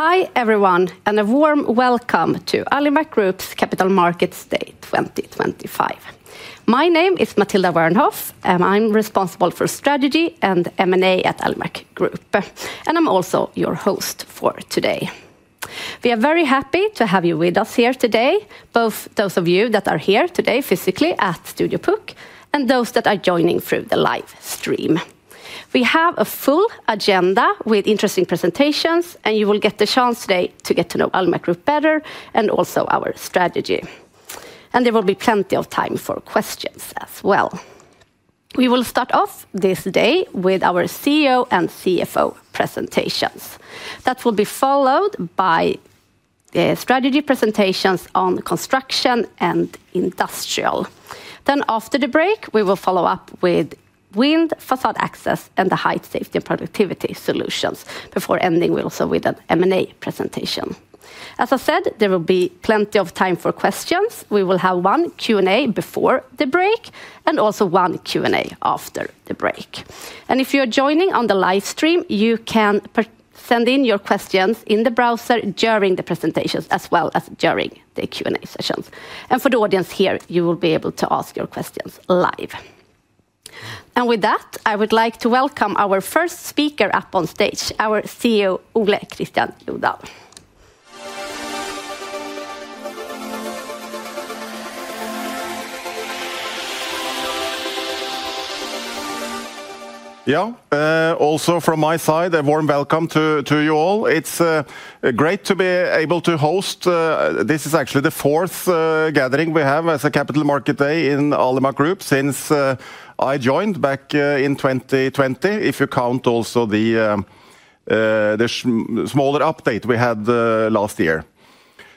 Hi everyone, and a warm welcome to Alimak Group's Capital Markets Day 2025. My name is Matilda Wernhoff, and I'm responsible for strategy and M&A at Alimak Group, and I'm also your host for today. We are very happy to have you with us here today, both those of you that are here today physically at Studio Puck and those that are joining through the live stream. We have a full agenda with interesting presentations, and you will get the chance today to get to know Alimak Group better and also our strategy. There will be plenty of time for questions as well. We will start off this day with our CEO and CFO presentations. That will be followed by strategy presentations on construction and industrial. After the break, we will follow up with wind, facade access, and the height, safety, and productivity solutions. Before ending, we'll also have an M&A presentation. As I said, there will be plenty of time for questions. We will have one Q&A before the break and also one Q&A after the break. If you're joining on the live stream, you can send in your questions in the browser during the presentations as well as during the Q&A sessions. For the audience here, you will be able to ask your questions live. With that, I would like to welcome our first speaker up on stage, our CEO, Ole Kristian Jødahl. Yeah, also from my side, a warm welcome to you all. It's great to be able to host. This is actually the fourth gathering we have as a Capital Markets Day in Alimak Group since I joined back in 2020, if you count also the smaller update we had last year.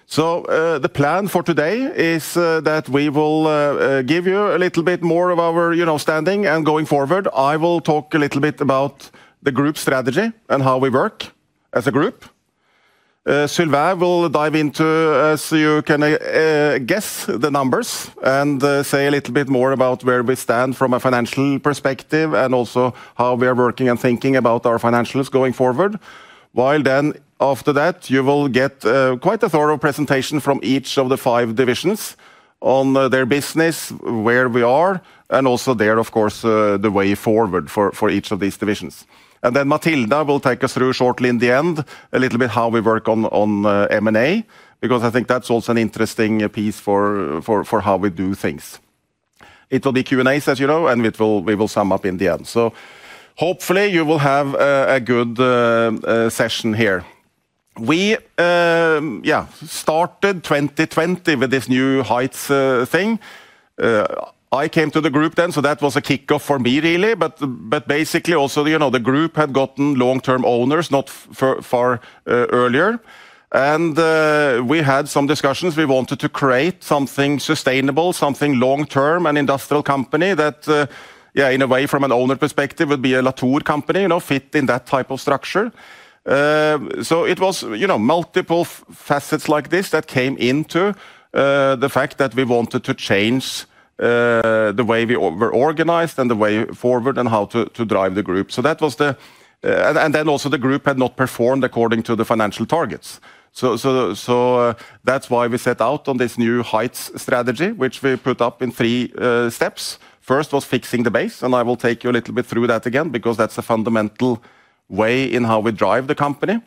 The plan for today is that we will give you a little bit more of our understanding, and going forward, I will talk a little bit about the group strategy and how we work as a group. Sylvain will dive in, so you can guess the numbers and say a little bit more about where we stand from a financial perspective and also how we are working and thinking about our financials going forward. While then, after that, you will get quite a thorough presentation from each of the five divisions on their business, where we are, and also there, of course, the way forward for each of these divisions. Then Matilda will take us through shortly in the end a little bit how we work on M&A, because I think that's also an interesting piece for how we do things. It will be Q&A, as you know, and we will sum up in the end. Hopefully you will have a good session here. We, yeah, started 2020 with this new heights thing. I came to the group then, so that was a kickoff for me, really. Basically, also, you know, the group had gotten long-term owners not far earlier, and we had some discussions. We wanted to create something sustainable, something long-term, an industrial company that, yeah, in a way, from an owner perspective, would be a Latour company, you know, fit in that type of structure. It was, you know, multiple facets like this that came into the fact that we wanted to change the way we were organized and the way forward and how to drive the group. That was the, and then also the group had not performed according to the financial targets. That's why we set out on this new heights strategy, which we put up in three steps. First was fixing the base, and I will take you a little bit through that again, because that's a fundamental way in how we drive the company.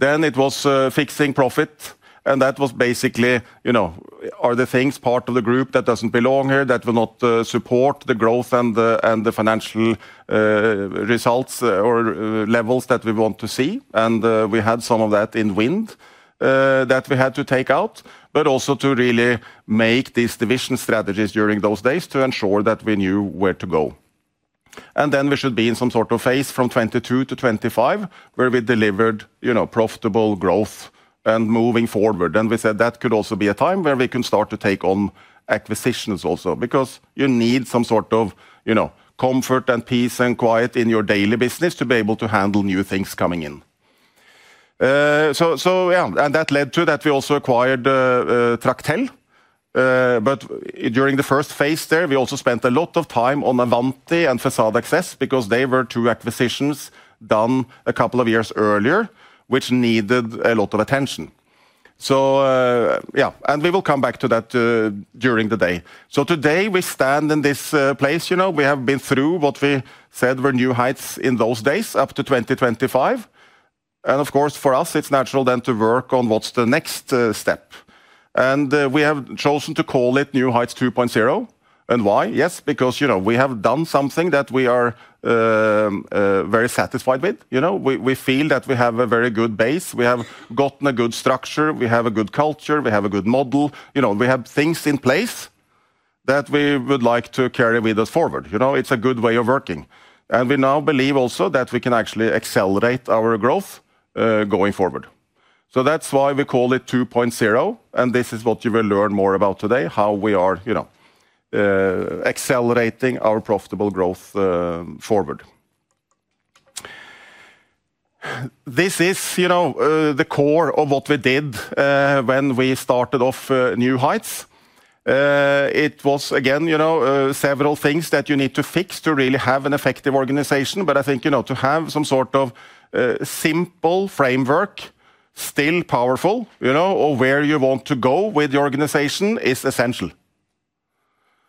It was fixing profit, and that was basically, you know, are the things, part of the group that does not belong here, that will not support the growth and the financial results or levels that we want to see. We had some of that in wind that we had to take out, but also to really make these division strategies during those days to ensure that we knew where to go. We should be in some sort of phase from 2022 to 2025 where we delivered, you know, profitable growth and moving forward. We said that could also be a time where we can start to take on acquisitions also, because you need some sort of, you know, comfort and peace and quiet in your daily business to be able to handle new things coming in. Yeah, and that led to that we also acquired Tractel. During the first phase there, we also spent a lot of time on Avanti and Facade Access, because they were two acquisitions done a couple of years earlier, which needed a lot of attention. Yeah, and we will come back to that during the day. Today we stand in this place, you know, we have been through what we said were new heights in those days up to 2025. Of course, for us, it's natural then to work on what's the next step. We have chosen to call it New Heights 2.0. Why? Yes, because, you know, we have done something that we are very satisfied with. You know, we feel that we have a very good base. We have gotten a good structure. We have a good culture. We have a good model. You know, we have things in place that we would like to carry with us forward. You know, it's a good way of working. We now believe also that we can actually accelerate our growth going forward. That's why we call it 2.0, and this is what you will learn more about today, how we are, you know, accelerating our profitable growth forward. This is, you know, the core of what we did when we started off New Heights. It was, again, you know, several things that you need to fix to really have an effective organization. I think, you know, to have some sort of simple framework, still powerful, you know, or where you want to go with your organization is essential.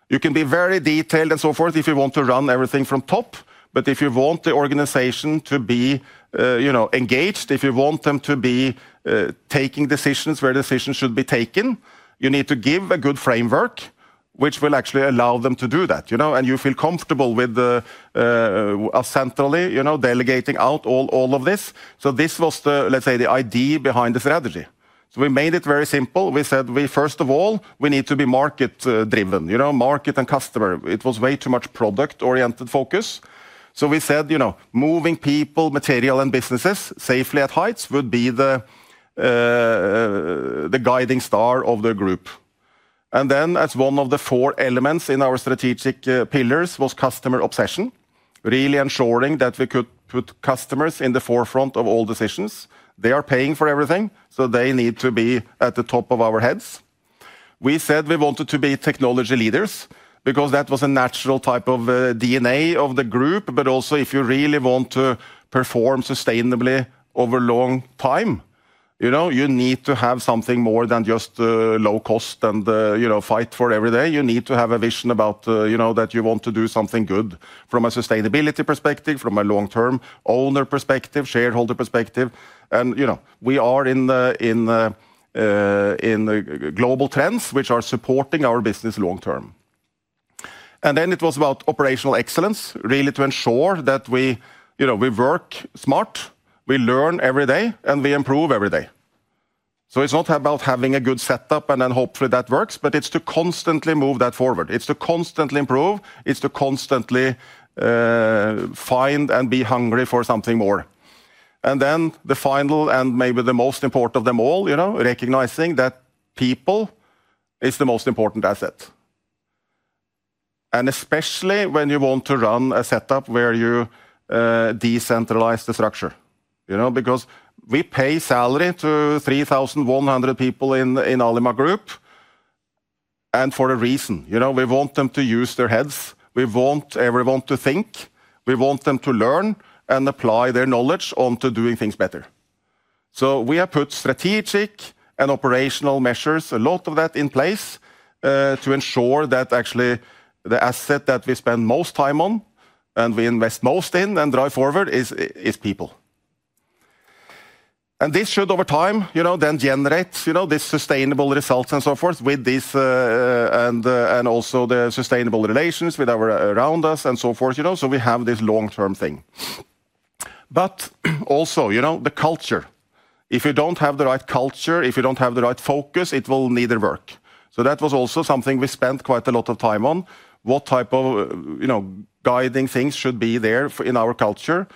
You can be very detailed and so forth if you want to run everything from top. If you want the organization to be, you know, engaged, if you want them to be taking decisions where decisions should be taken, you need to give a good framework, which will actually allow them to do that, you know, and you feel comfortable with centrally, you know, delegating out all of this. This was the, let's say, the idea behind the strategy. We made it very simple. We said we, first of all, we need to be market-driven, you know, market and customer. It was way too much product-oriented focus. We said, you know, moving people, material, and businesses safely at heights would be the guiding star of the group. Then as one of the four elements in our strategic pillars was customer obsession, really ensuring that we could put customers in the forefront of all decisions. They are paying for everything, so they need to be at the top of our heads. We said we wanted to be technology leaders because that was a natural type of DNA of the group. But also, if you really want to perform sustainably over a long time, you know, you need to have something more than just low cost and, you know, fight for every day. You need to have a vision about, you know, that you want to do something good from a sustainability perspective, from a long-term owner perspective, shareholder perspective. You know, we are in global trends which are supporting our business long-term. It was about operational excellence, really to ensure that we, you know, we work smart, we learn every day, and we improve every day. It is not about having a good setup and then hopefully that works, but it is to constantly move that forward. It is to constantly improve. It is to constantly find and be hungry for something more. The final and maybe the most important of them all, you know, recognizing that people is the most important asset. Especially when you want to run a setup where you decentralize the structure, you know, because we pay salary to 3,100 people in Alimak Group, and for a reason, you know, we want them to use their heads. We want everyone to think. We want them to learn and apply their knowledge onto doing things better. We have put strategic and operational measures, a lot of that in place to ensure that actually the asset that we spend most time on and we invest most in and drive forward is people. This should, over time, you know, then generate, you know, this sustainable results and so forth with these and also the sustainable relations with our around us and so forth, you know, so we have this long-term thing. You know, the culture. If you do not have the right culture, if you do not have the right focus, it will neither work. That was also something we spent quite a lot of time on, what type of, you know, guiding things should be there in our culture.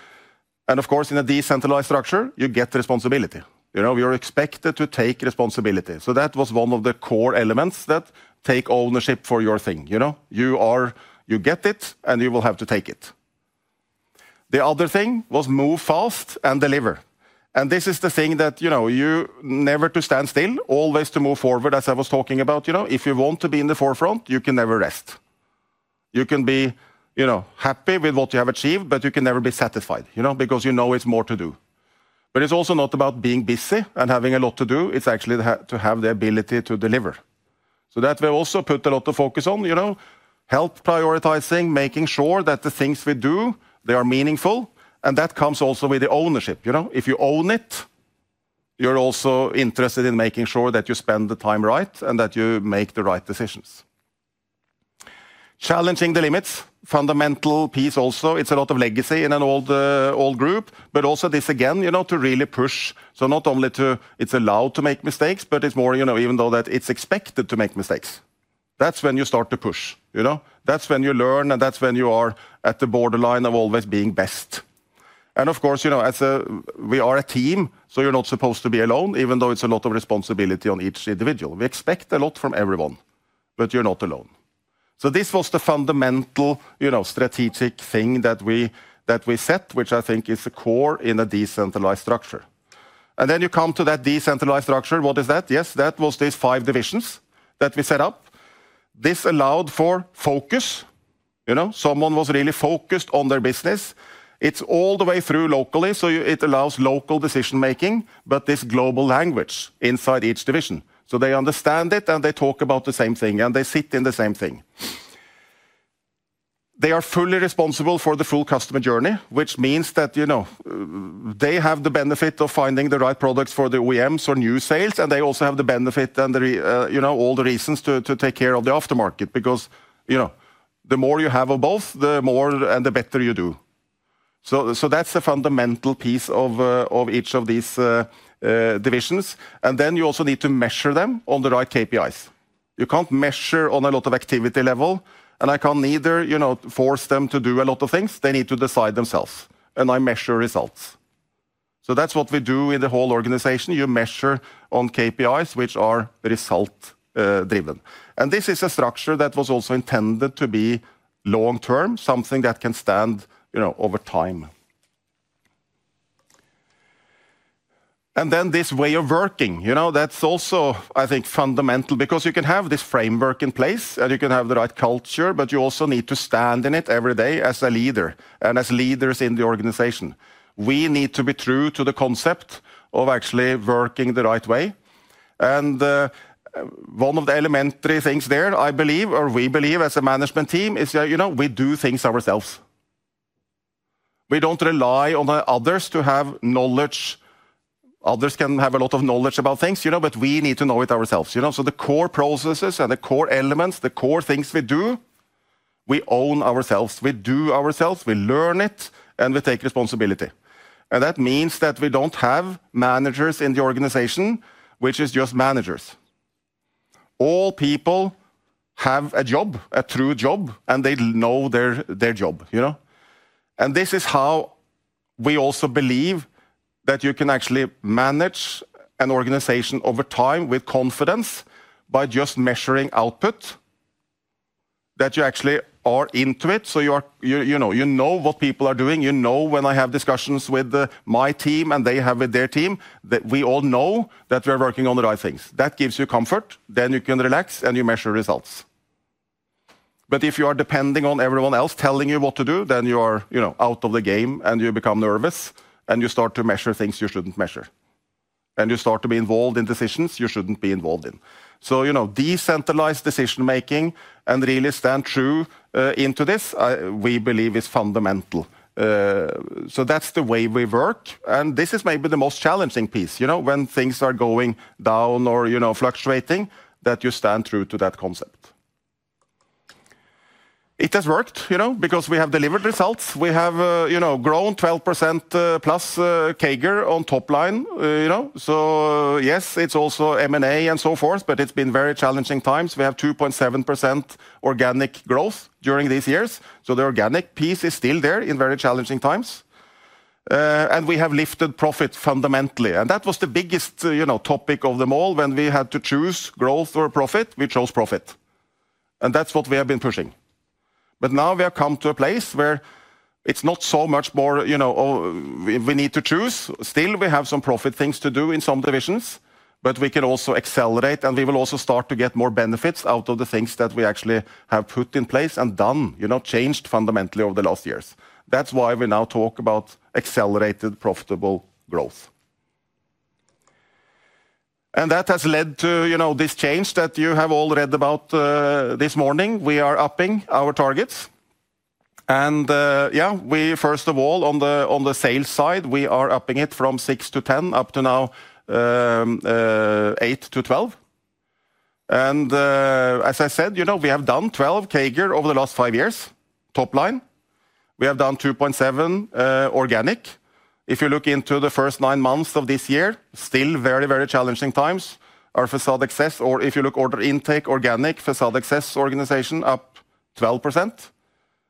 Of course, in a decentralized structure, you get responsibility. You know, you are expected to take responsibility. That was one of the core elements that take ownership for your thing. You know, you are, you get it, and you will have to take it. The other thing was move fast and deliver. This is the thing that, you know, you never to stand still, always to move forward, as I was talking about, you know, if you want to be in the forefront, you can never rest. You can be, you know, happy with what you have achieved, but you can never be satisfied, you know, because you know it's more to do. It is also not about being busy and having a lot to do. It is actually to have the ability to deliver. We also put a lot of focus on, you know, health prioritizing, making sure that the things we do, they are meaningful. That comes also with the ownership. You know, if you own it, you're also interested in making sure that you spend the time right and that you make the right decisions. Challenging the limits, fundamental piece also. It's a lot of legacy in an old group, but also this, again, you know, to really push. Not only to, it's allowed to make mistakes, but it's more, you know, even though that it's expected to make mistakes. That's when you start to push, you know. That's when you learn, and that's when you are at the borderline of always being best. Of course, you know, as a, we are a team, so you're not supposed to be alone, even though it's a lot of responsibility on each individual. We expect a lot from everyone, but you're not alone. This was the fundamental, you know, strategic thing that we set, which I think is the core in a decentralized structure. Then you come to that decentralized structure. What is that? Yes, that was these five divisions that we set up. This allowed for focus, you know. Someone was really focused on their business. It's all the way through locally, so it allows local decision-making, but this global language inside each division. They understand it, and they talk about the same thing, and they sit in the same thing. They are fully responsible for the full customer journey, which means that, you know, they have the benefit of finding the right products for the OEMs or new sales, and they also have the benefit and the, you know, all the reasons to take care of the aftermarket, because, you know, the more you have of both, the more and the better you do. That's the fundamental piece of each of these divisions. You also need to measure them on the right KPIs. You can't measure on a lot of activity level, and I can't neither, you know, force them to do a lot of things. They need to decide themselves, and I measure results. That is what we do in the whole organization. You measure on KPIs, which are result-driven. This is a structure that was also intended to be long-term, something that can stand, you know, over time. This way of working, you know, that's also, I think, fundamental, because you can have this framework in place, and you can have the right culture, but you also need to stand in it every day as a leader and as leaders in the organization. We need to be true to the concept of actually working the right way. One of the elementary things there, I believe, or we believe as a management team is that, you know, we do things ourselves. We do not rely on others to have knowledge. Others can have a lot of knowledge about things, you know, but we need to know it ourselves, you know. The core processes and the core elements, the core things we do, we own ourselves. We do ourselves. We learn it, and we take responsibility. That means that we do not have managers in the organization which are just managers. All people have a job, a true job, and they know their job, you know. This is how we also believe that you can actually manage an organization over time with confidence by just measuring output, that you actually are into it. You are, you know, you know what people are doing. You know when I have discussions with my team and they have with their team, that we all know that we are working on the right things. That gives you comfort. You can relax and you measure results. If you are depending on everyone else telling you what to do, you are, you know, out of the game, and you become nervous, and you start to measure things you shouldn't measure, and you start to be involved in decisions you shouldn't be involved in. You know, decentralized decision-making and really stand true into this, we believe is fundamental. That's the way we work. This is maybe the most challenging piece, you know, when things are going down or, you know, fluctuating, that you stand true to that concept. It has worked, you know, because we have delivered results. We have, you know, grown 12% plus CAGR on top line, you know. Yes, it's also M&A and so forth, but it's been very challenging times. We have 2.7% organic growth during these years. The organic piece is still there in very challenging times. We have lifted profit fundamentally. That was the biggest, you know, topic of them all. When we had to choose growth or profit, we chose profit. That's what we have been pushing. Now we have come to a place where it's not so much more, you know, we need to choose. Still, we have some profit things to do in some divisions, but we can also accelerate, and we will also start to get more benefits out of the things that we actually have put in place and done, you know, changed fundamentally over the last years. That's why we now talk about accelerated profitable growth. That has led to, you know, this change that you have all read about this morning. We are upping our targets. Yeah, we first of all, on the sales side, we are upping it from 6-10 up to now 8-12. As I said, you know, we have done 12% CAGR over the last five years. Top line. We have done 2.7% organic. If you look into the first nine months of this year, still very, very challenging times. Our facade access, or if you look order intake, organic facade access organization up 12%.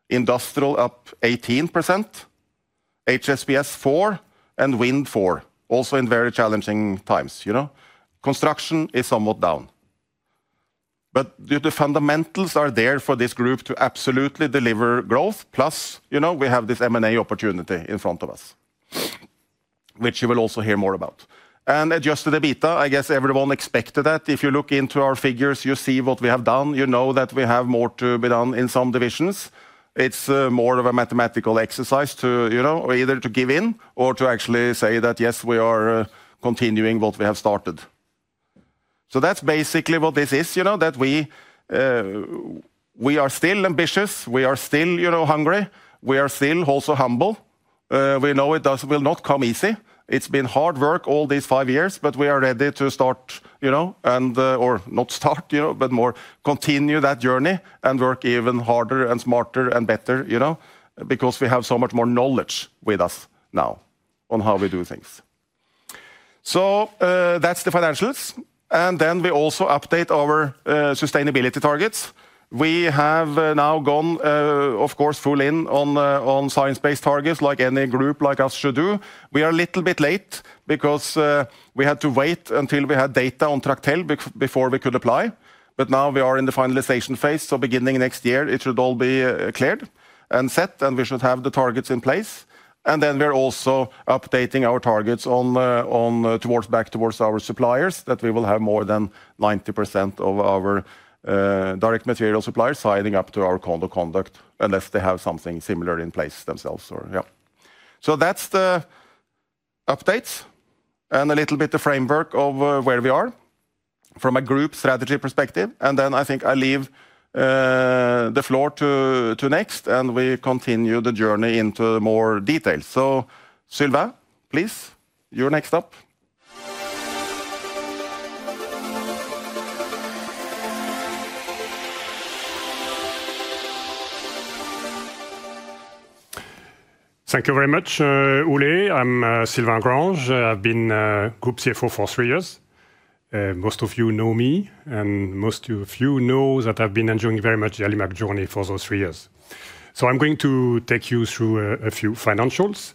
Industrial up 18%. HSPS 4% and wind 4%. Also in very challenging times, you know. Construction is somewhat down. The fundamentals are there for this group to absolutely deliver growth. Plus, you know, we have this M&A opportunity in front of us, which you will also hear more about. Adjusted EBITDA, I guess everyone expected that. If you look into our figures, you see what we have done. You know that we have more to be done in some divisions. It is more of a mathematical exercise to, you know, either to give in or to actually say that yes, we are continuing what we have started. That is basically what this is, you know, that we are still ambitious. We are still, you know, hungry. We are still also humble. We know it will not come easy. It's been hard work all these five years, but we are ready to start, you know, and or not start, you know, but more continue that journey and work even harder and smarter and better, you know, because we have so much more knowledge with us now on how we do things. That's the financials. We also update our sustainability targets. We have now gone, of course, full in on science-based targets like any group like us should do. We are a little bit late because we had to wait until we had data on Tractel before we could apply. Now we are in the finalization phase. Beginning next year, it should all be cleared and set, and we should have the targets in place. We are also updating our targets towards our suppliers that we will have more than 90% of our direct material suppliers signing up to our code of conduct unless they have something similar in place themselves or yeah. That is the updates and a little bit the framework of where we are from a group strategy perspective. I think I leave the floor to next, and we continue the journey into more details. Sylvain, please, you are next up. Thank you very much, Ole. I'm Sylvain Grange. I've been Group CFO for three years. Most of you know me, and most of you know that I've been enjoying very much the Alimak journey for those three years. I'm going to take you through a few financials.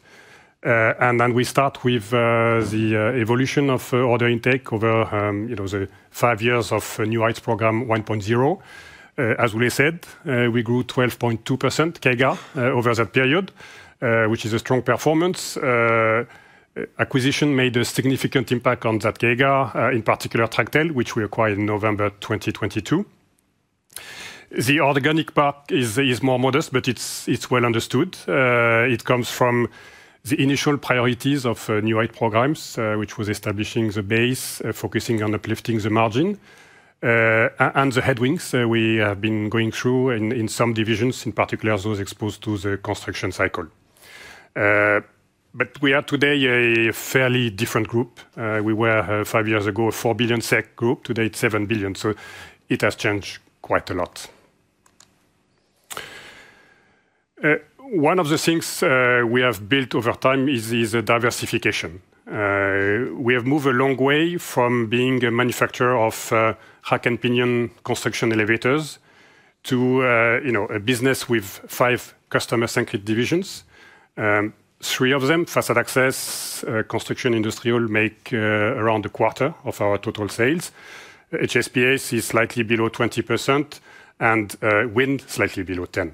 We start with the evolution of order intake over, you know, the five years of New Heights program 1.0. As Ole said, we grew 12.2% CAGR over that period, which is a strong performance. Acquisition made a significant impact on that CAGR, in particular Tractel, which we acquired in November 2022. The organic part is more modest, but it's well understood. It comes from the initial priorities of New Heights programs, which was establishing the base, focusing on uplifting the margin and the headwinds we have been going through in some divisions, in particular those exposed to the construction cycle. We are today a fairly different group. We were five years ago a 4 billion SEK group. Today it's 7 billion. It has changed quite a lot. One of the things we have built over time is diversification. We have moved a long way from being a manufacturer of rack and pinion construction elevators to, you know, a business with five customer-centric divisions. Three of them, facade access, construction, industrial, make around a quarter of our total sales. HSPS is slightly below 20% and wind slightly below 10%.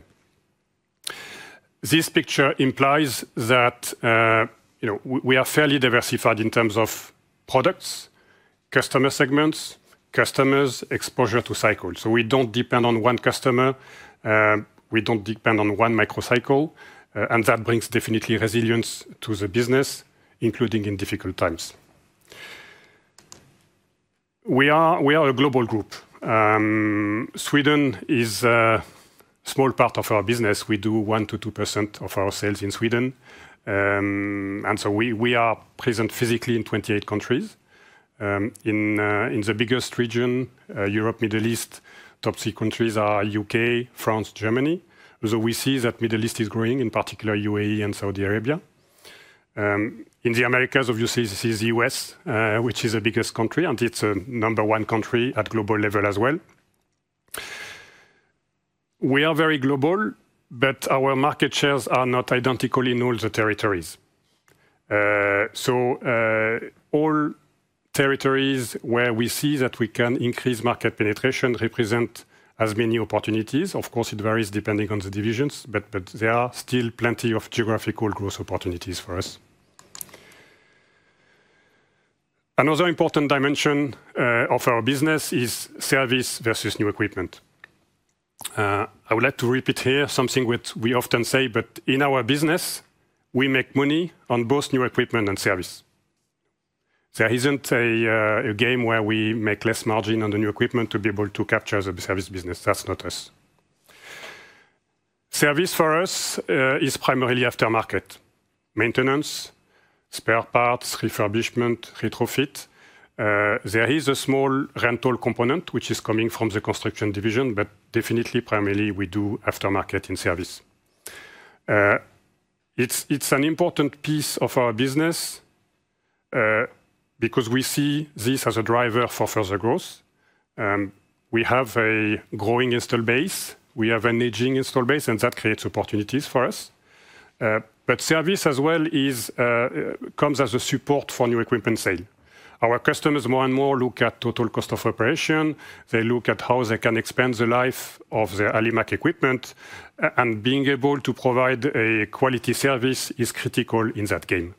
This picture implies that, you know, we are fairly diversified in terms of products, customer segments, customers, exposure to cycles. We do not depend on one customer. We do not depend on one microcycle. That brings definitely resilience to the business, including in difficult times. We are a global group. Sweden is a small part of our business. We do 1-2% of our sales in Sweden. We are present physically in 28 countries. In the biggest region, Europe, Middle East, top three countries are U.K., France, Germany. We see that Middle East is growing, in particular UAE and Saudi Arabia. In the Americas, obviously, this is the US, which is the biggest country, and it's a number one country at global level as well. We are very global, but our market shares are not identical in all the territories. All territories where we see that we can increase market penetration represent as many opportunities. Of course, it varies depending on the divisions, but there are still plenty of geographical growth opportunities for us. Another important dimension of our business is service versus new equipment. I would like to repeat here something which we often say, but in our business, we make money on both new equipment and service. There isn't a game where we make less margin on the new equipment to be able to capture the service business. That's not us. Service for us is primarily aftermarket maintenance, spare parts, refurbishment, retrofit. There is a small rental component which is coming from the construction division, but definitely primarily we do aftermarket in service. It is an important piece of our business because we see this as a driver for further growth. We have a growing install base. We have an aging install base, and that creates opportunities for us. Service as well comes as a support for new equipment sale. Our customers more and more look at total cost of operation. They look at how they can expand the life of their Alimak equipment, and being able to provide a quality service is critical in that game.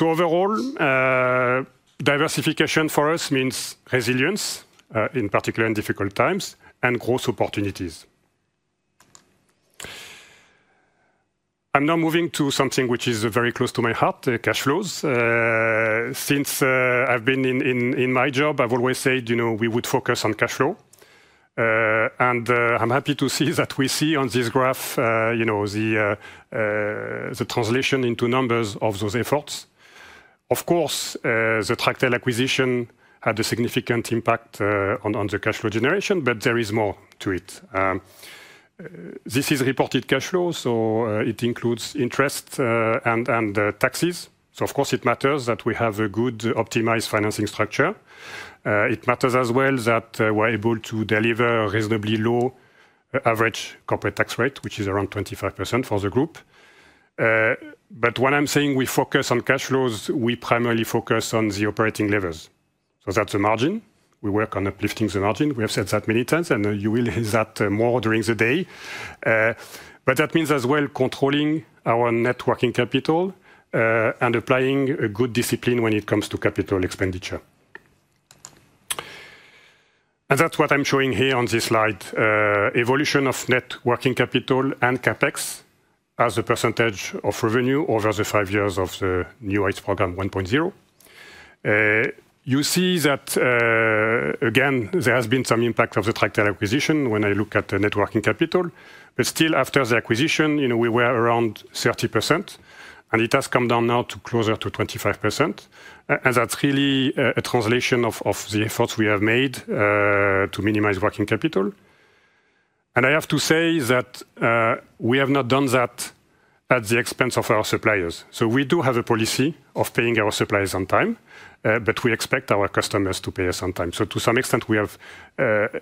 Overall, diversification for us means resilience, in particular in difficult times, and growth opportunities. I am now moving to something which is very close to my heart, cash flows. Since I've been in my job, I've always said, you know, we would focus on cash flow. I'm happy to see that we see on this graph, you know, the translation into numbers of those efforts. Of course, the Tractel acquisition had a significant impact on the cash flow generation, but there is more to it. This is reported cash flow, so it includes interest and taxes. Of course, it matters that we have a good optimized financing structure. It matters as well that we're able to deliver a reasonably low average corporate tax rate, which is around 25% for the group. When I'm saying we focus on cash flows, we primarily focus on the operating levers. That's a margin. We work on uplifting the margin. We have said that many times, and you will hear that more during the day. That means as well controlling our net working capital and applying a good discipline when it comes to capital expenditure. That is what I am showing here on this slide: evolution of net working capital and CapEx as a percentage of revenue over the five years of the new heights program 1.0. You see that, again, there has been some impact of the Tractel acquisition when I look at the net working capital. Still, after the acquisition, you know, we were around 30%, and it has come down now to closer to 25%. That is really a translation of the efforts we have made to minimize working capital. I have to say that we have not done that at the expense of our suppliers. We do have a policy of paying our suppliers on time, but we expect our customers to pay us on time. To some extent, we have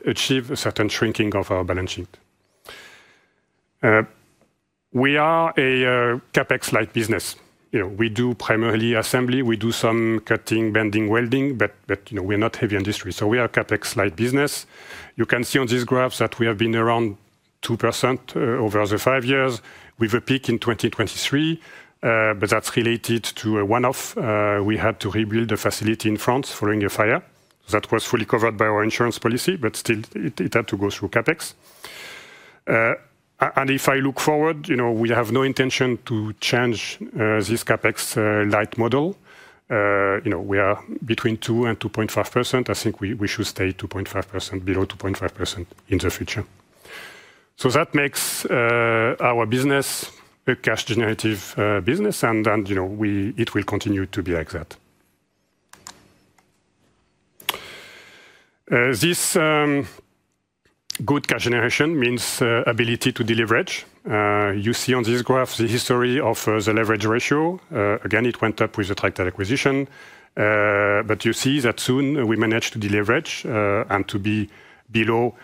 achieved a certain shrinking of our balance sheet. We are a CapEx-light business. You know, we do primarily assembly. We do some cutting, bending, welding, but you know, we're not heavy industry. We are a CapEx-light business. You can see on these graphs that we have been around 2% over the five years, with a peak in 2023. That is related to a one-off. We had to rebuild the facility in France following a fire. That was fully covered by our insurance policy, but still, it had to go through CapEx. If I look forward, you know, we have no intention to change this CapEx-light model. You know, we are between 2-2.5%. I think we should stay below 2.5% in the future. That makes our business a cash-generative business, and you know, it will continue to be like that. This good cash generation means ability to deleverage. You see on this graph the history of the leverage ratio. Again, it went up with the Tractel acquisition. You see that soon we managed to deleverage and to be below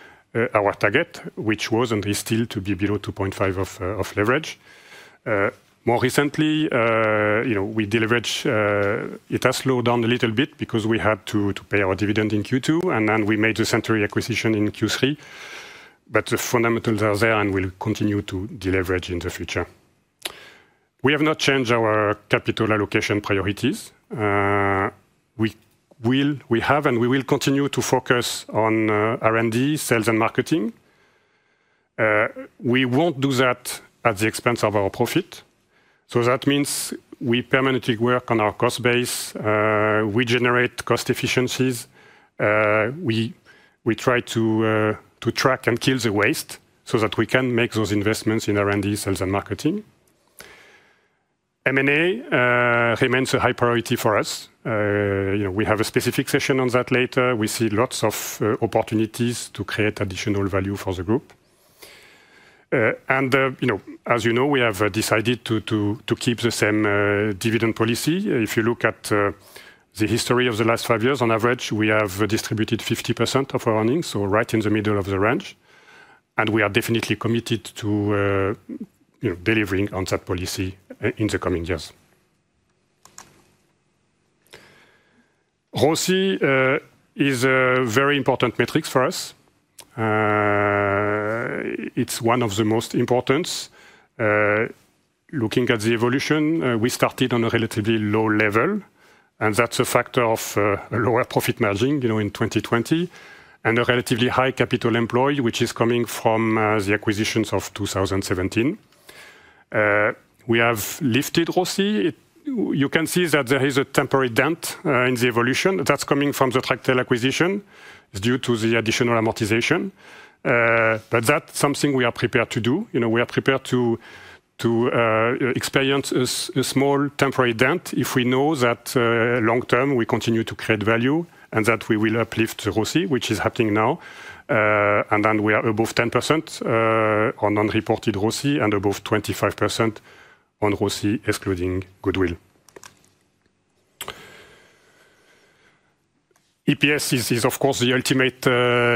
our target, which was and is still to be below 2.5% of leverage. More recently, you know, we deleverage. It has slowed down a little bit because we had to pay our dividend in Q2, and then we made the Century acquisition in Q3. The fundamentals are there, and we'll continue to deleverage in the future. We have not changed our capital allocation priorities. We will, we have, and we will continue to focus on R&D, sales, and marketing. We won't do that at the expense of our profit. That means we permanently work on our cost base. We generate cost efficiencies. We try to track and kill the waste so that we can make those investments in R&D, sales, and marketing. M&A remains a high priority for us. You know, we have a specific session on that later. We see lots of opportunities to create additional value for the group. You know, as you know, we have decided to keep the same dividend policy. If you look at the history of the last five years, on average, we have distributed 50% of our earnings, right in the middle of the range. We are definitely committed to delivering on that policy in the coming years. ROSI is a very important metric for us. It's one of the most important. Looking at the evolution, we started on a relatively low level, and that's a factor of a lower profit margin, you know, in 2020, and a relatively high capital employ, which is coming from the acquisitions of 2017. We have lifted ROSI. You can see that there is a temporary dent in the evolution. That's coming from the Tractel acquisition. It's due to the additional amortization. That's something we are prepared to do. You know, we are prepared to experience a small temporary dent if we know that long term we continue to create value and that we will uplift ROSI, which is happening now. We are above 10% on unreported ROSI and above 25% on ROSI, excluding goodwill. EPS is, of course, the ultimate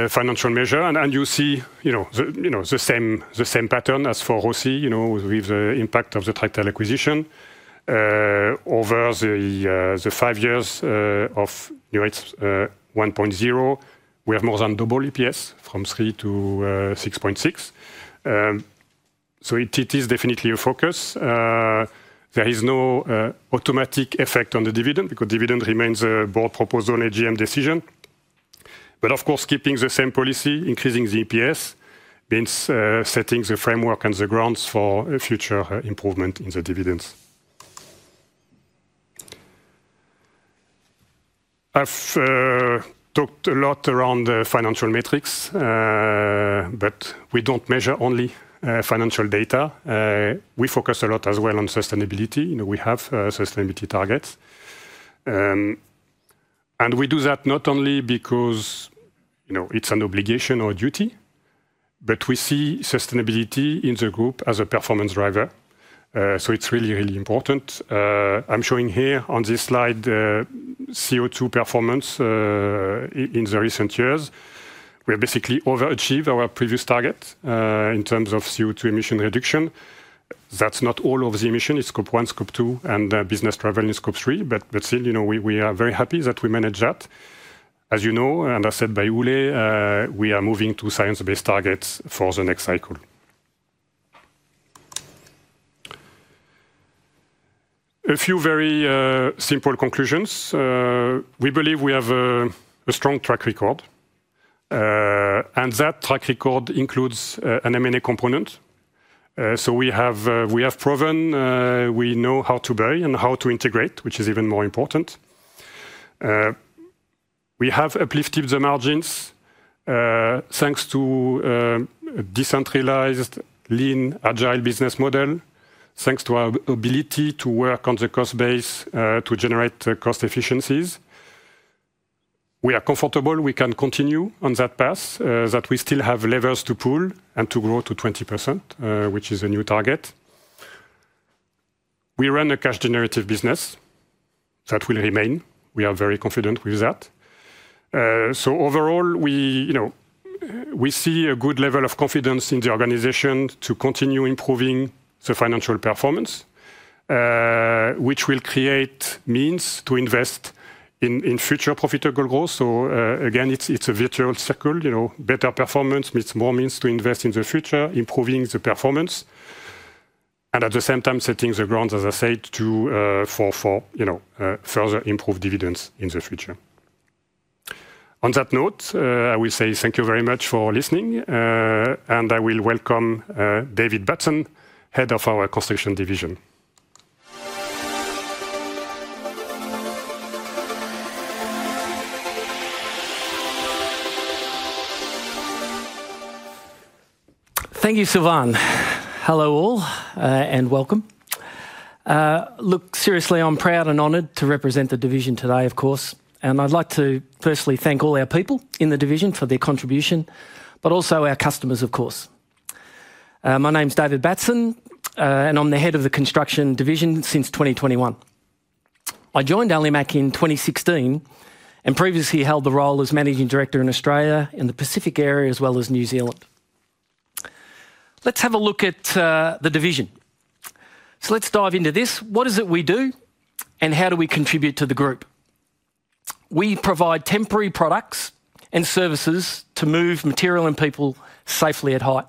financial measure. You see, you know, the same pattern as for ROSI, you know, with the impact of the Tractel acquisition. Over the five years of New Heights 1.0, we have more than double EPS from 3 to 6.6. It is definitely a focus. There is no automatic effect on the dividend because dividend remains a board proposal and a GM decision. Of course, keeping the same policy, increasing the EPS means setting the framework and the grounds for future improvement in the dividends. I've talked a lot around financial metrics, but we don't measure only financial data. We focus a lot as well on sustainability. You know, we have sustainability targets. We do that not only because, you know, it's an obligation or a duty, but we see sustainability in the group as a performance driver. It is really, really important. I'm showing here on this slide CO2 performance in the recent years. We have basically overachieved our previous target in terms of CO2 emission reduction. That's not all of the emission. It's scope one, scope two, and business travel in scope three. Still, you know, we are very happy that we manage that. As you know, and as said by Ole, we are moving to science-based targets for the next cycle. A few very simple conclusions. We believe we have a strong track record. That track record includes an M&A component. We have proven, we know how to buy and how to integrate, which is even more important. We have uplifted the margins thanks to a decentralized, lean, agile business model, thanks to our ability to work on the cost base to generate cost efficiencies. We are comfortable. We can continue on that path, that we still have levers to pull and to grow to 20%, which is a new target. We run a cash-generative business. That will remain. We are very confident with that. Overall, we, you know, we see a good level of confidence in the organization to continue improving the financial performance, which will create means to invest in future profitable growth. Again, it's a virtual circle. You know, better performance means more means to invest in the future, improving the performance, and at the same time setting the grounds, as I said, for, you know, further improved dividends in the future. On that note, I will say thank you very much for listening, and I will welcome David Batson, Head of our Construction division. Thank you, Sylvain. Hello all and welcome. Look, seriously, I'm proud and honored to represent the division today, of course. I'd like to firstly thank all our people in the division for their contribution, but also our customers, of course. My name's David Batson, and I'm the Head of the Construction Division since 2021. I joined Alimak in 2016 and previously held the role as Managing Director in Australia and the Pacific area, as well as New Zealand. Let's have a look at the division. Let's dive into this. What is it we do, and how do we contribute to the group? We provide temporary products and services to move material and people safely at height.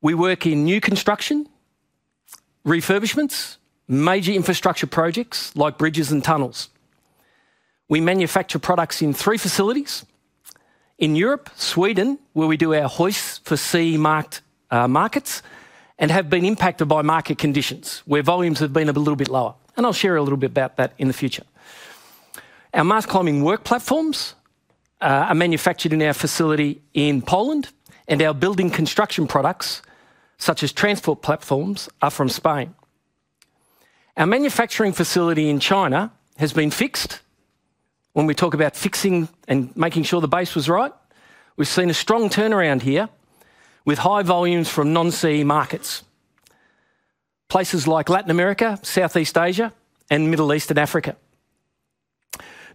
We work in new construction, refurbishments, major infrastructure projects like bridges and tunnels. We manufacture products in three facilities in Europe, Sweden, where we do our hoist for CE-marked markets, and have been impacted by market conditions where volumes have been a little bit lower. I'll share a little bit about that in the future. Our mass climbing work platforms are manufactured in our facility in Poland, and our building construction products, such as transport platforms, are from Spain. Our manufacturing facility in China has been fixed. When we talk about fixing and making sure the base was right, we've seen a strong turnaround here with high volumes from non-sea markets, places like Latin America, Southeast Asia, and Middle East and Africa.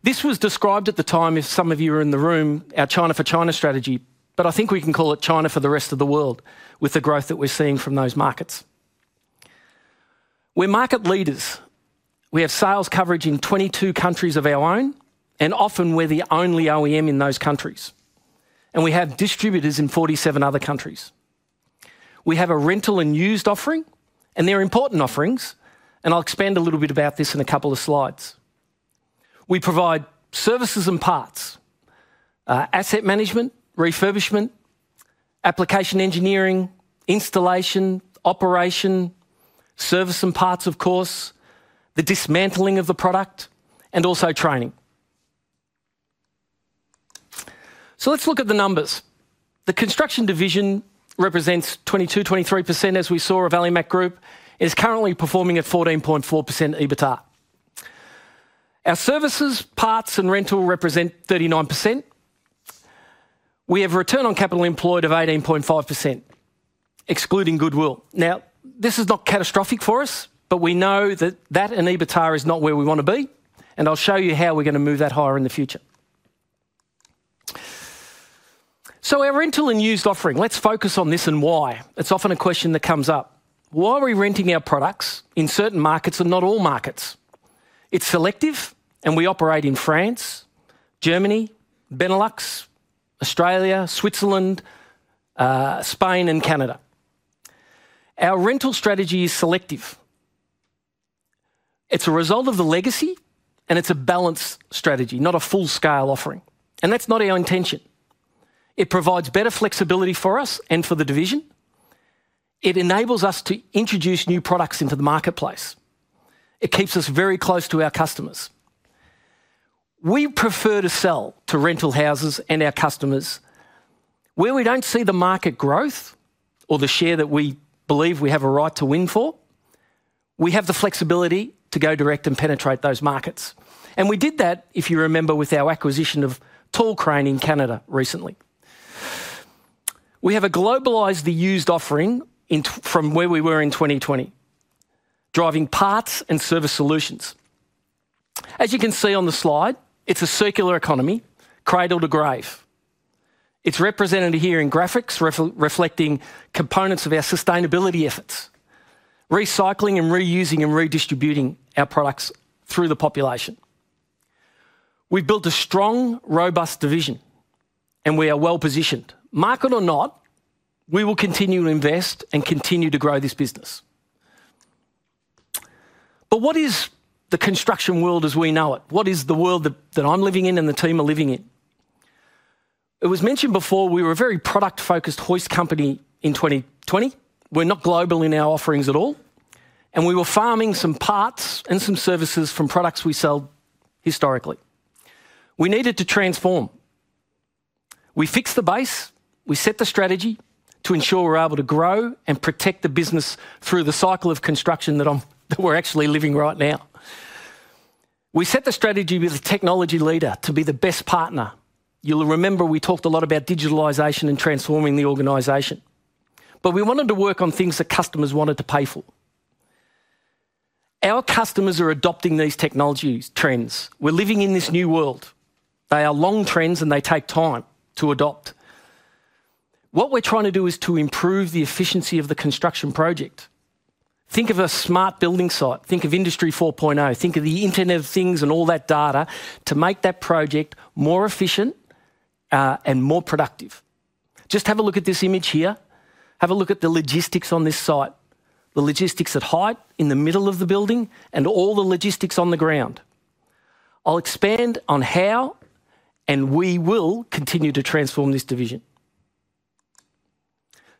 This was described at the time if some of you are in the room, our China for China strategy, but I think we can call it China for the rest of the world with the growth that we're seeing from those markets. We're market leaders. We have sales coverage in 22 countries of our own, and often we're the only OEM in those countries. We have distributors in 47 other countries. We have a rental and used offering, and they're important offerings. I'll expand a little bit about this in a couple of slides. We provide services and parts, asset management, refurbishment, application engineering, installation, operation, service and parts, of course, the dismantling of the product, and also training. Let's look at the numbers. The construction division represents 22-23% as we saw of Alimak Group. It is currently performing at 14.4% EBITDA. Our services, parts, and rental represent 39%. We have a return on capital employed of 18.5%, excluding goodwill. This is not catastrophic for us, but we know that that in EBITDA is not where we want to be. I'll show you how we're going to move that higher in the future. Our rental and used offering, let's focus on this and why. It's often a question that comes up. Why are we renting our products in certain markets and not all markets? It's selective, and we operate in France, Germany, Benelux, Australia, Switzerland, Spain, and Canada. Our rental strategy is selective. It's a result of the legacy, and it's a balanced strategy, not a full-scale offering. That's not our intention. It provides better flexibility for us and for the division. It enables us to introduce new products into the marketplace. It keeps us very close to our customers. We prefer to sell to rental houses and our customers where we don't see the market growth or the share that we believe we have a right to win for. We have the flexibility to go direct and penetrate those markets. We did that, if you remember, with our acquisition of Tall Crane in Canada recently. We have a globalized used offering from where we were in 2020, driving parts and service solutions. As you can see on the slide, it's a circular economy, cradle to grave. It's represented here in graphics reflecting components of our sustainability efforts, recycling and reusing and redistributing our products through the population. We've built a strong, robust division, and we are well positioned. Market or not, we will continue to invest and continue to grow this business. What is the construction world as we know it? What is the world that I'm living in and the team are living in? It was mentioned before we were a very product-focused hoist company in 2020. We were not global in our offerings at all. We were farming some parts and some services from products we sell historically. We needed to transform. We fixed the base. We set the strategy to ensure we're able to grow and protect the business through the cycle of construction that we're actually living right now. We set the strategy with a technology leader to be the best partner. You'll remember we talked a lot about digitalization and transforming the organization. We wanted to work on things that customers wanted to pay for. Our customers are adopting these technology trends. We're living in this new world. They are long trends, and they take time to adopt. What we're trying to do is to improve the efficiency of the construction project. Think of a smart building site. Think of Industry 4.0. Think of the Internet of Things and all that data to make that project more efficient and more productive. Just have a look at this image here. Have a look at the logistics on this site. The logistics at height in the middle of the building and all the logistics on the ground. I'll expand on how and we will continue to transform this division.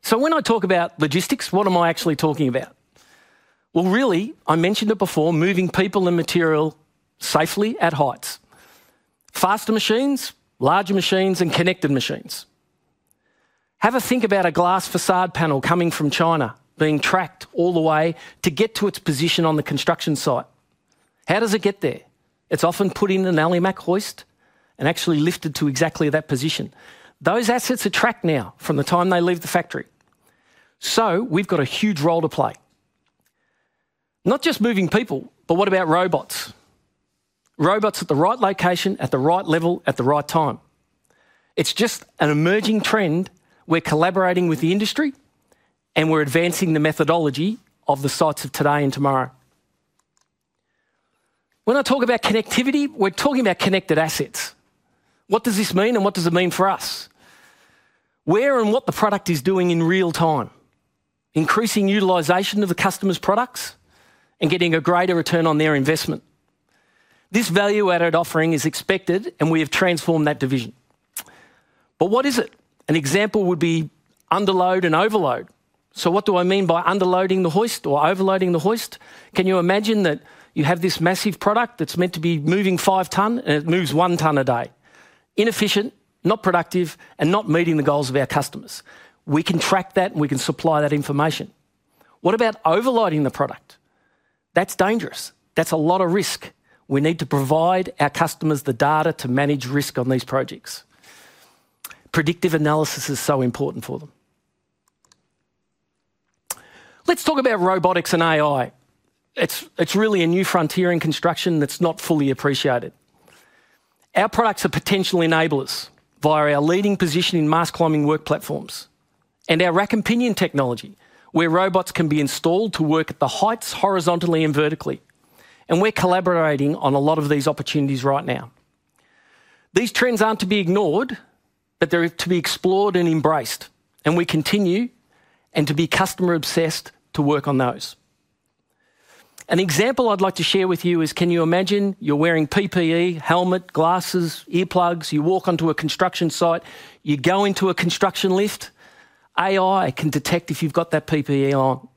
When I talk about logistics, what am I actually talking about? I mentioned it before, moving people and material safely at heights. Faster machines, larger machines, and connected machines. Have a think about a glass facade panel coming from China being tracked all the way to get to its position on the construction site. How does it get there? It's often put in an Alimak hoist and actually lifted to exactly that position. Those assets are tracked now from the time they leave the factory. We've got a huge role to play. Not just moving people, but what about robots? Robots at the right location, at the right level, at the right time. It's just an emerging trend. We're collaborating with the industry, and we're advancing the methodology of the sites of today and tomorrow. When I talk about connectivity, we're talking about connected assets. What does this mean, and what does it mean for us? Where and what the product is doing in real time, increasing utilization of the customer's products and getting a greater return on their investment. This value-added offering is expected, and we have transformed that division. What is it? An example would be underload and overload. What do I mean by underloading the hoist or overloading the hoist? Can you imagine that you have this massive product that's meant to be moving 5 tonnes, and it moves 1 tonne a day? Inefficient, not productive, and not meeting the goals of our customers. We can track that, and we can supply that information. What about overloading the product? That is dangerous. That is a lot of risk. We need to provide our customers the data to manage risk on these projects. Predictive analysis is so important for them. Let's talk about robotics and AI. It is really a new frontier in construction that is not fully appreciated. Our products are potential enablers via our leading position in mass climbing work platforms and our rack and pinion technology, where robots can be installed to work at the heights horizontally and vertically. We are collaborating on a lot of these opportunities right now. These trends are not to be ignored, but they are to be explored and embraced. We continue to be customer-obsessed to work on those. An example I would like to share with you is, can you imagine you are wearing PPE, helmet, glasses, earplugs? You walk onto a construction site. You go into a construction lift. AI can detect if you've got that PPE on.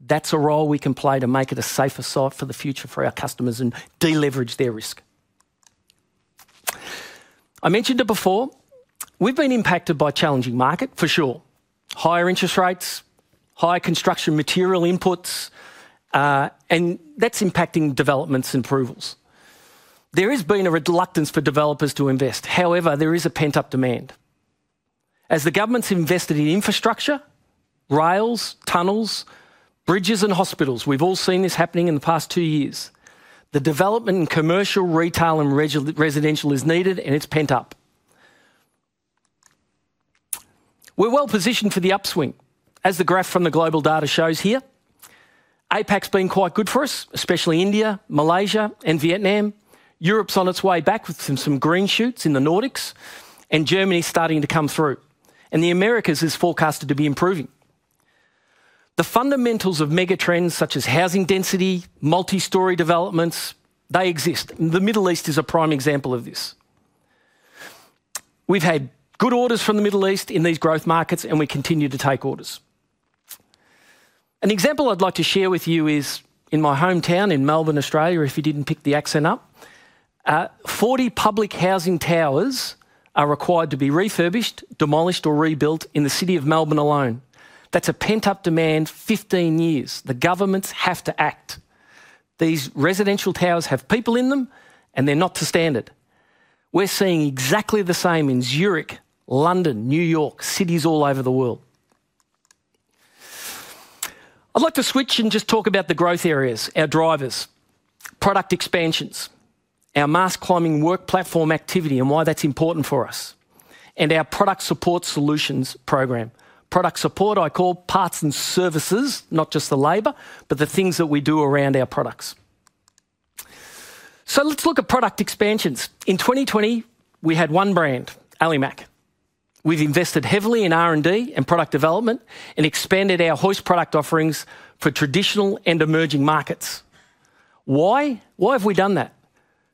That's a role we can play to make it a safer site for the future for our customers and deleverage their risk. I mentioned it before. We've been impacted by a challenging market, for sure. Higher interest rates, higher construction material inputs, and that's impacting developments and approvals. There has been a reluctance for developers to invest. However, there is a pent-up demand. As the government's invested in infrastructure, rails, tunnels, bridges, and hospitals, we've all seen this happening in the past two years. The development in commercial, retail, and residential is needed, and it's pent up. We're well positioned for the upswing, as the graph from the global data shows here. APAC's been quite good for us, especially India, Malaysia, and Vietnam. Europe's on its way back with some green shoots in the Nordics, and Germany's starting to come through. The Americas is forecasted to be improving. The fundamentals of mega trends such as housing density, multi-story developments, they exist. The Middle East is a prime example of this. We have had good orders from the Middle East in these growth markets, and we continue to take orders. An example I would like to share with you is in my hometown in Melbourne, Australia, if you did not pick the accent up. Forty public housing towers are required to be refurbished, demolished, or rebuilt in the city of Melbourne alone. That is a pent-up demand for 15 years. The governments have to act. These residential towers have people in them, and they are not to standard. We are seeing exactly the same in Zurich, London, New York, cities all over the world. I'd like to switch and just talk about the growth areas, our drivers, product expansions, our mass climbing work platform activity and why that's important for us, and our product support solutions program. Product support I call parts and services, not just the labor, but the things that we do around our products. Let's look at product expansions. In 2020, we had one brand, Alimak. We've invested heavily in R&D and product development and expanded our hoist product offerings for traditional and emerging markets. Why? Why have we done that?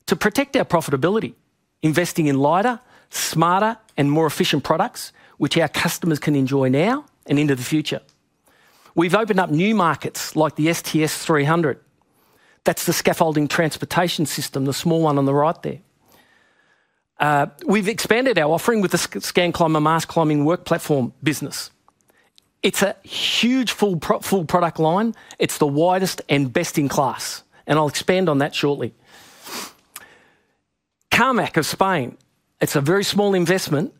To protect our profitability, investing in lighter, smarter, and more efficient products, which our customers can enjoy now and into the future. We've opened up new markets like the STS 300. That's the scaffolding transportation system, the small one on the right there. We've expanded our offering with the ScanClimber mass climbing work platform business. It's a huge full product line. It's the widest and best in class. I'll expand on that shortly. Camac of Spain. It's a very small investment.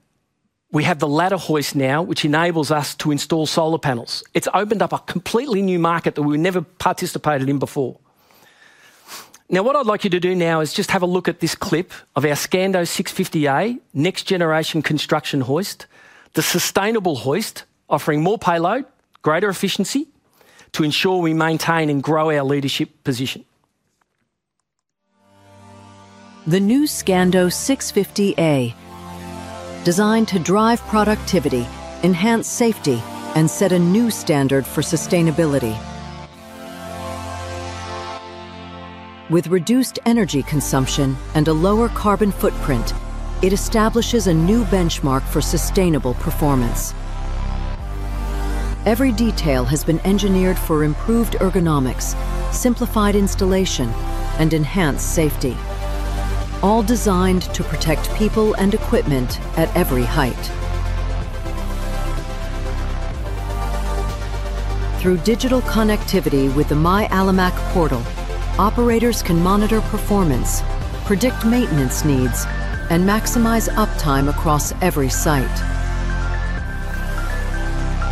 We have the ladder hoist now, which enables us to install solar panels. It's opened up a completely new market that we've never participated in before. Now, what I'd like you to do now is just have a look at this clip of our Scando 650A, next-generation construction hoist, the sustainable hoist offering more payload, greater efficiency to ensure we maintain and grow our leadership position. The new Scando 650A, designed to drive productivity, enhance safety, and set a new standard for sustainability. With reduced energy consumption and a lower carbon footprint, it establishes a new benchmark for sustainable performance. Every detail has been engineered for improved ergonomics, simplified installation, and enhanced safety, all designed to protect people and equipment at every height. Through digital connectivity with the My Alimak Portal, operators can monitor performance, predict maintenance needs, and maximize uptime across every site.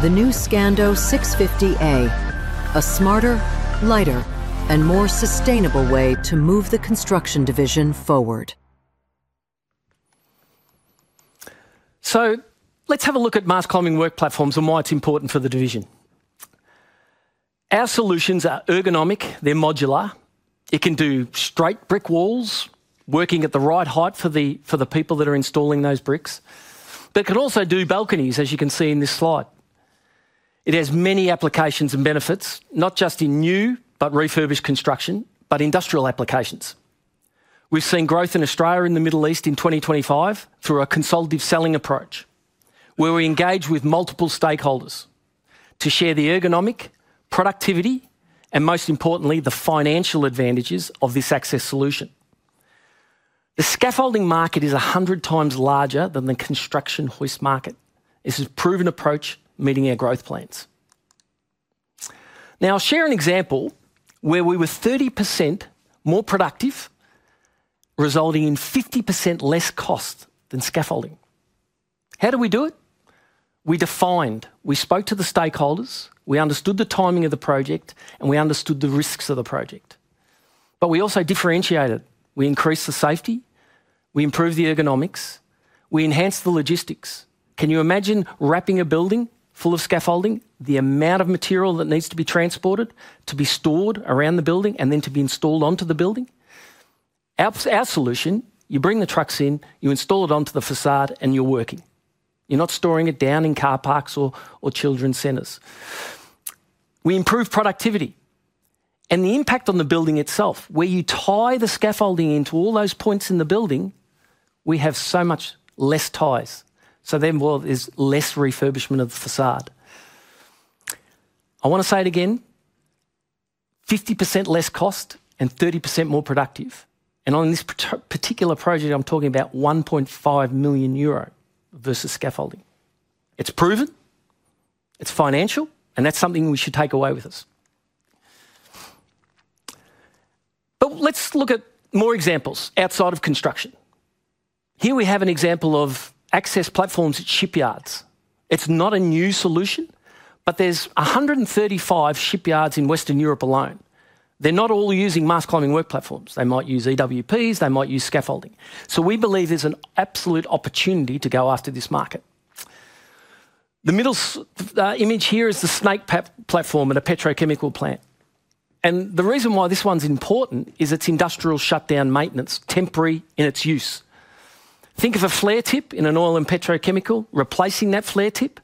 The new Scando 650A, a smarter, lighter, and more sustainable way to move the construction division forward. Let's have a look at mass climbing work platforms and why it's important for the division. Our solutions are ergonomic. They're modular. It can do straight brick walls, working at the right height for the people that are installing those bricks. It can also do balconies, as you can see in this slide. It has many applications and benefits, not just in new, but refurbished construction, but industrial applications. We've seen growth in Australia and the Middle East in 2025 through a consultative selling approach, where we engage with multiple stakeholders to share the ergonomic, productivity, and most importantly, the financial advantages of this access solution. The scaffolding market is 100 times larger than the construction hoist market. It's a proven approach meeting our growth plans. Now, I'll share an example where we were 30% more productive, resulting in 50% less cost than scaffolding. How did we do it? We defined. We spoke to the stakeholders. We understood the timing of the project, and we understood the risks of the project. We also differentiated. We increased the safety. We improved the ergonomics. We enhanced the logistics. Can you imagine wrapping a building full of scaffolding, the amount of material that needs to be transported to be stored around the building and then to be installed onto the building? Our solution, you bring the trucks in, you install it onto the facade, and you're working. You're not storing it down in car parks or children's centers. We improved productivity and the impact on the building itself, where you tie the scaffolding into all those points in the building, we have so much less ties. There is less refurbishment of the facade. I want to say it again, 50% less cost and 30% more productive. On this particular project, I am talking about 1.5 million euro versus scaffolding. It is proven. It is financial, and that is something we should take away with us. Let us look at more examples outside of construction. Here we have an example of access platforms at shipyards. It is not a new solution, but there are 135 shipyards in Western Europe alone. They are not all using mass climbing work platforms. They might use EWPs. They might use scaffolding. We believe there is an absolute opportunity to go after this market. The middle image here is the Snake platform at a petrochemical plant. The reason why this one's important is its industrial shutdown maintenance, temporary in its use. Think of a flare tip in an oil and petrochemical, replacing that flare tip.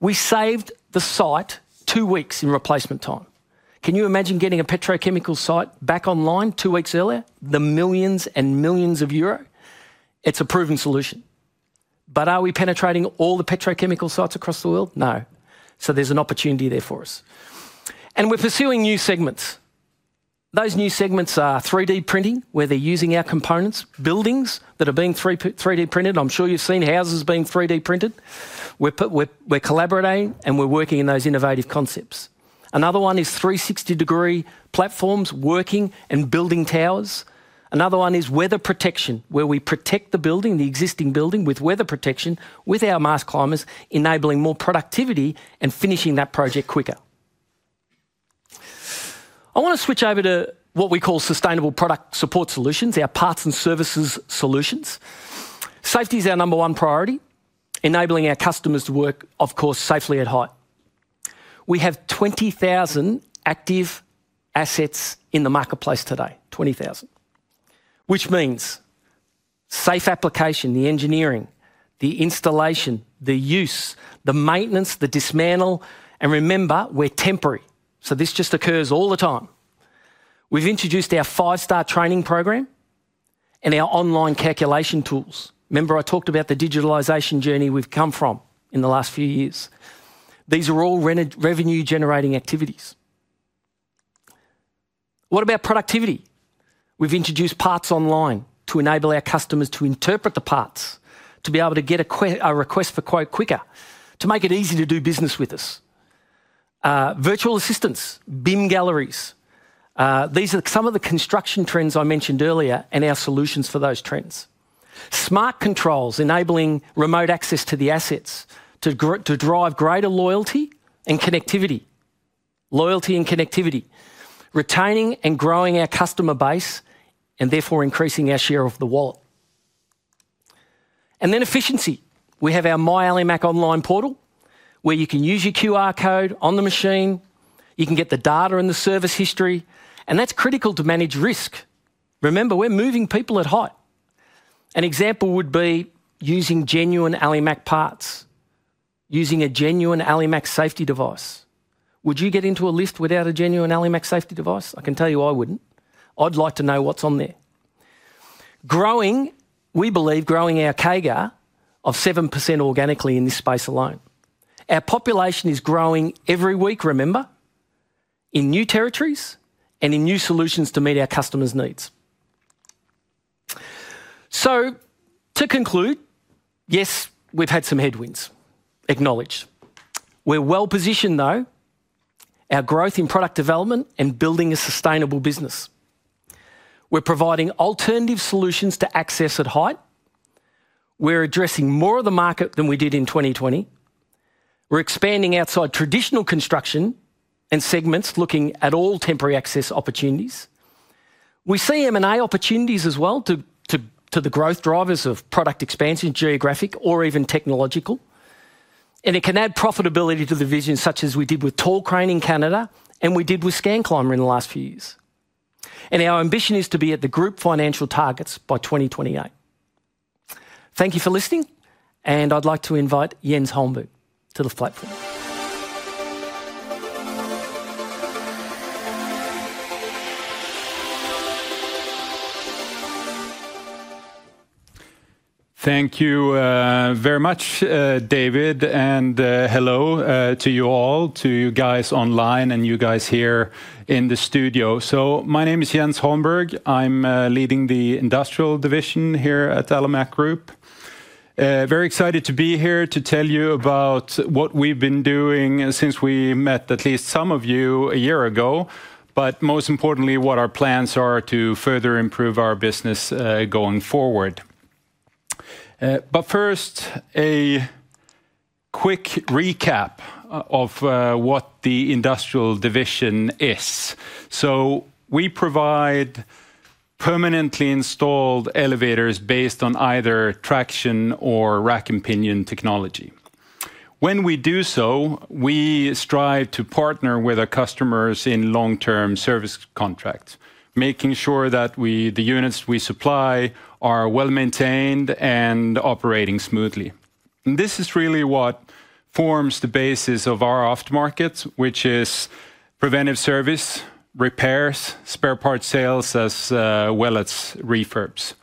We saved the site two weeks in replacement time. Can you imagine getting a petrochemical site back online two weeks earlier? The millions and millions of EUR. It's a proven solution. Are we penetrating all the petrochemical sites across the world? No. There is an opportunity there for us. We're pursuing new segments. Those new segments are 3D printing, where they're using our components, buildings that are being 3D printed. I'm sure you've seen houses being 3D printed. We're collaborating, and we're working in those innovative concepts. Another one is 360-degree platforms working and building towers. Another one is weather protection, where we protect the building, the existing building, with weather protection with our mass climbers, enabling more productivity and finishing that project quicker. I want to switch over to what we call sustainable product support solutions, our parts and services solutions. Safety is our number one priority, enabling our customers to work, of course, safely at height. We have 20,000 active assets in the marketplace today, 20,000, which means safe application, the engineering, the installation, the use, the maintenance, the dismantle. Remember, we're temporary. This just occurs all the time. We've introduced our five-star training program and our online calculation tools. Remember, I talked about the digitalization journey we've come from in the last few years. These are all revenue-generating activities. What about productivity? We've introduced parts online to enable our customers to interpret the parts, to be able to get a request for quote quicker, to make it easy to do business with us. Virtual assistants, BIM galleries. These are some of the construction trends I mentioned earlier and our solutions for those trends. Smart controls, enabling remote access to the assets to drive greater loyalty and connectivity. Loyalty and connectivity, retaining and growing our customer base and therefore increasing our share of the wallet. Efficiency. We have our My Alimak Online portal, where you can use your QR code on the machine. You can get the data and the service history. That's critical to manage risk. Remember, we're moving people at height. An example would be using genuine Alimak parts, using a genuine Alimak safety device. Would you get into a lift without a genuine Alimak safety device? I can tell you I wouldn't. I'd like to know what's on there. Growing, we believe growing our CAGR of 7% organically in this space alone. Our population is growing every week, remember, in new territories and in new solutions to meet our customers' needs. To conclude, yes, we've had some headwinds, acknowledged. We're well positioned, though, our growth in product development and building a sustainable business. We're providing alternative solutions to access at height. We're addressing more of the market than we did in 2020. We're expanding outside traditional construction and segments, looking at all temporary access opportunities. We see M&A opportunities as well to the growth drivers of product expansion, geographic, or even technological. It can add profitability to the vision, such as we did with Tall Crane in Canada and we did with ScanClimber in the last few years. Our ambition is to be at the group financial targets by 2028. Thank you for listening, and I'd like to invite Jens Holmberg to the platform. Thank you very much, David, and hello to you all, to you guys online and you guys here in the studio. My name is Jens Holmberg. I'm leading the industrial division here at Alimak Group. Very excited to be here to tell you about what we've been doing since we met at least some of you a year ago, but most importantly, what our plans are to further improve our business going forward. First, a quick recap of what the industrial division is. We provide permanently installed elevators based on either traction or rack and pinion technology. When we do so, we strive to partner with our customers in long-term service contracts, making sure that the units we supply are well maintained and operating smoothly. This is really what forms the basis of our aftermarket, which is preventive service, repairs, spare part sales, as well as refurbs.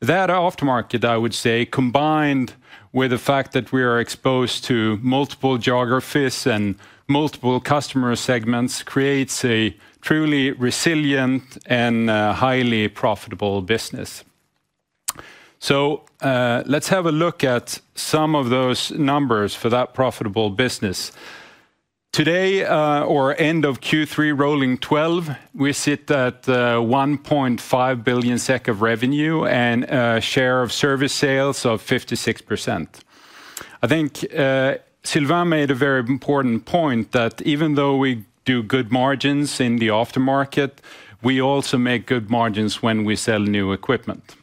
That aftermarket, I would say, combined with the fact that we are exposed to multiple geographies and multiple customer segments, creates a truly resilient and highly profitable business. Let's have a look at some of those numbers for that profitable business. Today, or end of Q3 rolling 12, we sit at 1.5 billion SEK of revenue and a share of service sales of 56%. I think Sylvain made a very important point that even though we do good margins in the aftermarket, we also make good margins when we sell new equipment.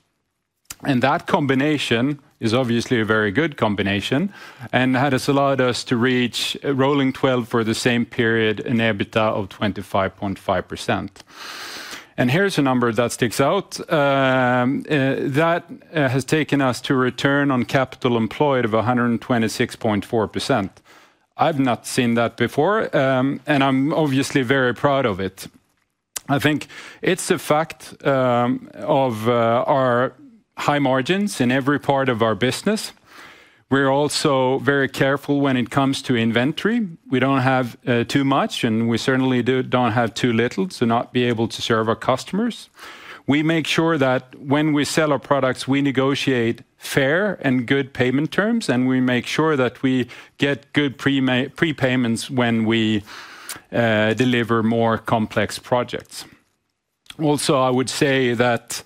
That combination is obviously a very good combination and has allowed us to reach rolling 12 for the same period in EBITDA of 25.5%. Here's a number that sticks out. That has taken us to return on capital employed of 126.4%. I've not seen that before, and I'm obviously very proud of it. I think it's a fact of our high margins in every part of our business. We're also very careful when it comes to inventory. We don't have too much, and we certainly don't have too little to not be able to serve our customers. We make sure that when we sell our products, we negotiate fair and good payment terms, and we make sure that we get good prepayments when we deliver more complex projects. Also, I would say that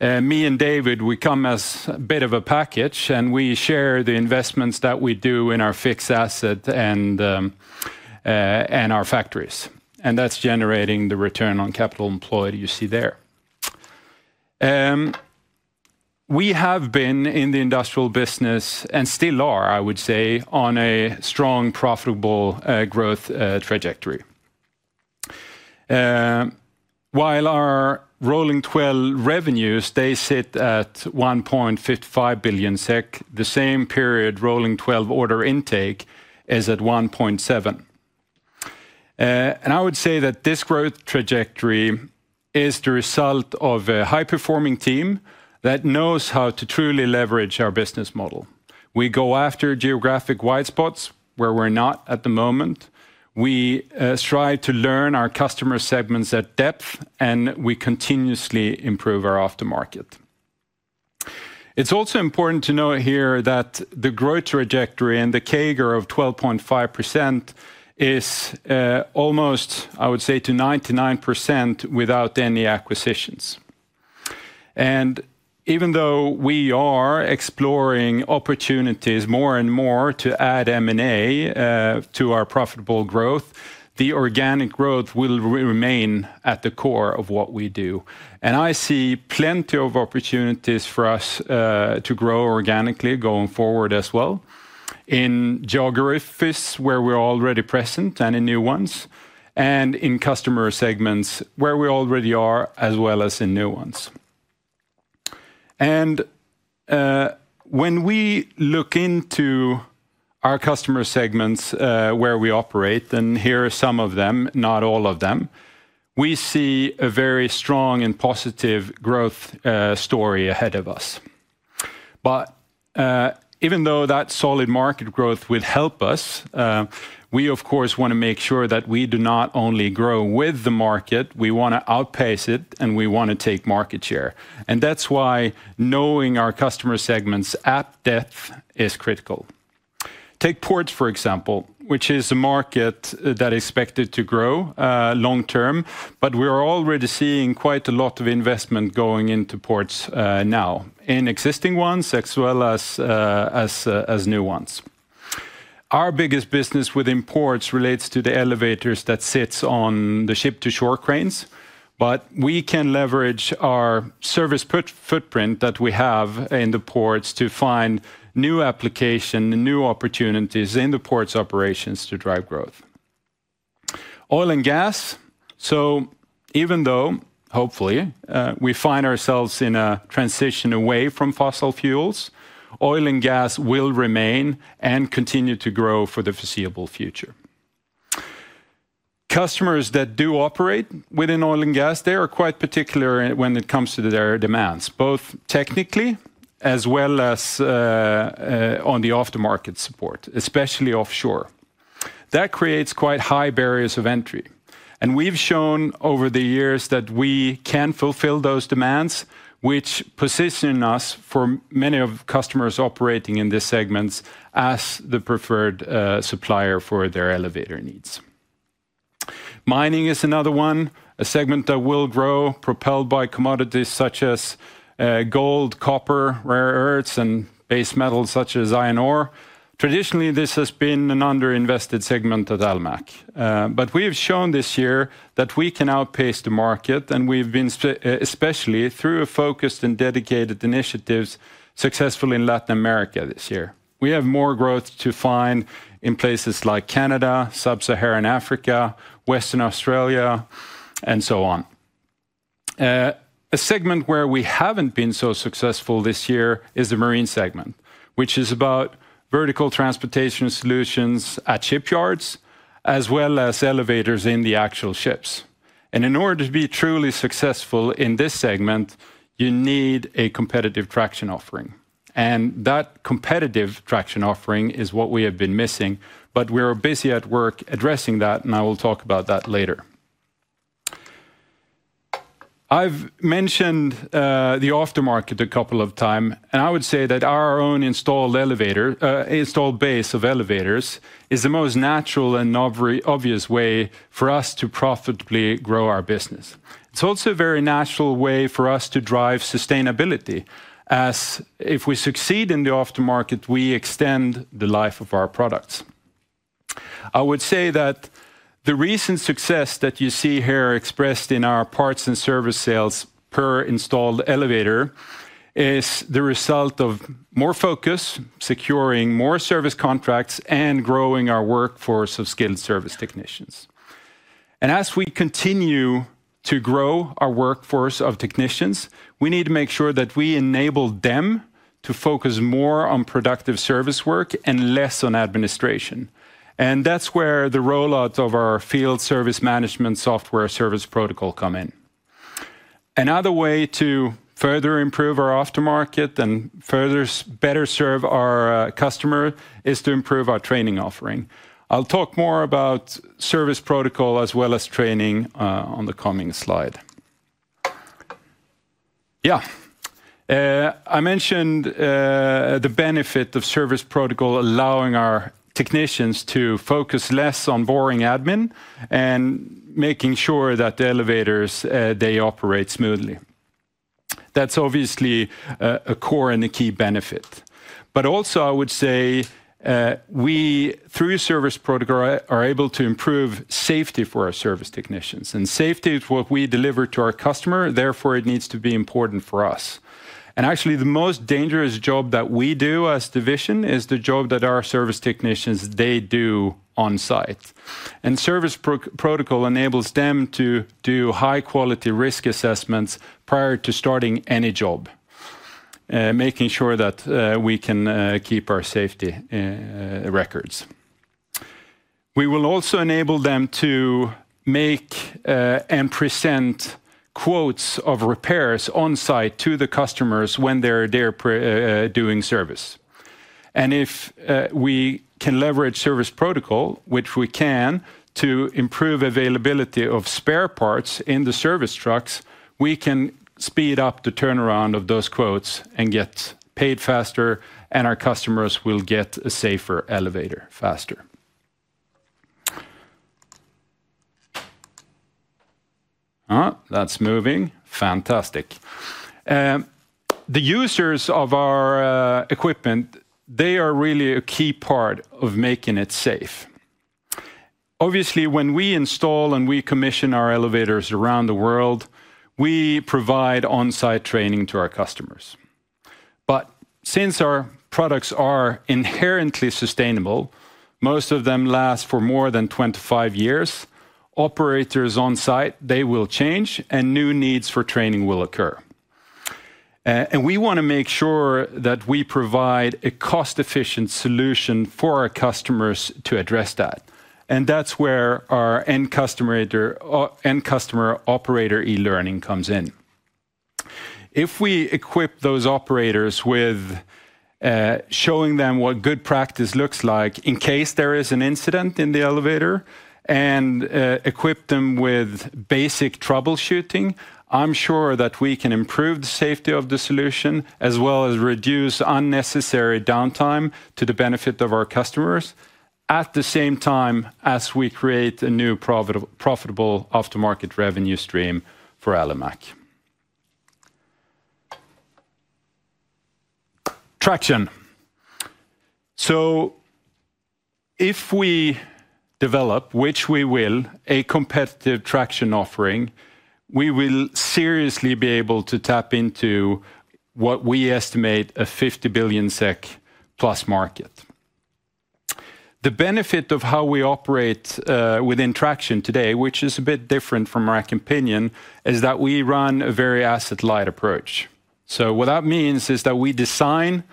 me and David, we come as a bit of a package, and we share the investments that we do in our fixed asset and our factories. That is generating the return on capital employed you see there. We have been in the industrial business and still are, I would say, on a strong, profitable growth trajectory. While our rolling 12 revenues, they sit at 1.55 billion SEK, the same period rolling 12 order intake is at 1.7 billion. I would say that this growth trajectory is the result of a high-performing team that knows how to truly leverage our business model. We go after geographic white spots where we're not at the moment. We strive to learn our customer segments at depth, and we continuously improve our aftermarket. It's also important to note here that the growth trajectory and the CAGR of 12.5% is almost, I would say, to 99% without any acquisitions. Even though we are exploring opportunities more and more to add M&A to our profitable growth, the organic growth will remain at the core of what we do. I see plenty of opportunities for us to grow organically going forward as well in geographies where we're already present and in new ones, and in customer segments where we already are, as well as in new ones. When we look into our customer segments where we operate, and here are some of them, not all of them, we see a very strong and positive growth story ahead of us. Even though that solid market growth would help us, we, of course, want to make sure that we do not only grow with the market. We want to outpace it, and we want to take market share. That is why knowing our customer segments at depth is critical. Take ports, for example, which is a market that is expected to grow long term, but we are already seeing quite a lot of investment going into ports now, in existing ones as well as new ones. Our biggest business within ports relates to the elevators that sit on the ship-to-shore cranes, but we can leverage our service footprint that we have in the ports to find new application and new opportunities in the ports operations to drive growth. Oil and gas. Even though, hopefully, we find ourselves in a transition away from fossil fuels, oil and gas will remain and continue to grow for the foreseeable future. Customers that do operate within oil and gas, they are quite particular when it comes to their demands, both technically as well as on the aftermarket support, especially offshore. That creates quite high barriers of entry. We have shown over the years that we can fulfill those demands, which position us for many of customers operating in these segments as the preferred supplier for their elevator needs. Mining is another one, a segment that will grow propelled by commodities such as gold, copper, rare earths, and base metals such as iron ore. Traditionally, this has been an underinvested segment at Alimak, but we have shown this year that we can outpace the market, and we've been especially through focused and dedicated initiatives successful in Latin America this year. We have more growth to find in places like Canada, Sub-Saharan Africa, Western Australia, and so on. A segment where we haven't been so successful this year is the marine segment, which is about vertical transportation solutions at shipyards as well as elevators in the actual ships. In order to be truly successful in this segment, you need a competitive traction offering. That competitive traction offering is what we have been missing, but we are busy at work addressing that, and I will talk about that later. I've mentioned the aftermarket a couple of times, and I would say that our own installed base of elevators is the most natural and obvious way for us to profitably grow our business. It's also a very natural way for us to drive sustainability, as if we succeed in the aftermarket, we extend the life of our products. I would say that the recent success that you see here expressed in our parts and service sales per installed elevator is the result of more focus, securing more service contracts, and growing our workforce of skilled service technicians. As we continue to grow our workforce of technicians, we need to make sure that we enable them to focus more on productive service work and less on administration. That's where the rollout of our field service management software Service Protocol comes in. Another way to further improve our aftermarket and further better serve our customers is to improve our training offering. I'll talk more about Service Protocol as well as training on the coming slide. Yeah, I mentioned the benefit of Service Protocol allowing our technicians to focus less on boring admin and making sure that the elevators, they operate smoothly. That's obviously a core and a key benefit. I would say we, through Service Protocol, are able to improve safety for our service technicians. Safety is what we deliver to our customer. Therefore, it needs to be important for us. Actually, the most dangerous job that we do as the division is the job that our service technicians, they do on site. Service Protocol enables them to do high-quality risk assessments prior to starting any job, making sure that we can keep our safety records. We will also enable them to make and present quotes of repairs on site to the customers when they're there doing service. If we can leverage Service Protocol, which we can, to improve availability of spare parts in the service trucks, we can speed up the turnaround of those quotes and get paid faster, and our customers will get a safer elevator faster. That's moving. Fantastic. The users of our equipment, they are really a key part of making it safe. Obviously, when we install and we commission our elevators around the world, we provide on-site training to our customers. Since our products are inherently sustainable, most of them last for more than 25 years, operators on site, they will change, and new needs for training will occur. We want to make sure that we provide a cost-efficient solution for our customers to address that. That is where our end customer operator e-learning comes in. If we equip those operators with showing them what good practice looks like in case there is an incident in the elevator and equip them with basic troubleshooting, I am sure that we can improve the safety of the solution as well as reduce unnecessary downtime to the benefit of our customers at the same time as we create a new profitable aftermarket revenue stream for Alimak. Traction. If we develop, which we will, a competitive traction offering, we will seriously be able to tap into what we estimate a 50 billion SEK plus market. The benefit of how we operate within traction today, which is a bit different from rack and pinion, is that we run a very asset-light approach. What that means is that we design,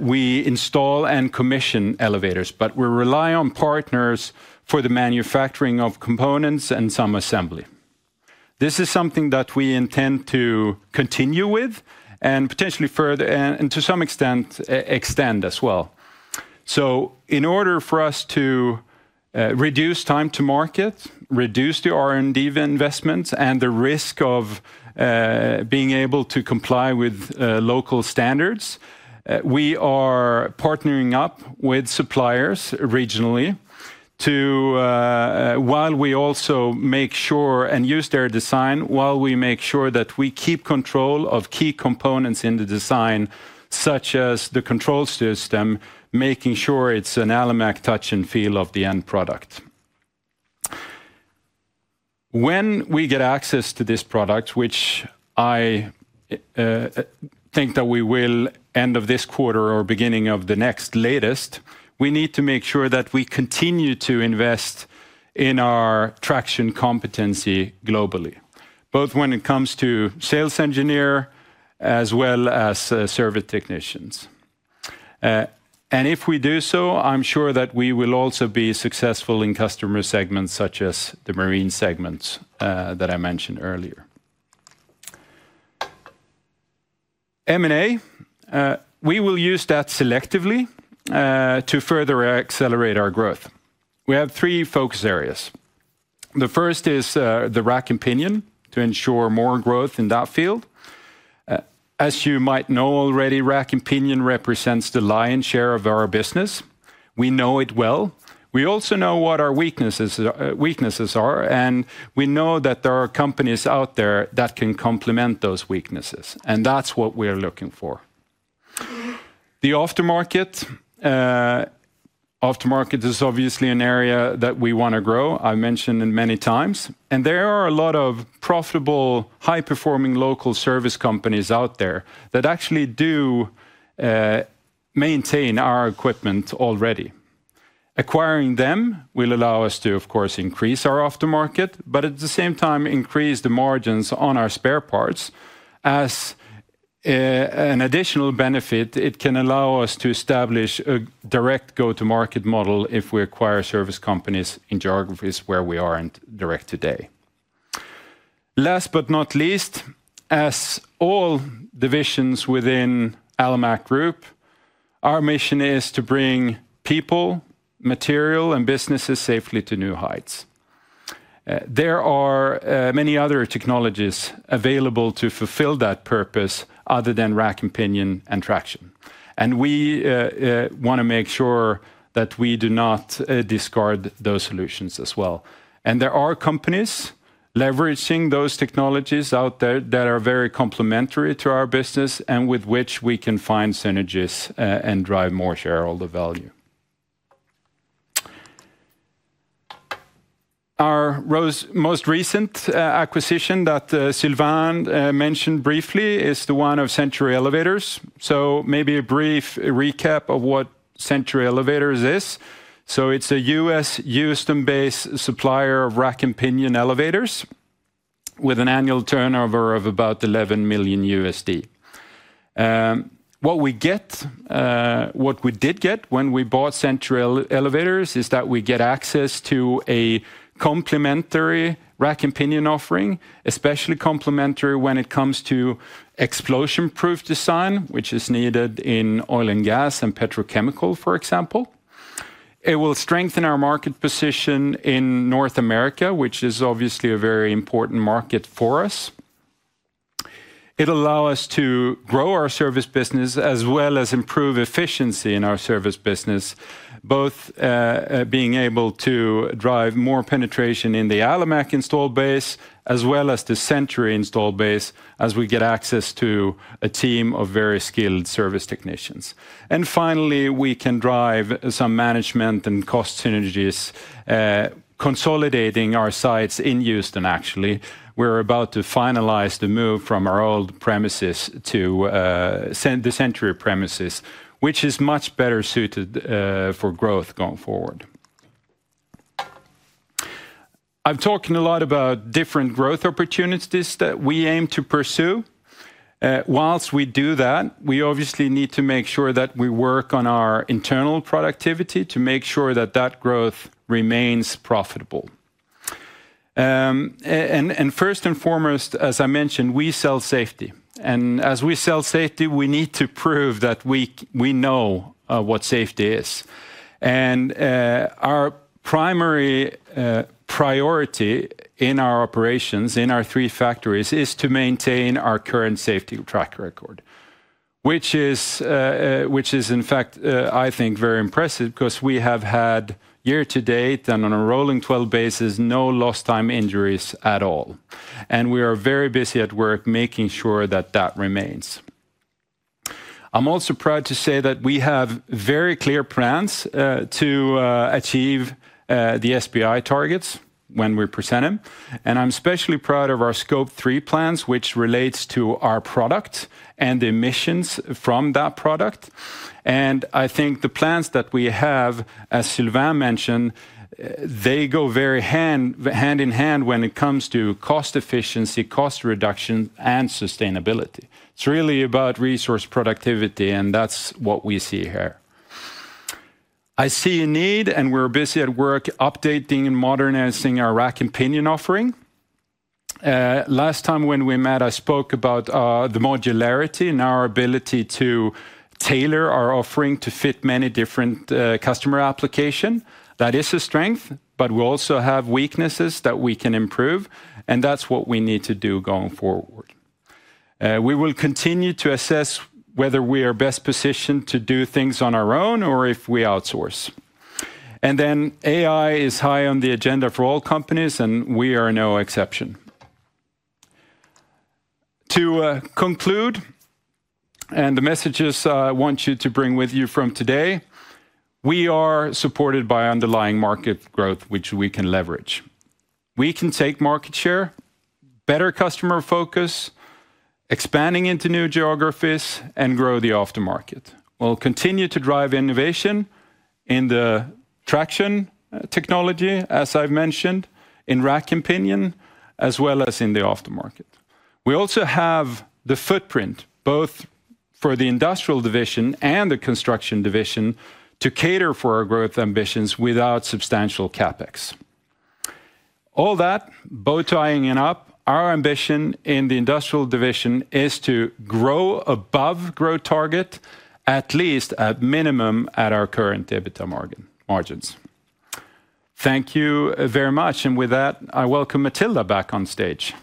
we install, and commission elevators, but we rely on partners for the manufacturing of components and some assembly. This is something that we intend to continue with and potentially further and to some extent extend as well. In order for us to reduce time to market, reduce the R&D investments, and the risk of being able to comply with local standards, we are partnering up with suppliers regionally while we also make sure and use their design, while we make sure that we keep control of key components in the design, such as the control system, making sure it's an Alimak touch and feel of the end product. When we get access to this product, which I think that we will end of this quarter or beginning of the next latest, we need to make sure that we continue to invest in our traction competency globally, both when it comes to sales engineers as well as service technicians. If we do so, I'm sure that we will also be successful in customer segments such as the marine segments that I mentioned earlier. M&A, we will use that selectively to further accelerate our growth. We have three focus areas. The first is the rack and pinion to ensure more growth in that field. As you might know already, rack and pinion represents the lion's share of our business. We know it well. We also know what our weaknesses are, and we know that there are companies out there that can complement those weaknesses. That is what we're looking for. The aftermarket, aftermarket is obviously an area that we want to grow. I've mentioned it many times. There are a lot of profitable, high-performing local service companies out there that actually do maintain our equipment already. Acquiring them will allow us to, of course, increase our aftermarket, but at the same time, increase the margins on our spare parts. As an additional benefit, it can allow us to establish a direct go-to-market model if we acquire service companies in geographies where we aren't direct today. Last but not least, as all divisions within Alimak Group, our mission is to bring people, material, and businesses safely to new heights. There are many other technologies available to fulfill that purpose other than rack and pinion and traction. We want to make sure that we do not discard those solutions as well. There are companies leveraging those technologies out there that are very complementary to our business and with which we can find synergies and drive more shareholder value. Our most recent acquisition that Sylvain mentioned briefly is the one of Century Elevators. Maybe a brief recap of what Century Elevators is. It is a US Houston-based supplier of rack and pinion elevators with an annual turnover of about $11 million. What we get, what we did get when we bought Century Elevators is that we get access to a complementary rack and pinion offering, especially complementary when it comes to explosion-proof design, which is needed in oil and gas and petrochemical, for example. It will strengthen our market position in North America, which is obviously a very important market for us. It will allow us to grow our service business as well as improve efficiency in our service business, both being able to drive more penetration in the Alimak installed base as well as the Century installed base as we get access to a team of very skilled service technicians. Finally, we can drive some management and cost synergies, consolidating our sites in Houston, actually. We are about to finalize the move from our old premises to the Century premises, which is much better suited for growth going forward. I have talked a lot about different growth opportunities that we aim to pursue. Whilst we do that, we obviously need to make sure that we work on our internal productivity to make sure that that growth remains profitable. First and foremost, as I mentioned, we sell safety. As we sell safety, we need to prove that we know what safety is. Our primary priority in our operations, in our three factories, is to maintain our current safety track record, which is, in fact, I think, very impressive because we have had year to date and on a rolling 12 basis, no lost time injuries at all. We are very busy at work making sure that that remains. I'm also proud to say that we have very clear plans to achieve the SBTi targets when we present them. I'm especially proud of our scope three plans, which relates to our product and the emissions from that product. I think the plans that we have, as Sylvain mentioned, they go very hand in hand when it comes to cost efficiency, cost reduction, and sustainability. It's really about resource productivity, and that's what we see here. I see a need, and we're busy at work updating and modernizing our rack and pinion offering. Last time when we met, I spoke about the modularity and our ability to tailor our offering to fit many different customer applications. That is a strength, but we also have weaknesses that we can improve, and that's what we need to do going forward. We will continue to assess whether we are best positioned to do things on our own or if we outsource. AI is high on the agenda for all companies, and we are no exception. To conclude, the messages I want you to bring with you from today, we are supported by underlying market growth, which we can leverage. We can take market share, better customer focus, expanding into new geographies, and grow the aftermarket. We'll continue to drive innovation in the traction technology, as I've mentioned, in rack and pinion, as well as in the aftermarket. We also have the footprint, both for the industrial division and the construction division, to cater for our growth ambitions without substantial CapEx. All that, bow tying it up, our ambition in the industrial division is to grow above growth target, at least at minimum at our current EBITDA margins. Thank you very much. With that, I welcome Matilda back on stage.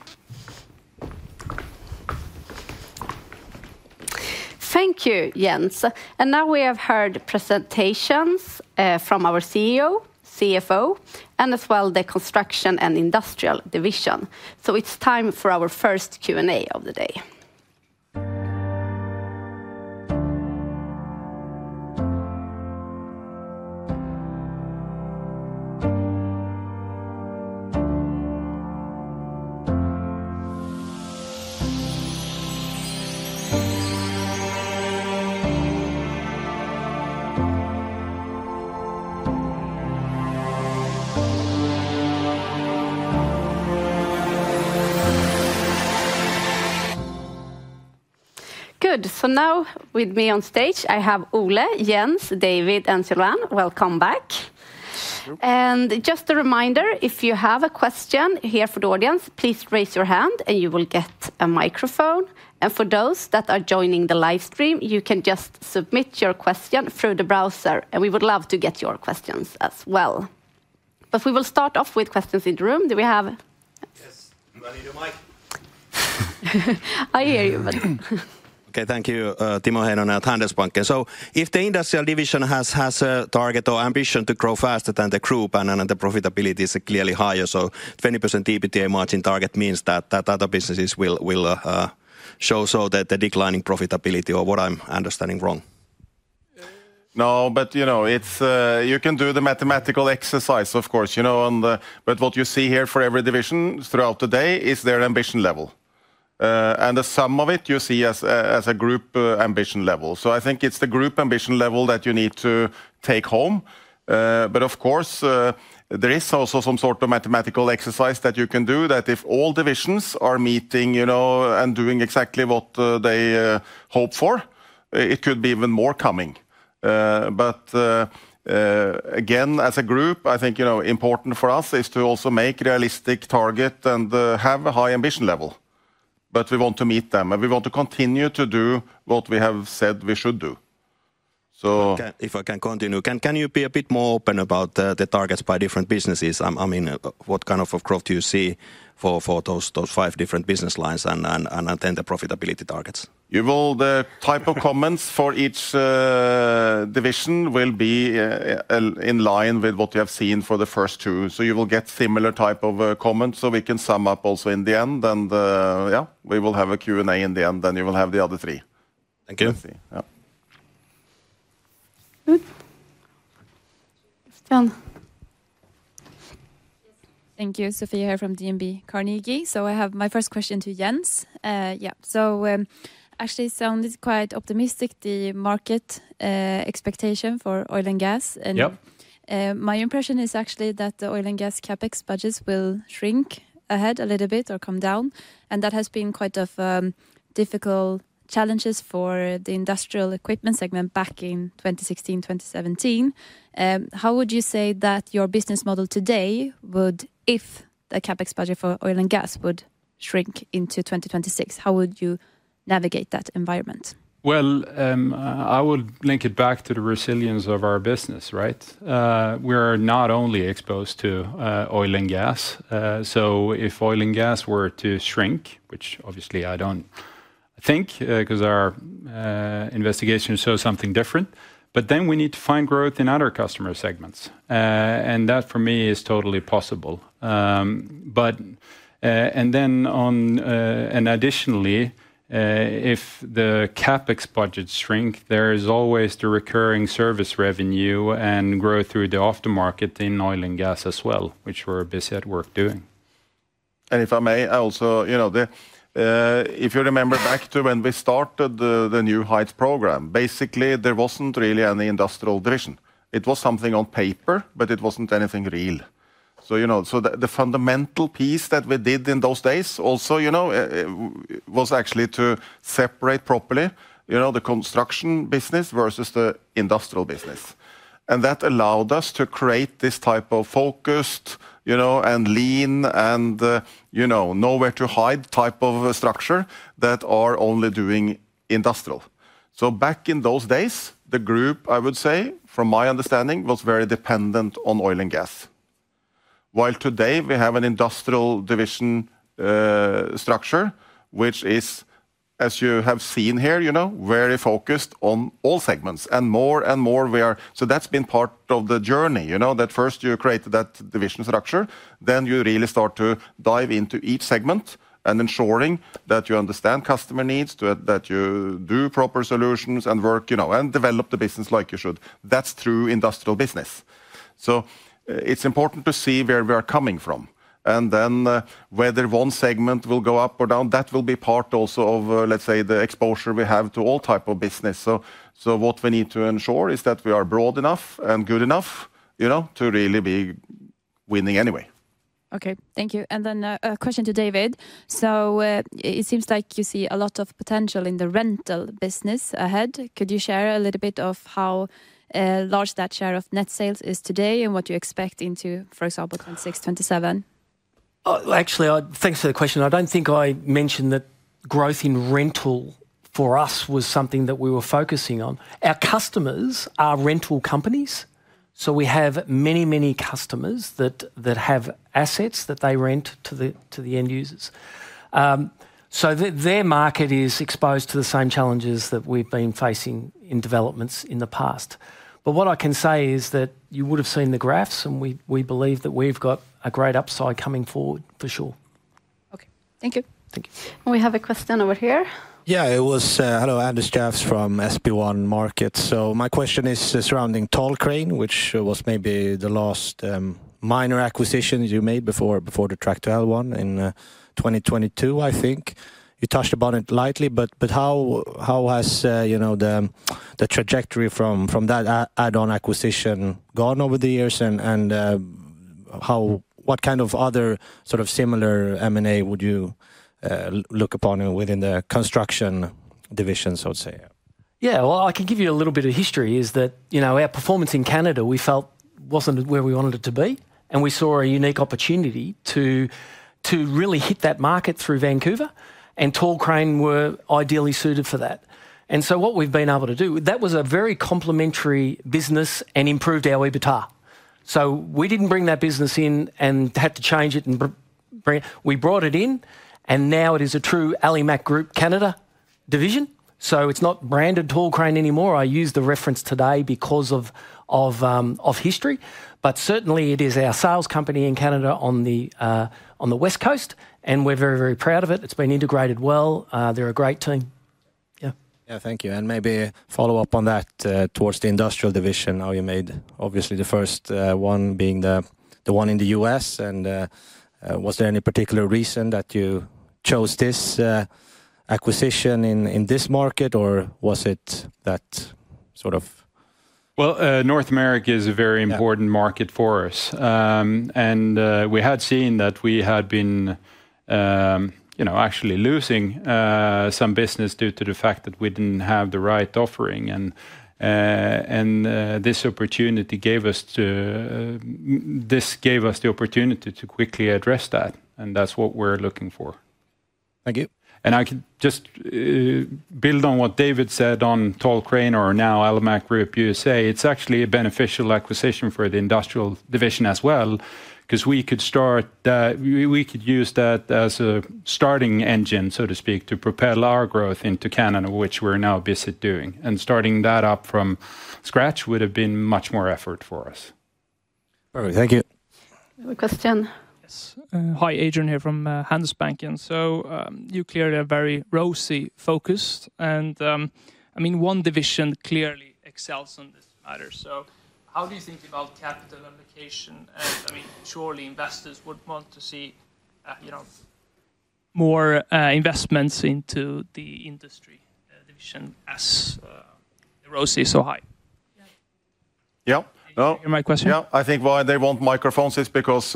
Thank you, Jens. Now we have heard presentations from our CEO, CFO, and as well the construction and industrial division. It is time for our first Q&A of the day. Good. Now with me on stage, I have Ole, Jens, David, and Sylvain. Welcome back. Just a reminder, if you have a question here for the audience, please raise your hand and you will get a microphone. For those that are joining the live stream, you can just submit your question through the browser. We would love to get your questions as well. We will start off with questions in the room. Do we have? Yes. I need a mic. I hear you, but. Thank you, Timo Heinonen at Handelsbanken. If the industrial division has a target or ambition to grow faster than the group and the profitability is clearly higher, 20% EBITDA margin target means that other businesses will show the declining profitability or what am I understanding wrong? No, you can do the mathematical exercise, of course. What you see here for every division throughout the day is their ambition level. The sum of it you see as a group ambition level. I think it's the group ambition level that you need to take home. Of course, there is also some sort of mathematical exercise that you can do that if all divisions are meeting and doing exactly what they hope for, it could be even more coming. Again, as a group, I think important for us is to also make a realistic target and have a high ambition level. We want to meet them, and we want to continue to do what we have said we should do. If I can continue, can you be a bit more open about the targets by different businesses? I mean, what kind of growth do you see for those five different business lines and then the profitability targets? The type of comments for each division will be in line with what you have seen for the first two. You will get a similar type of comments so we can sum up also in the end. We will have a Q&A in the end, and you will have the other three. Thank you. Thank you. Sofia here from DNB Carnegie. I have my first question to Jens. Actually, it sounded quite optimistic, the market expectation for oil and gas. My impression is actually that the oil and gas CapEx budgets will shrink ahead a little bit or come down. That has been quite difficult challenges for the industrial equipment segment back in 2016, 2017. How would you say that your business model today would, if the CapEx budget for oil and gas would shrink into 2026? How would you navigate that environment? I would link it back to the resilience of our business, right? We are not only exposed to oil and gas. If oil and gas were to shrink, which obviously I do not think because our investigation shows something different, we need to find growth in other customer segments. That for me is totally possible. Additionally, if the CapEx budgets shrink, there is always the recurring service revenue and growth through the aftermarket in oil and gas as well, which we are busy at work doing. If I may, also, if you remember back to when we started the new heights program, basically, there was not really any industrial division. It was something on paper, but it was not anything real. The fundamental piece that we did in those days also was actually to separate properly the construction business versus the industrial business. That allowed us to create this type of focused and lean and nowhere-to-hide type of structure that are only doing industrial. Back in those days, the group, I would say, from my understanding, was very dependent on oil and gas. While today, we have an industrial division structure, which is, as you have seen here, very focused on all segments. More and more we are. That has been part of the journey. First you create that division structure, then you really start to dive into each segment and ensuring that you understand customer needs, that you do proper solutions and work and develop the business like you should. That is true industrial business. It is important to see where we are coming from. Then whether one segment will go up or down, that will be part also of, let's say, the exposure we have to all types of business. What we need to ensure is that we are broad enough and good enough to really be winning anyway. Okay, thank you. A question to David. It seems like you see a lot of potential in the rental business ahead. Could you share a little bit of how large that share of net sales is today and what you expect into, for example, 2026, 2027? Actually, thanks for the question. I do not think I mentioned that growth in rental for us was something that we were focusing on. Our customers are rental companies. We have many, many customers that have assets that they rent to the end users. Their market is exposed to the same challenges that we've been facing in developments in the past. What I can say is that you would have seen the graphs, and we believe that we've got a great upside coming forward for sure. Okay, thank you. Thank you. We have a question over here. Yeah, it was Hello, Anders Jåfs from SB1 Markets. My question is surrounding Tall Crane, which was maybe the last minor acquisition you made before the Tractel one in 2022, I think. You touched upon it lightly, but how has the trajectory from that add-on acquisition gone over the years? What kind of other sort of similar M&A would you look upon within the construction divisions, I would say? Yeah, I can give you a little bit of history is that our performance in Canada, we felt wasn't where we wanted it to be. We saw a unique opportunity to really hit that market through Vancouver. Tall Crane were ideally suited for that. What we've been able to do, that was a very complementary business and improved our EBITDA. We didn't bring that business in and had to change it. We brought it in, and now it is a true Alimak Group Canada division. It's not branded Tall Crane anymore. I use the reference today because of history. Certainly, it is our sales company in Canada on the West Coast, and we're very, very proud of it. It's been integrated well. They're a great team. Yeah, thank you. Maybe a follow-up on that towards the industrial division, how you made obviously the first one being the one in the U.S. Was there any particular reason that you chose this acquisition in this market, or was it that sort of? North America is a very important market for us. We had seen that we had been actually losing some business due to the fact that we did not have the right offering. This opportunity gave us the opportunity to quickly address that. That is what we are looking for. Thank you. I can just build on what David said on Tall Crane or now Alimak Group USA. It is actually a beneficial acquisition for the industrial division as well because we could use that as a starting engine, so to speak, to propel our growth into Canada, which we are now busy doing. Starting that up from scratch would have been much more effort for us. All right, thank you. Question. Hi, Adrian here from Handelsbanken. You clearly are very ROSI-focused. I mean, one division clearly excels on this matter. How do you think about capital allocation? I mean, surely investors would want to see more investments into the industrial division as the ROSI is so high. Yeah. You hear my question? Yeah. I think why they want microphones is because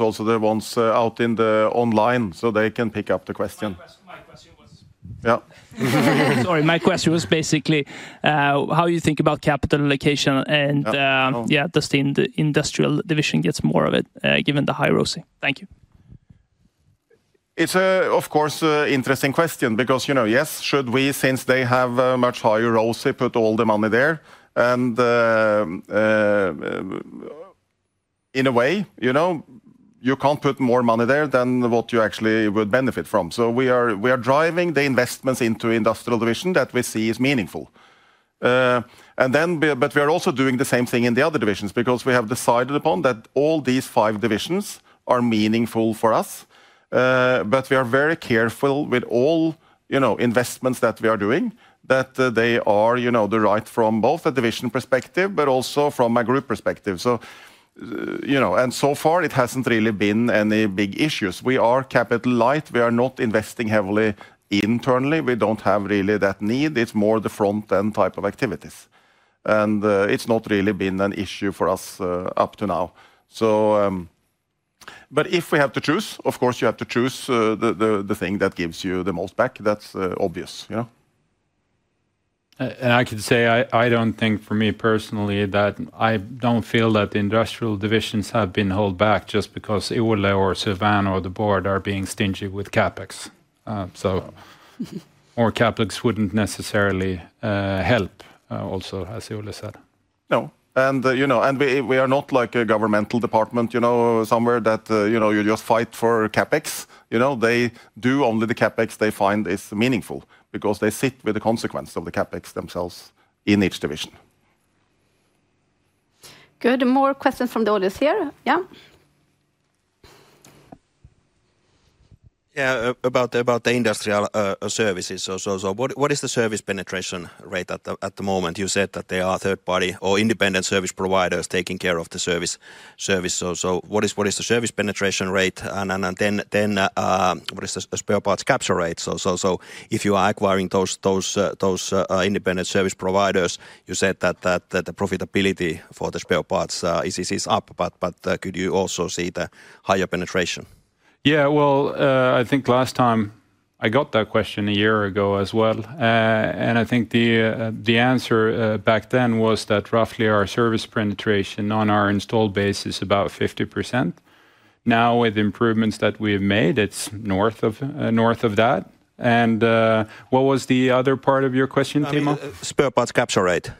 also they want out in the online so they can pick up the question. My question was, sorry, my question was basically how you think about capital allocation and does the industrial division get more of it given the high ROSI? Thank you. It's of course an interesting question because yes, should we, since they have a much higher ROSI, put all the money there? In a way, you can't put more money there than what you actually would benefit from. We are driving the investments into industrial division that we see is meaningful. We are also doing the same thing in the other divisions because we have decided upon that all these five divisions are meaningful for us. We are very careful with all investments that we are doing that they are the right from both a division perspective, but also from a group perspective. So far, it hasn't really been any big issues. We are capital light. We are not investing heavily internally. We don't have really that need. It's more the front-end type of activities. It has not really been an issue for us up to now. If we have to choose, of course, you have to choose the thing that gives you the most back. That is obvious. I could say I do not think for me personally that I do not feel that the industrial divisions have been held back just because Ole or Sylvain or the board are being stingy with CapEx. More CapEx would not necessarily help also, as Ole said. No. We are not like a governmental department somewhere that you just fight for CapEx. They do only the CapEx they find is meaningful because they sit with the consequence of the CapEx themselves in each division. Good. More questions from the audience here. Yes. Yes, about the industrial services. What is the service penetration rate at the moment? You said that there are third-party or independent service providers taking care of the service. What is the service penetration rate? What is the spare parts capture rate? If you are acquiring those independent service providers, you said that the profitability for the spare parts is up. Could you also see the higher penetration? I think last time I got that question a year ago as well. I think the answer back then was that roughly our service penetration on our installed base is about 50%. Now with improvements that we've made, it's north of that. What was the other part of your question, Timo? .Spare parts capture rate.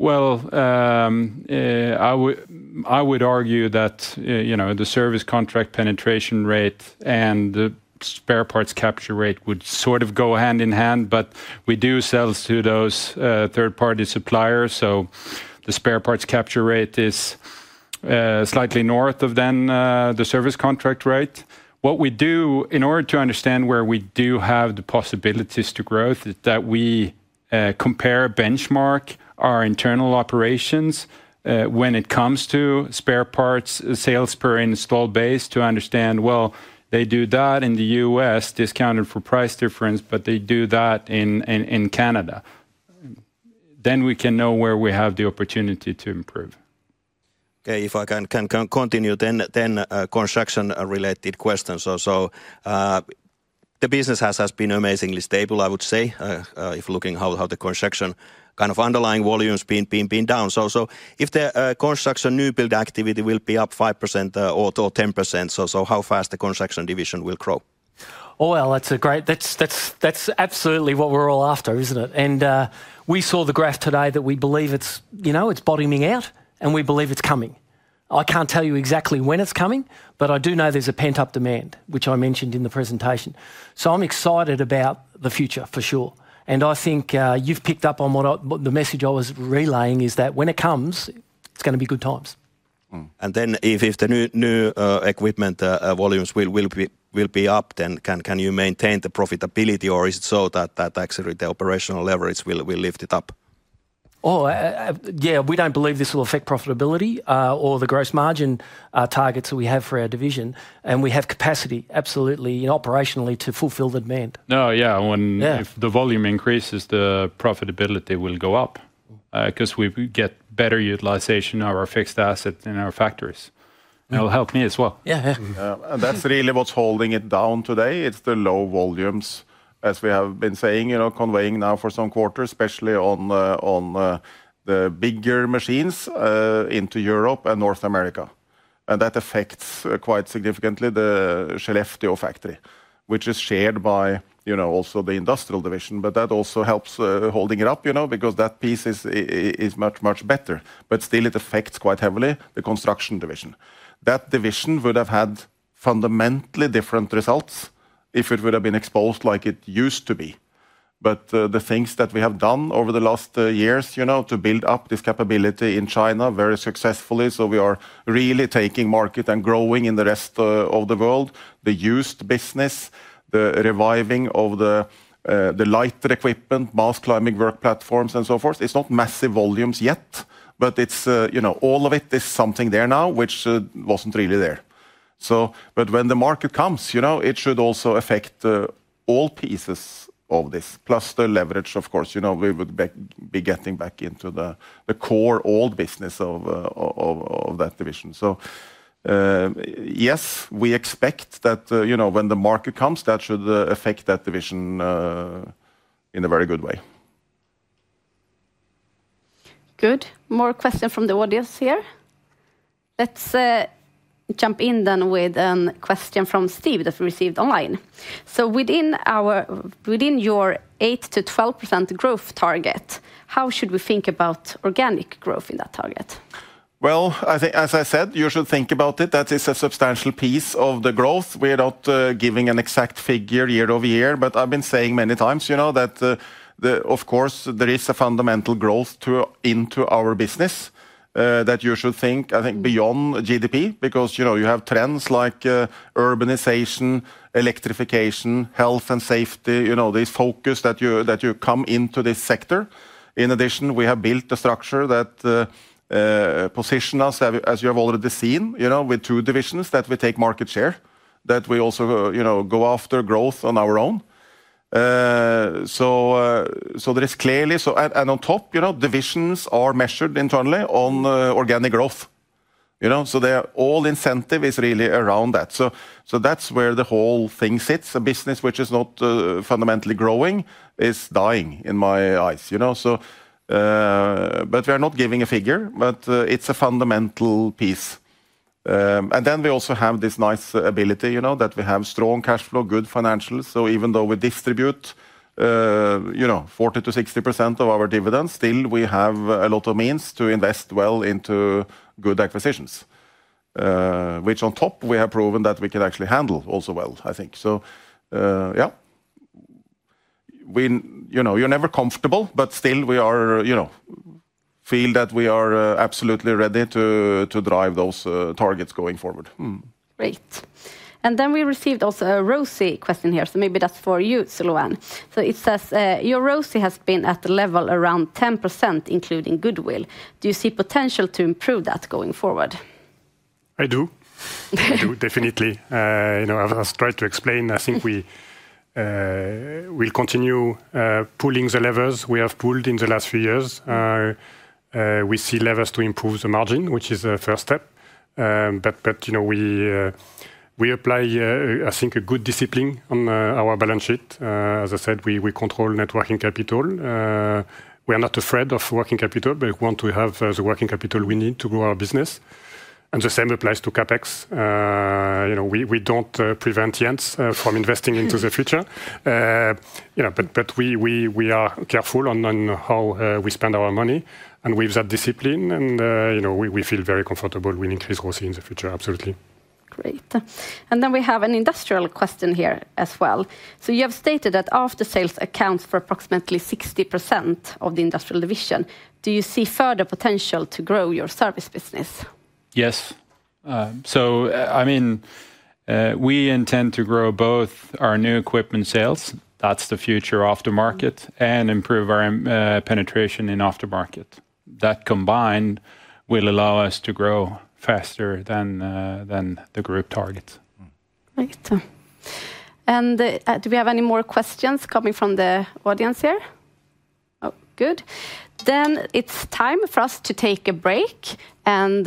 I would argue that the service contract penetration rate and the spare parts capture rate would sort of go hand in hand, but we do sell to those third-party suppliers. The spare parts capture rate is slightly north of the service contract rate. What we do in order to understand where we do have the possibilities to grow is that we compare, benchmark our internal operations when it comes to spare parts sales per install base to understand, they do that in the US discounted for price difference, but they do that in Canada. Then we can know where we have the opportunity to improve. If I can continue, construction-related questions. The business has been amazingly stable, I would say, if looking how the construction kind of underlying volume has been down. If the construction new build activity will be up 5% or 10%, how fast the construction division will grow? That's absolutely what we're all after, isn't it? We saw the graph today that we believe it's bottoming out, and we believe it's coming. I can't tell you exactly when it's coming, but I do know there's a pent-up demand, which I mentioned in the presentation. I'm excited about the future for sure. I think you've picked up on the message I was relaying is that when it comes, it's going to be good times. If the new equipment volumes will be up, then can you maintain the profitability, or is it so that actually the operational leverage will lift it up? Oh, yeah, we don't believe this will affect profitability or the gross margin targets that we have for our division. We have capacity, absolutely, operationally to fulfill the demand. No, yeah, when the volume increases, the profitability will go up because we get better utilization of our fixed asset in our factories. It'll help me as well. Yeah, yeah. That's really what's holding it down today. It's the low volumes, as we have been saying, conveying now for some quarters, especially on the bigger machines into Europe and North America. That affects quite significantly the Skellefteå factory, which is shared by also the industrial division. That also helps holding it up because that piece is much, much better. Still, it affects quite heavily the construction division. That division would have had fundamentally different results if it would have been exposed like it used to be. The things that we have done over the last years to build up this capability in China very successfully, we are really taking market and growing in the rest of the world, the used business, the reviving of the lighter equipment, mass climbing work platforms, and so forth. It's not massive volumes yet, but all of it is something there now, which was not really there. When the market comes, it should also affect all pieces of this, plus the leverage, of course. We would be getting back into the core old business of that division. Yes, we expect that when the market comes, that should affect that division in a very good way. Good. More questions from the audience here. Let's jump in then with a question from Steve that we received online. Within your 8-12% growth target, how should we think about organic growth in that target? I think, as I said, you should think about it. That is a substantial piece of the growth. We are not giving an exact figure year over year, but I have been saying many times that, of course, there is a fundamental growth into our business that you should think, I think, beyond GDP because you have trends like urbanization, electrification, health and safety, this focus that you come into this sector. In addition, we have built a structure that positions us, as you have already seen, with two divisions that we take market share, that we also go after growth on our own. There is clearly, and on top, divisions are measured internally on organic growth. The whole incentive is really around that. That is where the whole thing sits. A business which is not fundamentally growing is dying in my eyes. We are not giving a figure, but it is a fundamental piece. We also have this nice ability that we have strong cash flow, good financials. Even though we distribute 40-60% of our dividends, we still have a lot of means to invest well into good acquisitions, which on top we have proven that we can actually handle also well, I think. You are never comfortable, but still we feel that we are absolutely ready to drive those targets going forward. Great. We received also a ROSI question here. Maybe that is for you, Sylvain. It says, your ROSI has been at a level around 10%, including goodwill. Do you see potential to improve that going forward? I do. I do, definitely. I've tried to explain. I think we will continue pulling the levers we have pulled in the last few years. We see levers to improve the margin, which is a first step. We apply, I think, a good discipline on our balance sheet. As I said, we control net working capital. We are not afraid of working capital, but we want to have the working capital we need to grow our business. The same applies to CapEx. We do not prevent Jens from investing into the future. We are careful on how we spend our money. We have that discipline. We feel very comfortable. We increase ROSI in the future, absolutely. Great. We have an industrial question here as well. You have stated that after-sales accounts for approximately 60% of the industrial division. Do you see further potential to grow your service business? Yes. I mean, we intend to grow both our new equipment sales, that's the future aftermarket, and improve our penetration in aftermarket. That combined will allow us to grow faster than the group targets. Great. Do we have any more questions coming from the audience here? Oh, good. It is time for us to take a break. When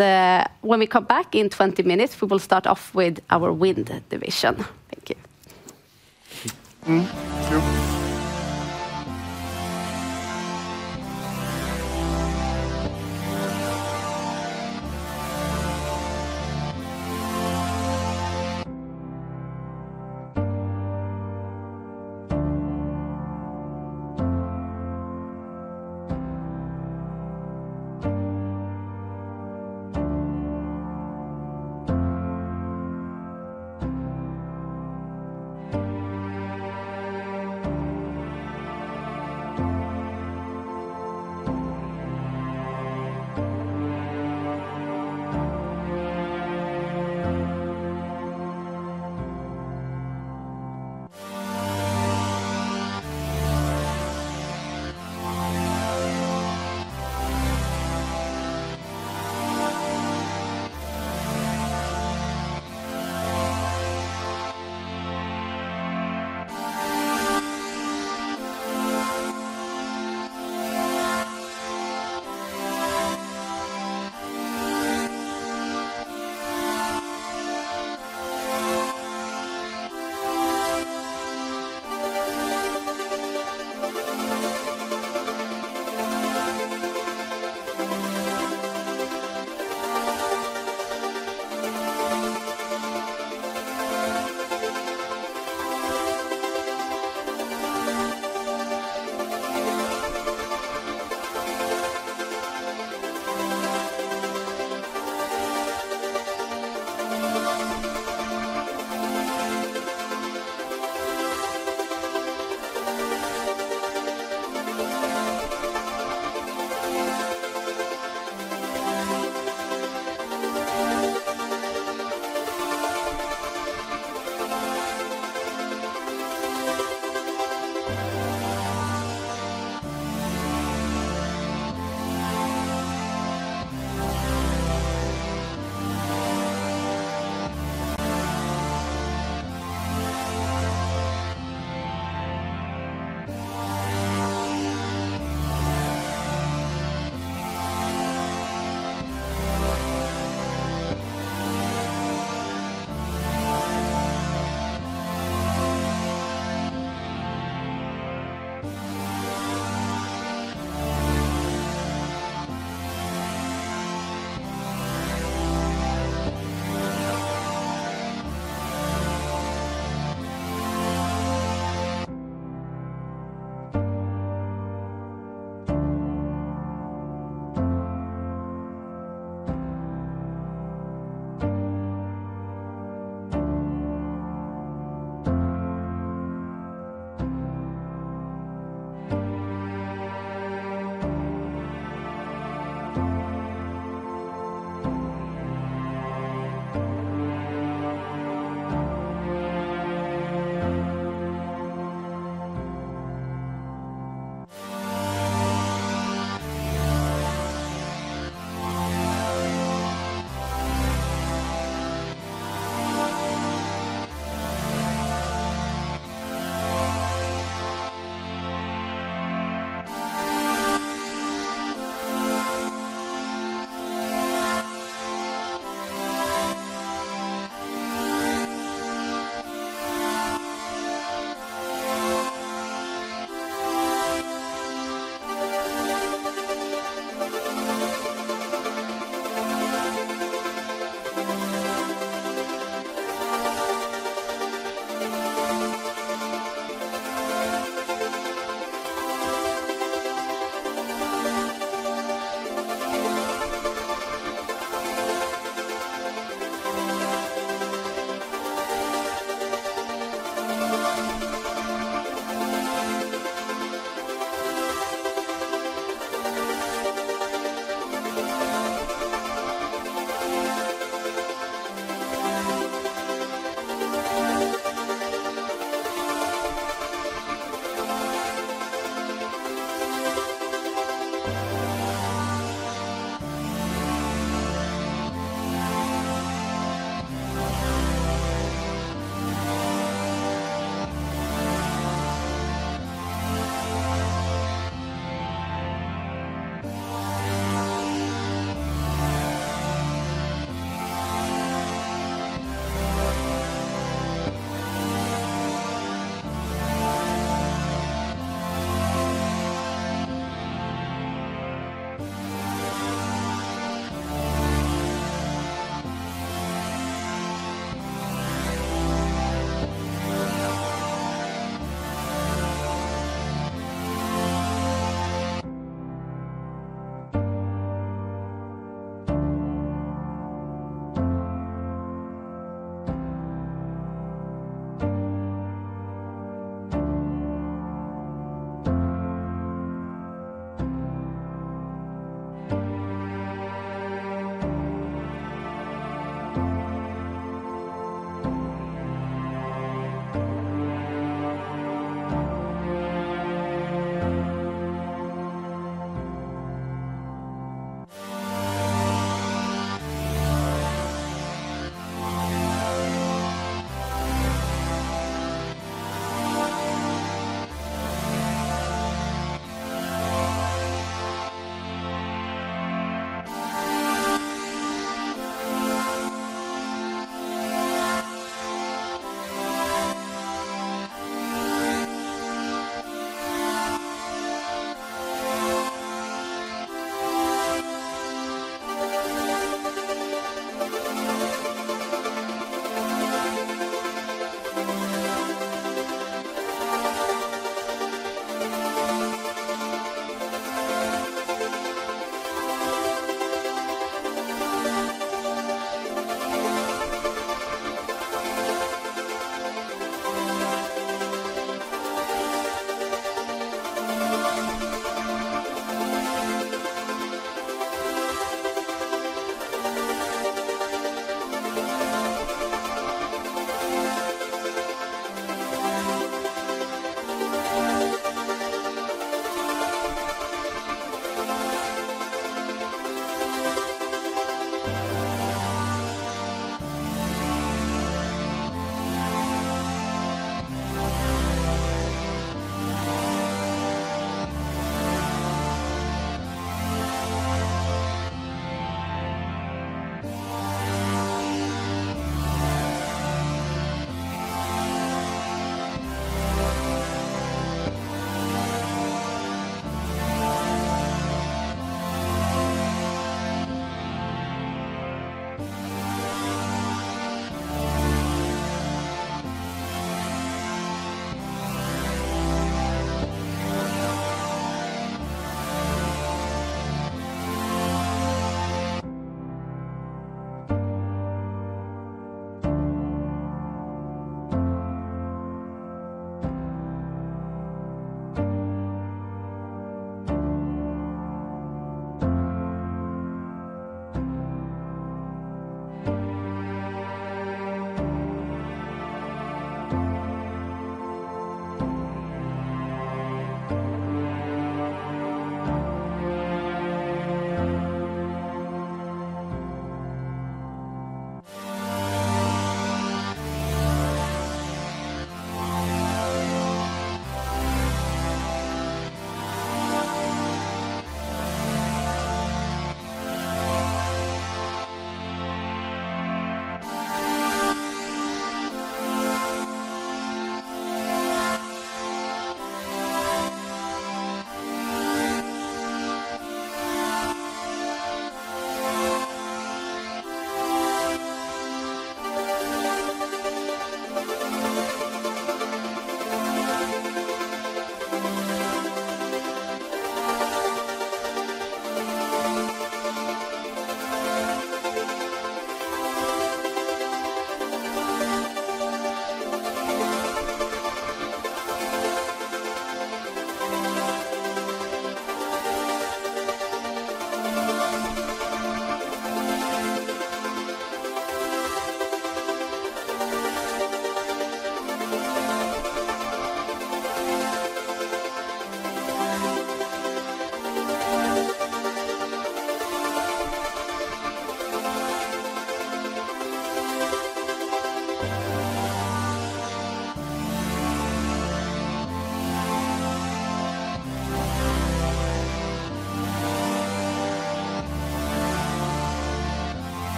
we come back in 20 minutes, we will start off with our wind division. Thank you.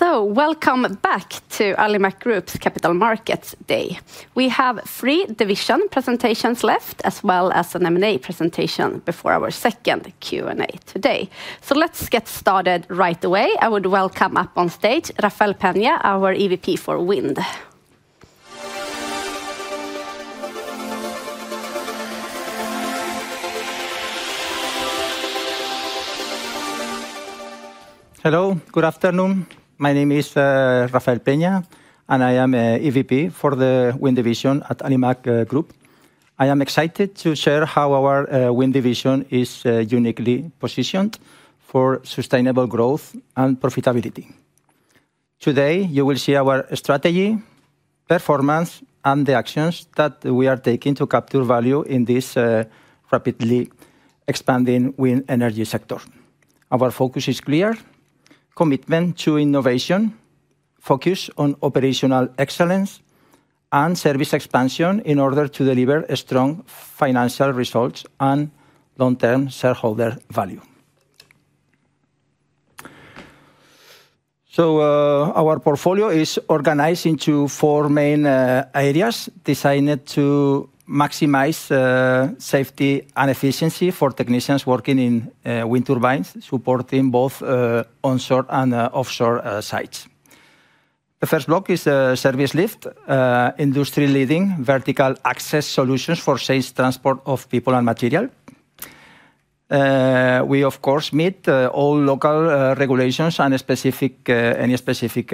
Welcome back to Alimak Group's Capital Markets Day. We have three division presentations left, as well as an M&A presentation before our second Q&A today. Let's get started right away. I would welcome up on stage Rafael Peña, our EVP for Wind. Hello, good afternoon. My name is Rafael Peña, and I am an EVP for the Wind Division at Alimak Group. I am excited to share how our Wind Division is uniquely positioned for sustainable growth and profitability. Today, you will see our strategy, performance, and the actions that we are taking to capture value in this rapidly expanding wind energy sector. Our focus is clear: commitment to innovation, focus on operational excellence, and service expansion in order to deliver strong financial results and long-term shareholder value. Our portfolio is organized into four main areas designed to maximize safety and efficiency for technicians working in wind turbines, supporting both onshore and offshore sites. The first block is service lift, industry-leading vertical access solutions for safe transport of people and material. We, of course, meet all local regulations and any specific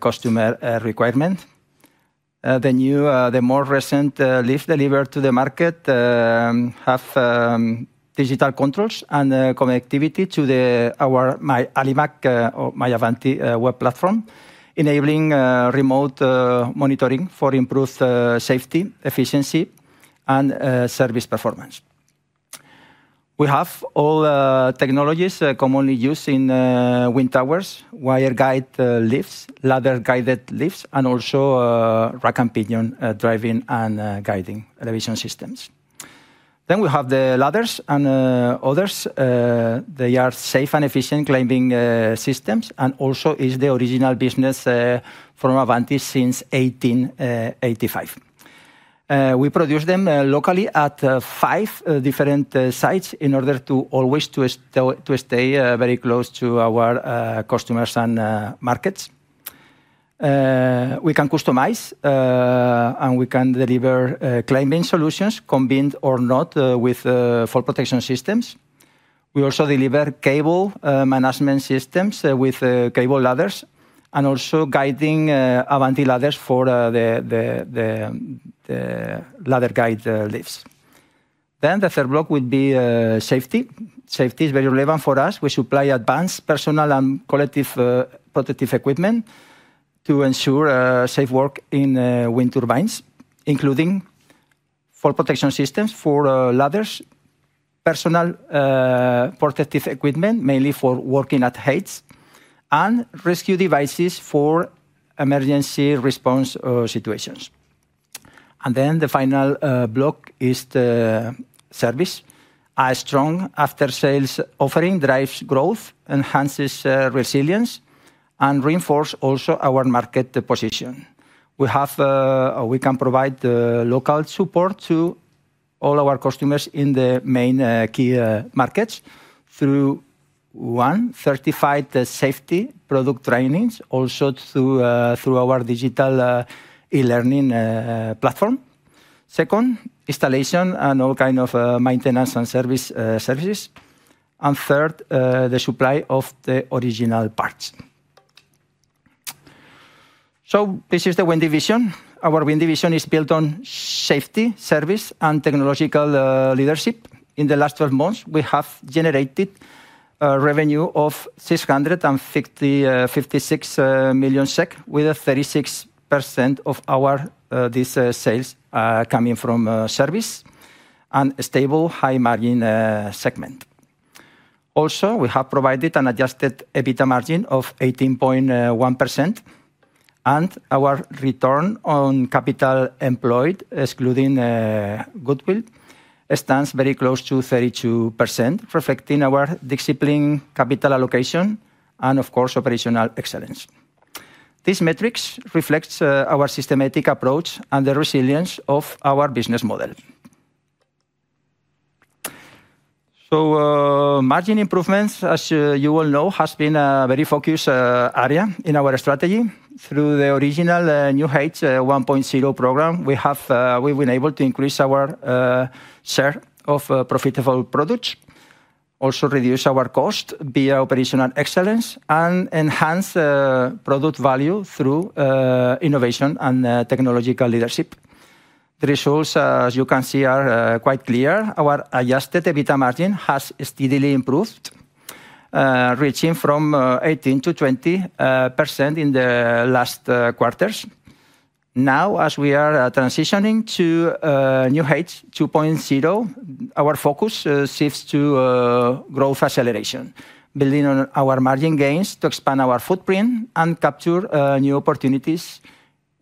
customer requirements. The new, the more recent lift delivered to the market has digital controls and connectivity to our Alimak or My Avanti web platform, enabling remote monitoring for improved safety, efficiency, and service performance. We have all technologies commonly used in wind towers: wire-guide lifts, ladder-guided lifts, and also rack and pinion driving and guiding elevation systems. We have the ladders and others. They are safe and efficient climbing systems, and also it's the original business from Avanti since 1885. We produce them locally at five different sites in order to always stay very close to our customers and markets. We can customize, and we can deliver climbing solutions, convinced or not, with fall protection systems. We also deliver cable management systems with cable ladders and also guiding Avanti ladders for the ladder-guide lifts. The third block would be safety. Safety is very relevant for us. We supply advanced personal and collective protective equipment to ensure safe work in wind turbines, including fall protection systems for ladders, personal protective equipment, mainly for working at heights, and rescue devices for emergency response situations. The final block is the service. A strong after-sales offering drives growth, enhances resilience, and reinforces also our market position. We can provide local support to all our customers in the main key markets through, one, certified safety product trainings, also through our digital e-learning platform. Second, installation and all kinds of maintenance and service services. Third, the supply of the original parts. This is the Wind Division. Our Wind Division is built on safety, service, and technological leadership. In the last 12 months, we have generated a revenue of 656 million SEK, with 36% of our sales coming from service and a stable high-margin segment. Also, we have provided an adjusted EBITDA margin of 18.1%, and our return on capital employed, excluding goodwill, stands very close to 32%, reflecting our disciplined capital allocation and, of course, operational excellence. These metrics reflect our systematic approach and the resilience of our business model. Margin improvements, as you all know, have been a very focused area in our strategy. Through the original New Heights 1.0 program, we have been able to increase our share of profitable products, also reduce our cost via operational excellence, and enhance product value through innovation and technological leadership. The results, as you can see, are quite clear. Our adjusted EBITDA margin has steadily improved, reaching from 18-20% in the last quarters. Now, as we are transitioning to New Heights 2.0, our focus shifts to growth acceleration, building on our margin gains to expand our footprint and capture new opportunities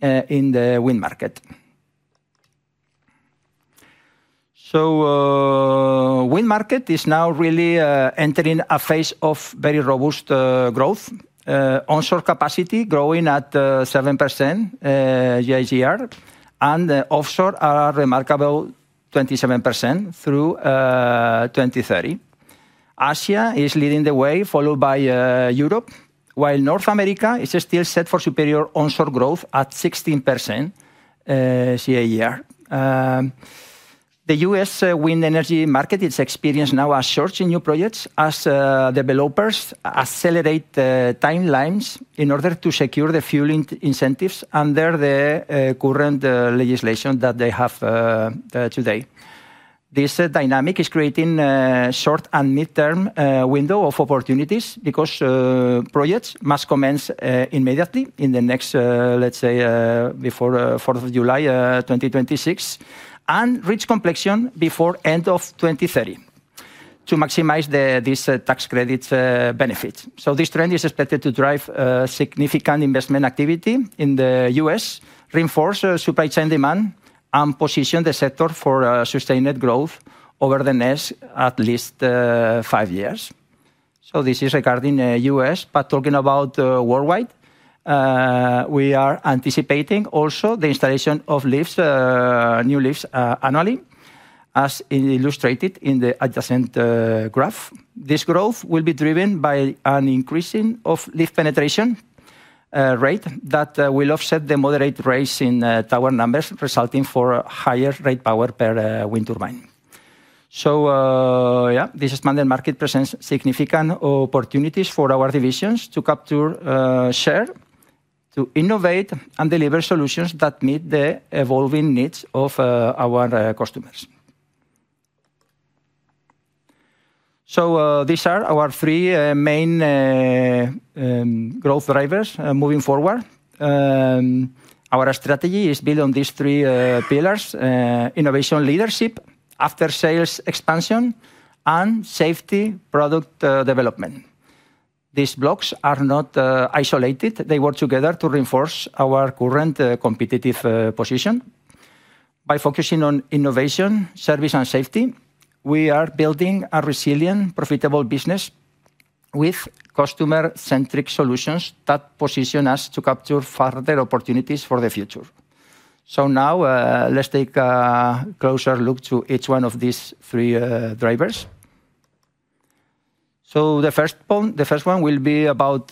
in the wind market. The wind market is now really entering a phase of very robust growth. Onshore capacity is growing at 7% year-over-year, and offshore is a remarkable 27% through 2030. Asia is leading the way, followed by Europe, while North America is still set for superior onshore growth at 16% year-over-year. The U.S. wind energy market is experienced now as searching new projects as developers accelerate timelines in order to secure the fuel incentives under the current legislation that they have today. This dynamic is creating a short and mid-term window of opportunities because projects must commence immediately in the next, let's say, before July 4, 2026, and reach completion before the end of 2030 to maximize these tax credit benefits. This trend is expected to drive significant investment activity in the US, reinforce supply chain demand, and position the sector for sustained growth over the next at least five years. This is regarding the US, but talking about worldwide, we are anticipating also the installation of new lifts annually, as illustrated in the adjacent graph. This growth will be driven by an increase in lift penetration rate that will offset the moderate raise in tower numbers, resulting in higher rate power per wind turbine. Yeah, this expanded market presents significant opportunities for our divisions to capture share, to innovate and deliver solutions that meet the evolving needs of our customers. These are our three main growth drivers moving forward. Our strategy is built on these three pillars: innovation leadership, after-sales expansion, and safety product development. These blocks are not isolated. They work together to reinforce our current competitive position. By focusing on innovation, service, and safety, we are building a resilient, profitable business with customer-centric solutions that position us to capture further opportunities for the future. Now, let's take a closer look at each one of these three drivers. The first one will be about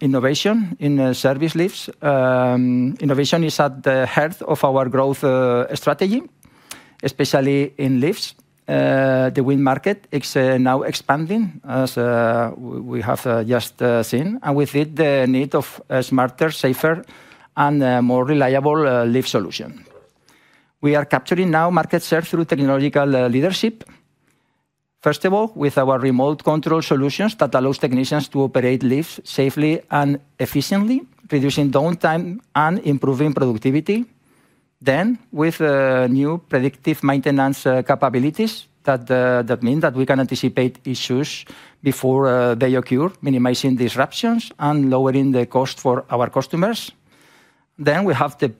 innovation in service lifts. Innovation is at the heart of our growth strategy, especially in lifts. The wind market is now expanding, as we have just seen, and with it, the need for smarter, safer, and more reliable lift solutions. We are capturing now market share through technological leadership. First of all, with our remote control solutions that allow technicians to operate lifts safely and efficiently, reducing downtime and improving productivity. With new predictive maintenance capabilities that mean that we can anticipate issues before they occur, minimizing disruptions and lowering the cost for our customers. We have the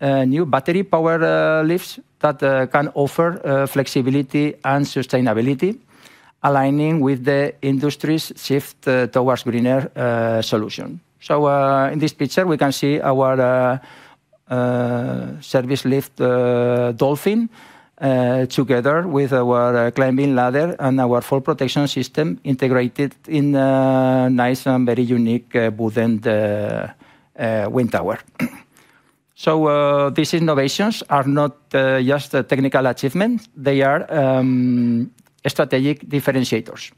new battery-powered lifts that can offer flexibility and sustainability, aligning with the industry's shift towards greener solutions. In this picture, we can see our service lift, Dolphin, together with our climbing ladder and our fall protection system integrated in a nice and very unique wooden wind tower. These innovations are not just technical achievements; they are strategic differentiators.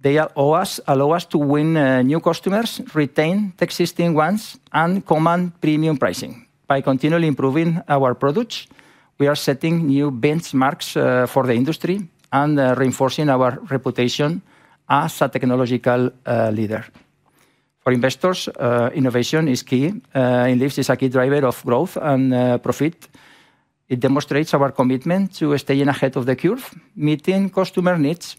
They allow us to win new customers, retain existing ones, and command premium pricing. By continually improving our products, we are setting new benchmarks for the industry and reinforcing our reputation as a technological leader. For investors, innovation is key. In lifts, it is a key driver of growth and profit. It demonstrates our commitment to staying ahead of the curve, meeting customer needs,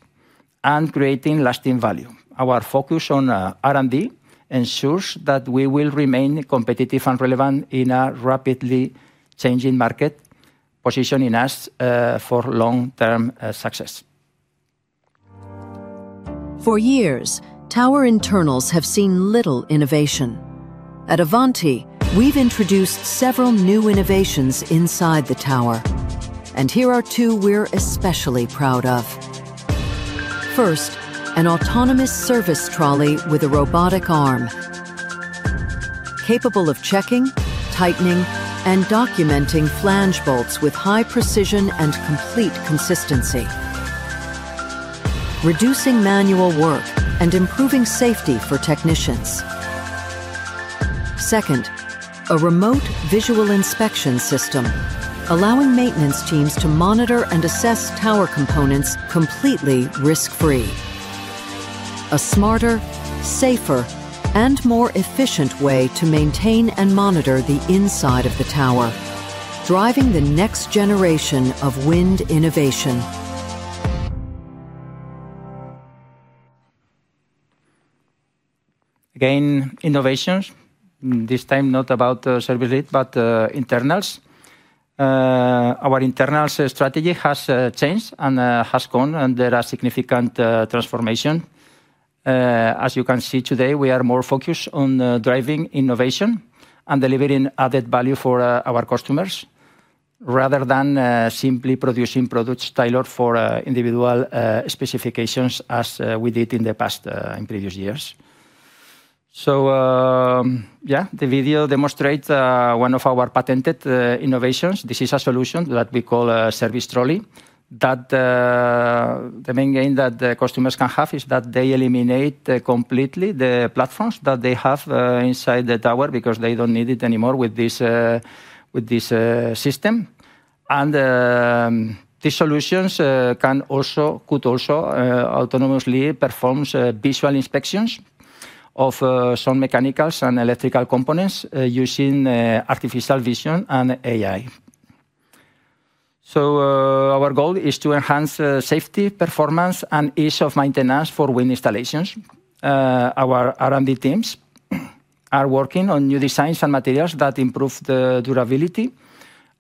and creating lasting value. Our focus on R&D ensures that we will remain competitive and relevant in a rapidly changing market, positioning us for long-term success. For years, tower internals have seen little innovation. At Avanti, we've introduced several new innovations inside the tower, and here are two we're especially proud of. First, an autonomous service trolley with a robotic arm, capable of checking, tightening, and documenting flange bolts with high precision and complete consistency, reducing manual work and improving safety for technicians. Second, a remote visual inspection system, allowing maintenance teams to monitor and assess tower components completely risk-free. A smarter, safer, and more efficient way to maintain and monitor the inside of the tower, driving the next generation of wind innovation. Again, innovations, this time not about service lifts, but internals. Our internal strategy has changed and has gone, and there are significant transformations. As you can see today, we are more focused on driving innovation and delivering added value for our customers rather than simply producing products tailored for individual specifications, as we did in the past, in previous years. Yeah, the video demonstrates one of our patented innovations. This is a solution that we call a service trolley. The main gain that customers can have is that they eliminate completely the platforms that they have inside the tower because they do not need it anymore with this system. These solutions could also autonomously perform visual inspections of some mechanical and electrical components using artificial vision and AI. Our goal is to enhance safety, performance, and ease of maintenance for wind installations. Our R&D teams are working on new designs and materials that improve the durability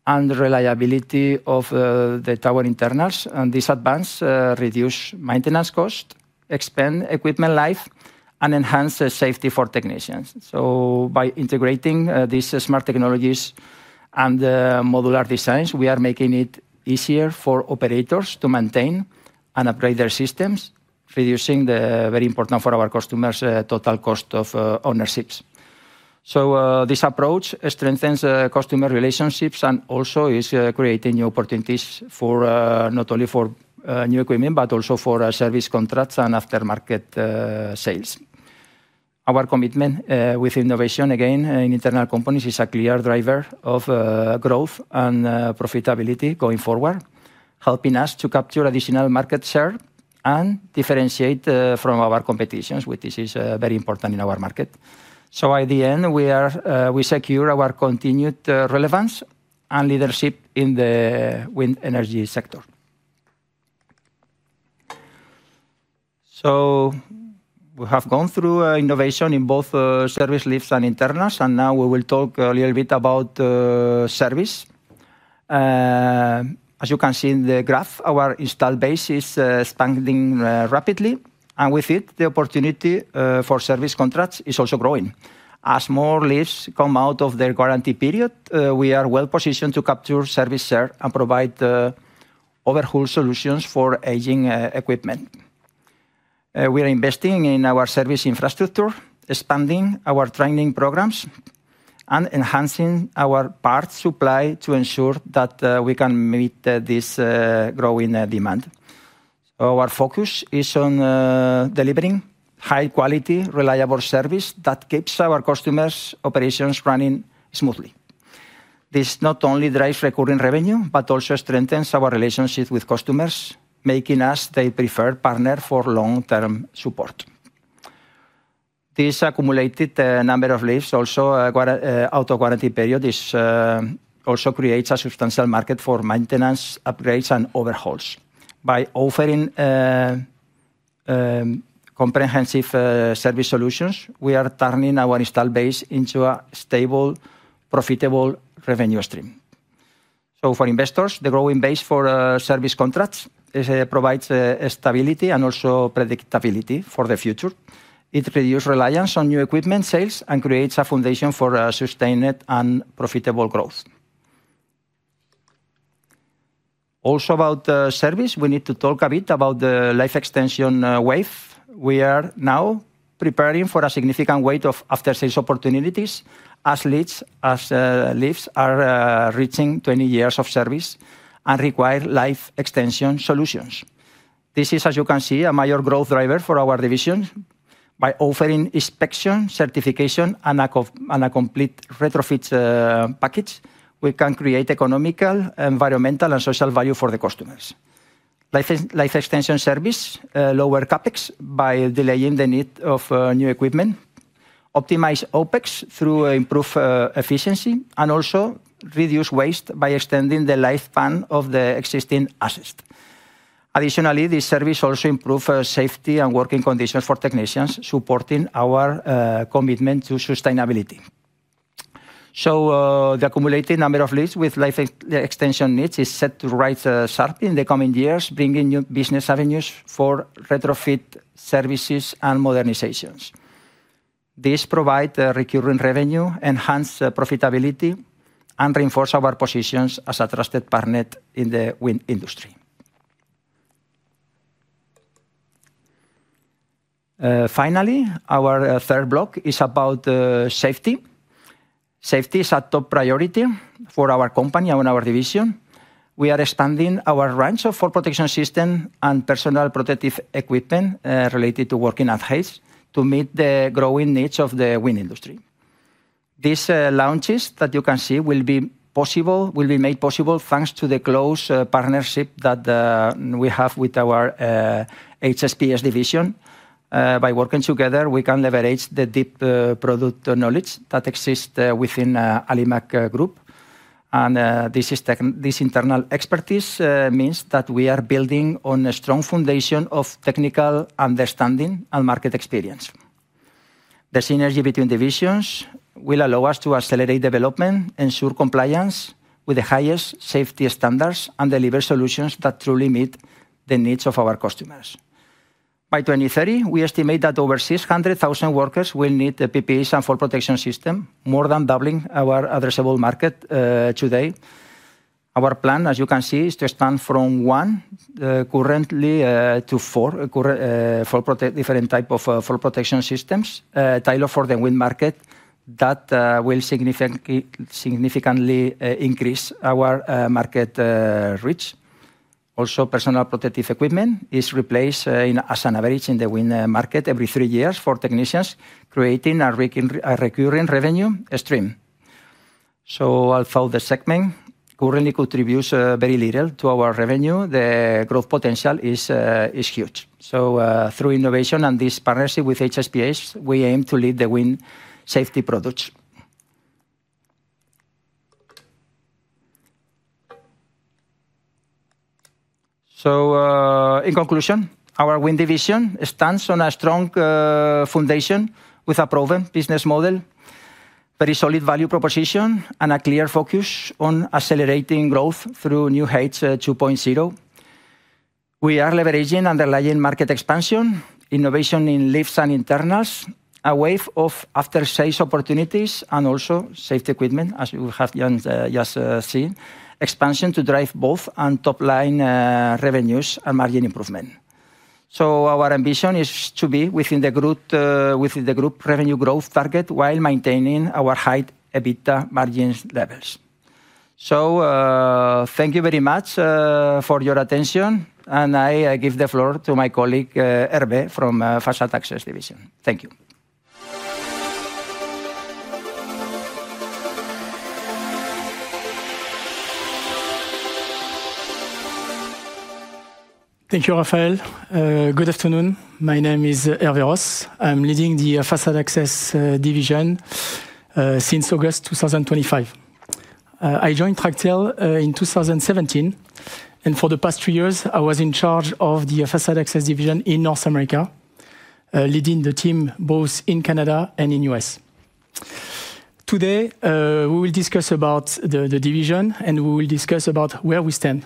and reliability of the tower internals, and this advance reduces maintenance costs, expands equipment life, and enhances safety for technicians. By integrating these smart technologies and modular designs, we are making it easier for operators to maintain and upgrade their systems, reducing the very important total cost of ownership for our customers. This approach strengthens customer relationships and also is creating new opportunities not only for new equipment, but also for service contracts and aftermarket sales. Our commitment with innovation, again, in internal companies, is a clear driver of growth and profitability going forward, helping us to capture additional market share and differentiate from our competitions, which is very important in our market. At the end, we secure our continued relevance and leadership in the wind energy sector. We have gone through innovation in both service lifts and internals, and now we will talk a little bit about service. As you can see in the graph, our install base is expanding rapidly, and with it, the opportunity for service contracts is also growing. As more lifts come out of their warranty period, we are well positioned to capture service share and provide overall solutions for aging equipment. We are investing in our service infrastructure, expanding our training programs, and enhancing our parts supply to ensure that we can meet this growing demand. Our focus is on delivering high-quality, reliable service that keeps our customers' operations running smoothly. This not only drives recurring revenue, but also strengthens our relationship with customers, making us their preferred partner for long-term support. This accumulated number of lifts, also out of warranty period, also creates a substantial market for maintenance upgrades and overhauls. By offering comprehensive service solutions, we are turning our install base into a stable, profitable revenue stream. For investors, the growing base for service contracts provides stability and also predictability for the future. It reduces reliance on new equipment sales and creates a foundation for sustained and profitable growth. Also, about service, we need to talk a bit about the life extension wave. We are now preparing for a significant wave of after-sales opportunities as lifts are reaching 20 years of service and require life extension solutions. This is, as you can see, a major growth driver for our division. By offering inspection, certification, and a complete retrofit package, we can create economical, environmental, and social value for the customers. Life extension service lowers CapEx by delaying the need for new equipment, optimizes OpEx through improved efficiency, and also reduces waste by extending the lifespan of the existing assets. Additionally, this service also improves safety and working conditions for technicians, supporting our commitment to sustainability. The accumulated number of lifts with life extension needs is set to rise sharply in the coming years, bringing new business avenues for retrofit services and modernizations. This provides recurring revenue, enhances profitability, and reinforces our position as a trusted partner in the wind industry. Finally, our third block is about safety. Safety is a top priority for our company and our division. We are expanding our range of fall protection systems and personal protective equipment related to working at heights to meet the growing needs of the wind industry. These launches that you can see will be made possible thanks to the close partnership that we have with our HSPS division. By working together, we can leverage the deep product knowledge that exists within the Alimak Group. This internal expertise means that we are building on a strong foundation of technical understanding and market experience. The synergy between divisions will allow us to accelerate development, ensure compliance with the highest safety standards, and deliver solutions that truly meet the needs of our customers. By 2030, we estimate that over 600,000 workers will need the PPE and fall protection systems, more than doubling our addressable market today. Our plan, as you can see, is to expand from one currently to four different types of fall protection systems tailored for the wind market that will significantly increase our market reach. Also, personal protective equipment is replaced as an average in the wind market every three years for technicians, creating a recurring revenue stream. Although the segment currently contributes very little to our revenue, the growth potential is huge. Through innovation and this partnership with HSPS, we aim to lead the wind safety products. In conclusion, our wind division stands on a strong foundation with a proven business model, very solid value proposition, and a clear focus on accelerating growth through New Heights 2.0. We are leveraging underlying market expansion, innovation in lifts and internals, a wave of after-sales opportunities, and also safety equipment, as you have just seen, expansion to drive both top-line revenues and margin improvement. Our ambition is to be within the group revenue growth target while maintaining our high EBITDA margin levels. Thank you very much for your attention, and I give the floor to my colleague Hervé from Facade Access Division. Thank you. Thank you, Rafael. Good afternoon. My name is Hervé Ros. I'm leading the Facade Access Division since August 2025. I joined Tractel in 2017, and for the past three years, I was in charge of the Facade Access Division in North America, leading the team both in Canada and in the US. Today, we will discuss about the division, and we will discuss about where we stand,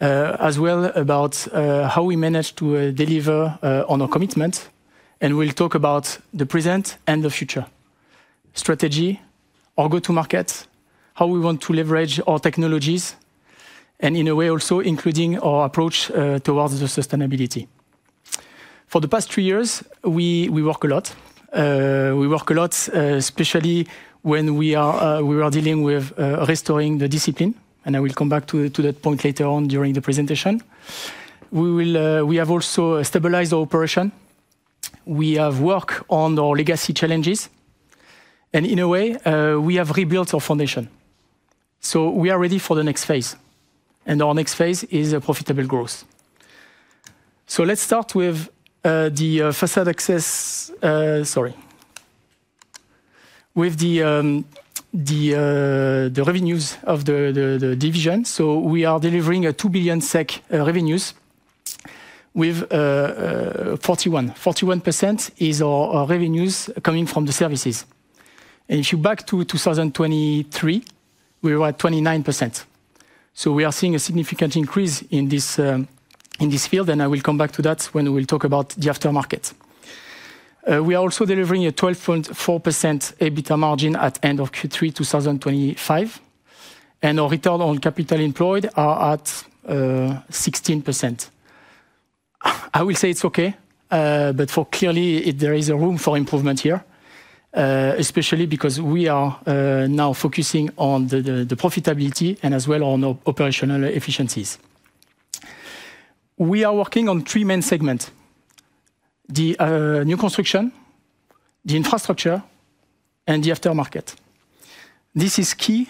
as well as about how we manage to deliver on our commitments, and we'll talk about the present and the future, strategy, our go-to-market, how we want to leverage our technologies, and in a way also including our approach towards sustainability. For the past three years, we work a lot. We work a lot, especially when we are dealing with restoring the discipline, and I will come back to that point later on during the presentation. We have also stabilized our operation. We have worked on our legacy challenges, and in a way, we have rebuilt our foundation. We are ready for the next phase, and our next phase is profitable growth. Let's start with the Facade Access, sorry, with the revenues of the division. We are delivering 2 billion SEK revenues with 41%. 41% is our revenues coming from the services. If you go back to 2023, we were at 29%. We are seeing a significant increase in this field, and I will come back to that when we will talk about the aftermarket. We are also delivering a 12.4% EBITDA margin at the end of Q3 2025, and our return on capital employed is at 16%. I will say it's okay, but clearly there is room for improvement here, especially because we are now focusing on the profitability and as well on operational efficiencies. We are working on three main segments: the new construction, the infrastructure, and the aftermarket. This is key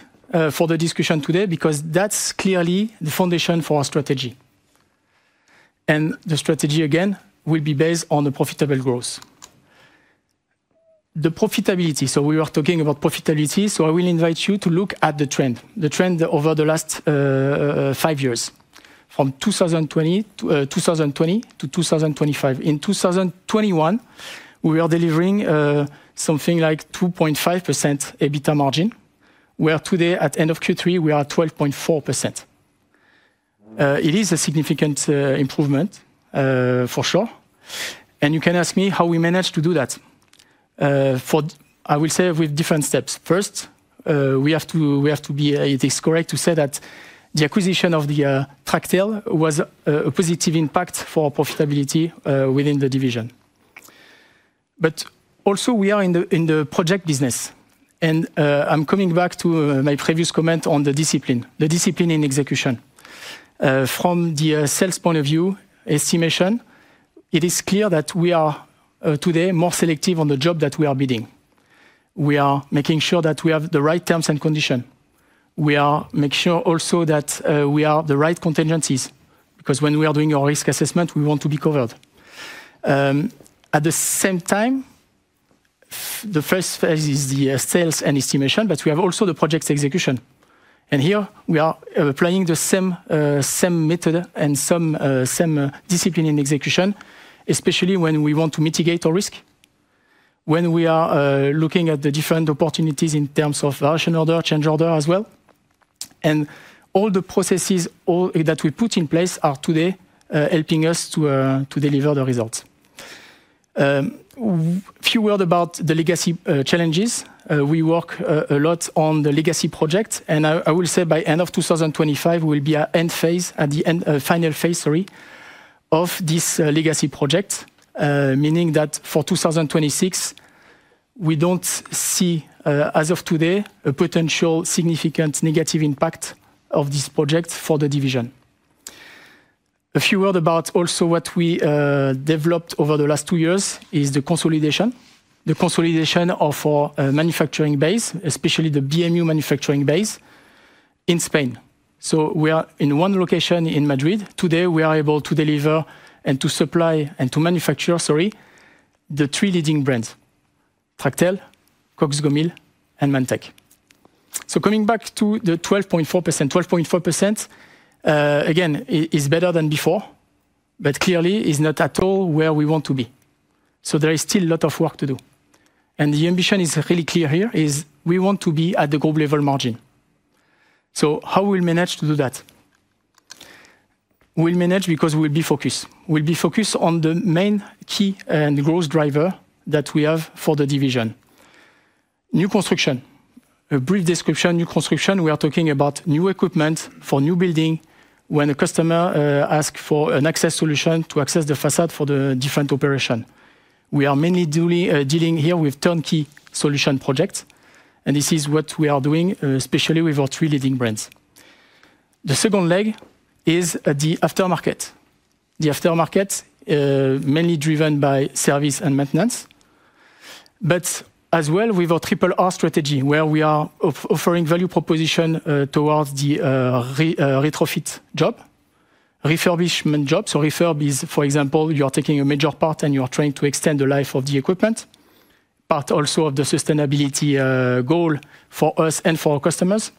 for the discussion today because that's clearly the foundation for our strategy. The strategy, again, will be based on profitable growth. The profitability, we were talking about profitability, so I will invite you to look at the trend, the trend over the last five years from 2020 to 2025. In 2021, we were delivering something like 2.5% EBITDA margin, where today, at the end of Q3, we are at 12.4%. It is a significant improvement, for sure. You can ask me how we managed to do that. I will say with different steps. First, we have to be correct to say that the acquisition of Tractel was a positive impact for our profitability within the division. Also, we are in the project business, and I am coming back to my previous comment on the discipline, the discipline in execution. From the sales point of view estimation, it is clear that we are today more selective on the job that we are bidding. We are making sure that we have the right terms and conditions. We are making sure also that we have the right contingencies because when we are doing our risk assessment, we want to be covered. At the same time, the first phase is the sales and estimation, but we have also the project execution. Here, we are applying the same method and same discipline in execution, especially when we want to mitigate our risk, when we are looking at the different opportunities in terms of version order, change order as well. All the processes that we put in place are today helping us to deliver the results. Few words about the legacy challenges. We work a lot on the legacy project, and I will say by the end of 2025, we will be at the end phase, at the final phase, sorry, of this legacy project, meaning that for 2026, we do not see, as of today, a potential significant negative impact of this project for the division. A few words about also what we developed over the last two years is the consolidation, the consolidation of our manufacturing base, especially the BMU manufacturing base in Spain. We are in one location in Madrid. Today, we are able to deliver and to supply and to manufacture, sorry, the three leading brands: Tractel, CoxGomyl, and Manitowoc. Coming back to the 12.4%, 12.4%, again, is better than before, but clearly is not at all where we want to be. There is still a lot of work to do. The ambition is really clear here is we want to be at the global level margin. How will we manage to do that? We'll manage because we'll be focused. We'll be focused on the main key and growth driver that we have for the division: new construction. A brief description, new construction, we are talking about new equipment for new building when a customer asks for an access solution to access the facade for the different operation. We are mainly dealing here with turnkey solution projects, and this is what we are doing, especially with our three leading brands. The second leg is the aftermarket. The aftermarket is mainly driven by service and maintenance, but as well with our triple R strategy, where we are offering value proposition towards the retrofit job, refurbishment jobs. Refurb is, for example, you are taking a major part and you are trying to extend the life of the equipment, part also of the sustainability goal for us and for our customers,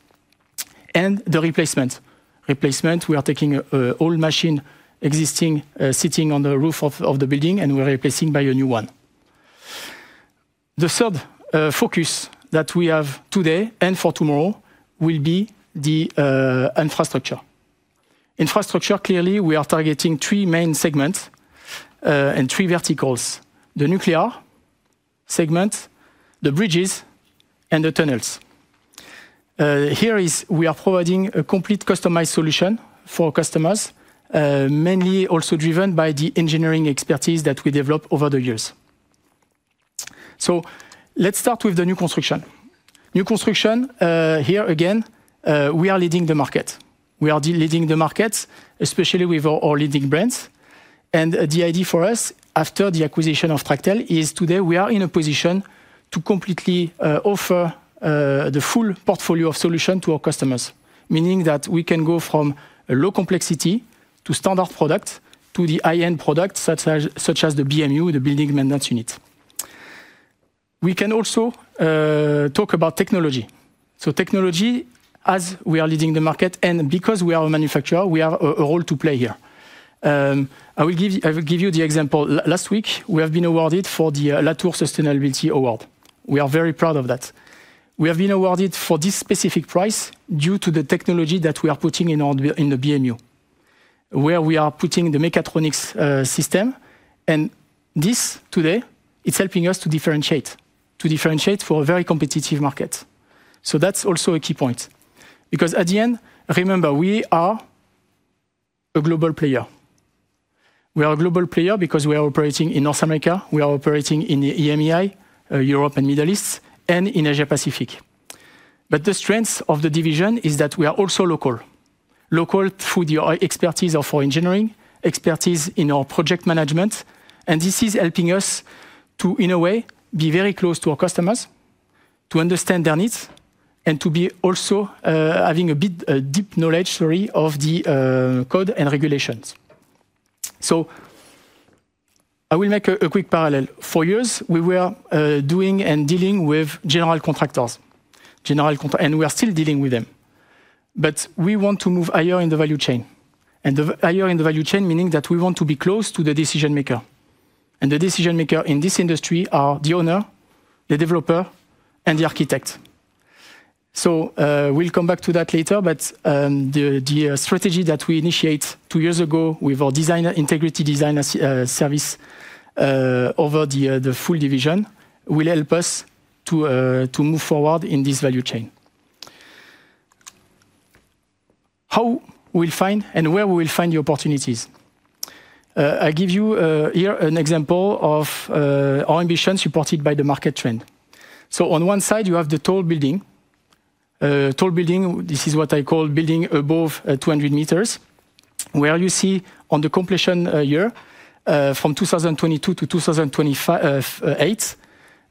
and the replacement. Replacement, we are taking an old machine existing, sitting on the roof of the building, and we're replacing it by a new one. The third focus that we have today and for tomorrow will be the infrastructure. Infrastructure, clearly, we are targeting three main segments and three verticals: the nuclear segment, the bridges, and the tunnels. Here is, we are providing a complete customized solution for customers, mainly also driven by the engineering expertise that we developed over the years. Let's start with the new construction. New construction, here again, we are leading the market. We are leading the market, especially with our leading brands. The idea for us, after the acquisition of Tractel, is today we are in a position to completely offer the full portfolio of solutions to our customers, meaning that we can go from low complexity to standard product to the high-end product, such as the BMU, the building maintenance unit. We can also talk about technology. Technology, as we are leading the market and because we are a manufacturer, we have a role to play here. I will give you the example. Last week, we have been awarded the Latour Sustainability Award. We are very proud of that. We have been awarded this specific prize due to the technology that we are putting in the BMU, where we are putting the mechatronics system. This, today, is helping us to differentiate, to differentiate for a very competitive market. That's also a key point because at the end, remember, we are a global player. We are a global player because we are operating in North America, we are operating in EMEA, Europe and Middle East, and in Asia-Pacific. The strength of the division is that we are also local, local through the expertise of our engineering, expertise in our project management. This is helping us to, in a way, be very close to our customers, to understand their needs, and to be also having a deep knowledge, sorry, of the code and regulations. I will make a quick parallel. For years, we were doing and dealing with general contractors, and we are still dealing with them. We want to move higher in the value chain. Higher in the value chain meaning that we want to be close to the decision maker. The decision maker in this industry are the owner, the developer, and the architect. We will come back to that later, but the strategy that we initiated two years ago with our integrity design service over the full division will help us to move forward in this value chain. How we will find and where we will find the opportunities. I will give you here an example of our ambition supported by the market trend. On one side, you have the tall building. Tall building, this is what I call building above 200 meters, where you see on the completion year from 2022 to 2028,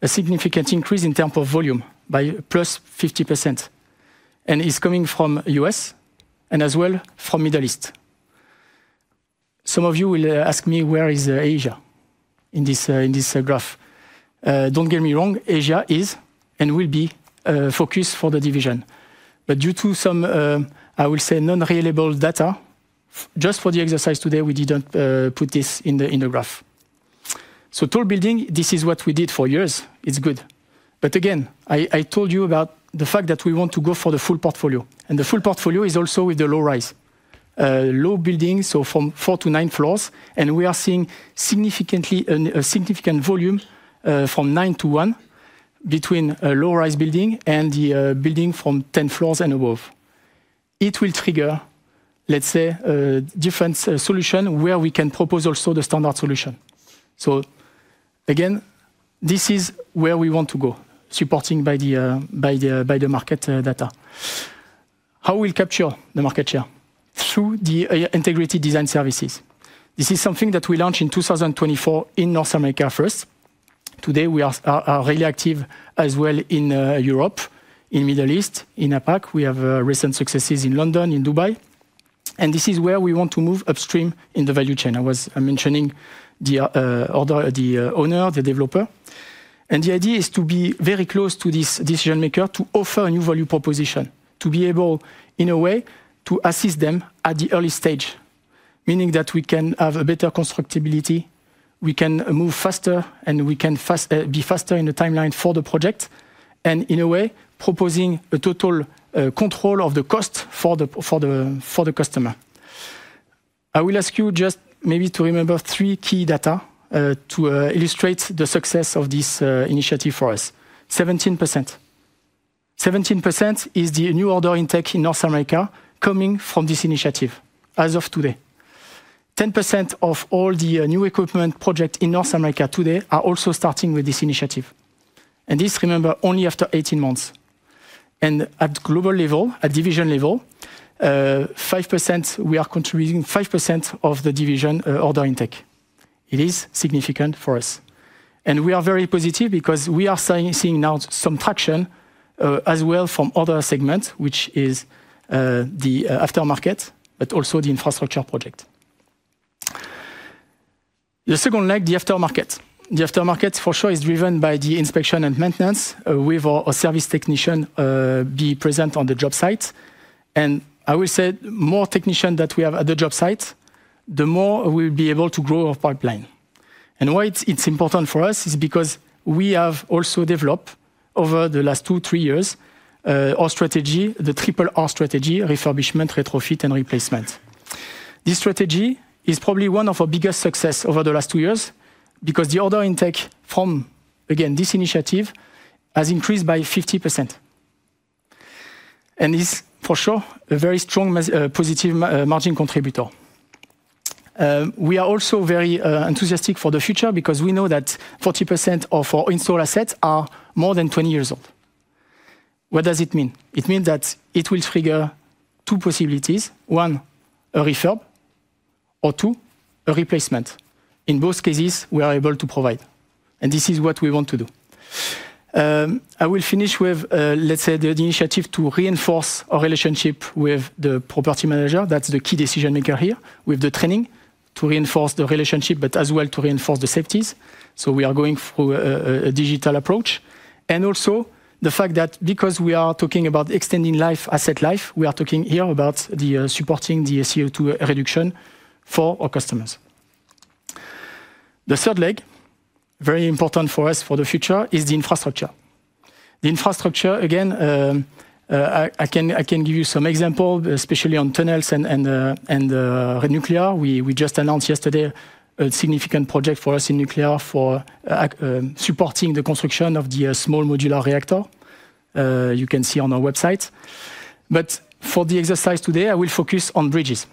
a significant increase in terms of volume by +50%. It is coming from the U.S. and as well from the Middle East. Some of you will ask me, where is Asia in this graph? Don't get me wrong, Asia is and will be a focus for the division. But due to some, I will say, non-reliable data, just for the exercise today, we didn't put this in the graph. Tall building, this is what we did for years. It's good. Again, I told you about the fact that we want to go for the full portfolio. The full portfolio is also with the low rise, low building, so from four to nine floors. We are seeing a significant volume from nine to one between a low rise building and the building from 10 floors and above. It will trigger, let's say, a different solution where we can propose also the standard solution. Again, this is where we want to go, supported by the market data. How we'll capture the market share? Through the integrated design services. This is something that we launched in 2024 in North America first. Today, we are really active as well in Europe, in the Middle East, in APAC. We have recent successes in London, in Dubai. This is where we want to move upstream in the value chain. I was mentioning the owner, the developer. The idea is to be very close to this decision maker to offer a new value proposition, to be able, in a way, to assist them at the early stage, meaning that we can have a better constructibility, we can move faster, and we can be faster in the timeline for the project, and in a way, proposing a total control of the cost for the customer. I will ask you just maybe to remember three key data to illustrate the success of this initiative for us. 17%. 17% is the new order in tech in North America coming from this initiative as of today. 10% of all the new equipment projects in North America today are also starting with this initiative. This, remember, only after 18 months. At global level, at division level, 5%, we are contributing 5% of the division order in tech. It is significant for us. We are very positive because we are seeing now some traction as well from other segments, which is the aftermarket, but also the infrastructure project. The second leg, the aftermarket. The aftermarket, for sure, is driven by the inspection and maintenance with our service technicians being present on the job site. I will say more technicians that we have at the job site, the more we'll be able to grow our pipeline. Why it's important for us is because we have also developed over the last two, three years our strategy, the triple R strategy, refurbishment, retrofit, and replacement. This strategy is probably one of our biggest successes over the last two years because the order intake from, again, this initiative has increased by 50%. It's for sure a very strong positive margin contributor. We are also very enthusiastic for the future because we know that 40% of our installed assets are more than 20 years old. What does it mean? It means that it will trigger two possibilities. One, a refurb, or two, a replacement. In both cases, we are able to provide. This is what we want to do. I will finish with, let's say, the initiative to reinforce our relationship with the property manager. That's the key decision maker here, with the training to reinforce the relationship, but as well to reinforce the safeties. We are going through a digital approach. Also, the fact that because we are talking about extending life, asset life, we are talking here about supporting the CO2 reduction for our customers. The third leg, very important for us for the future, is the infrastructure. The infrastructure, again, I can give you some examples, especially on tunnels and nuclear. We just announced yesterday a significant project for us in nuclear for supporting the construction of the small modular reactor. You can see on our website. For the exercise today, I will focus on bridges.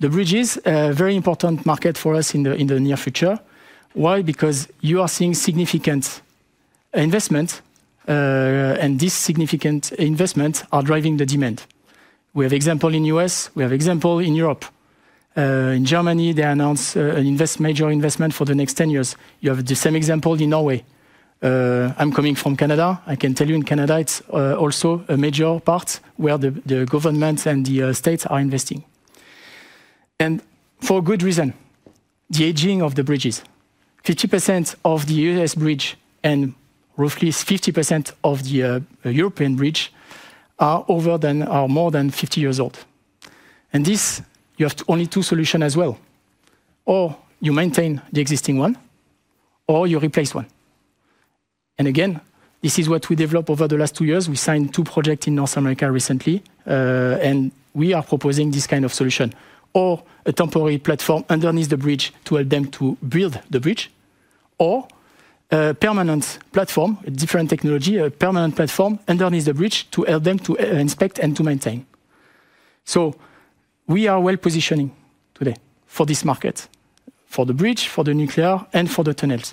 The bridge is a very important market for us in the near future. Why? Because you are seeing significant investments, and these significant investments are driving the demand. We have examples in the U.S. We have examples in Europe. In Germany, they announced a major investment for the next 10 years. You have the same example in Norway. I'm coming from Canada. I can tell you in Canada, it's also a major part where the government and the states are investing. For good reason. The aging of the bridges. 50% of the U.S. bridge and roughly 50% of the European bridge are more than 50 years old. In this, you have only two solutions as well. You maintain the existing one, or you replace one. This is what we developed over the last two years. We signed two projects in North America recently, and we are proposing this kind of solution. A temporary platform underneath the bridge to help them to build the bridge, or a permanent platform, a different technology, a permanent platform underneath the bridge to help them to inspect and to maintain. We are well positioned today for this market, for the bridge, for the nuclear, and for the tunnels.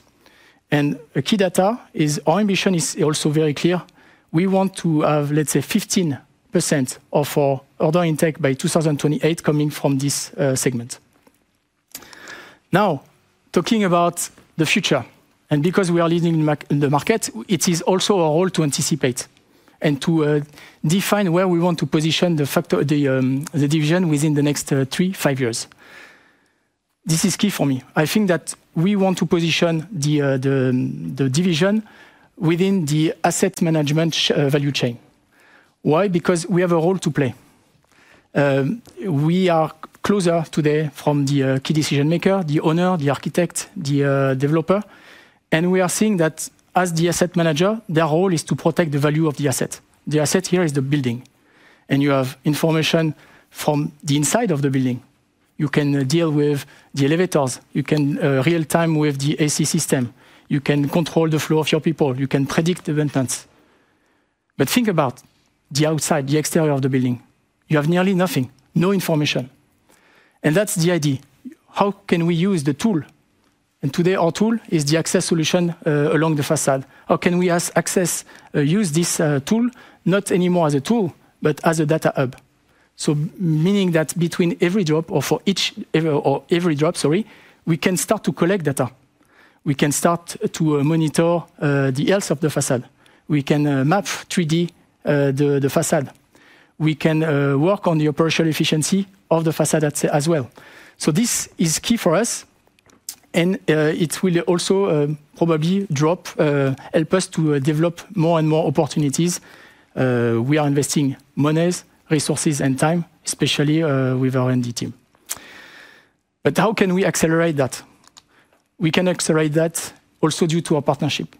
A key data is our ambition is also very clear. We want to have, let's say, 15% of our order intake by 2028 coming from this segment. Now, talking about the future, and because we are leading the market, it is also our role to anticipate and to define where we want to position the division within the next three, five years. This is key for me. I think that we want to position the division within the asset management value chain. Why? Because we have a role to play. We are closer today from the key decision maker, the owner, the architect, the developer. We are seeing that as the asset manager, their role is to protect the value of the asset. The asset here is the building. You have information from the inside of the building. You can deal with the elevators. You can real-time with the AC system. You can control the flow of your people. You can predict the maintenance. Think about the outside, the exterior of the building. You have nearly nothing, no information. That is the idea. How can we use the tool? Today, our tool is the access solution along the facade. How can we access, use this tool, not anymore as a tool, but as a data hub? Meaning that between every job or for each or every job, sorry, we can start to collect data. We can start to monitor the health of the facade. We can map 3D the facade. We can work on the operational efficiency of the facade as well. This is key for us. It will also probably help us to develop more and more opportunities. We are investing money, resources, and time, especially with our R&D team. How can we accelerate that? We can accelerate that also due to our partnership.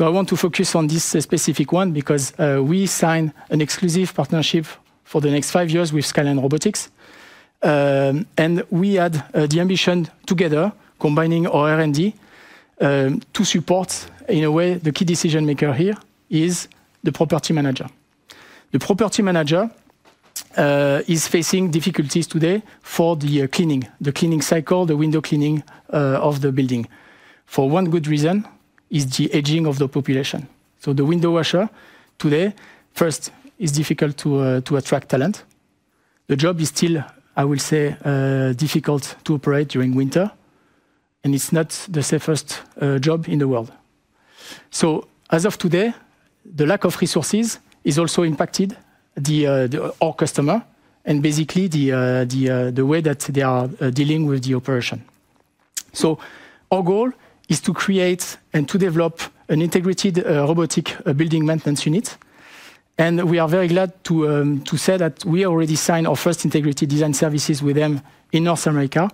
I want to focus on this specific one because we signed an exclusive partnership for the next five years with Skyline Robotics. We had the ambition together, combining our R&D to support, in a way, the key decision maker here is the property manager. The property manager is facing difficulties today for the cleaning, the cleaning cycle, the window cleaning of the building. For one good reason is the aging of the population. The window washer today, first, is difficult to attract talent. The job is still, I will say, difficult to operate during winter. It is not the safest job in the world. As of today, the lack of resources is also impacting our customer and basically the way that they are dealing with the operation. Our goal is to create and to develop an integrated robotic building maintenance unit. We are very glad to say that we already signed our first integrated design services with them in North America,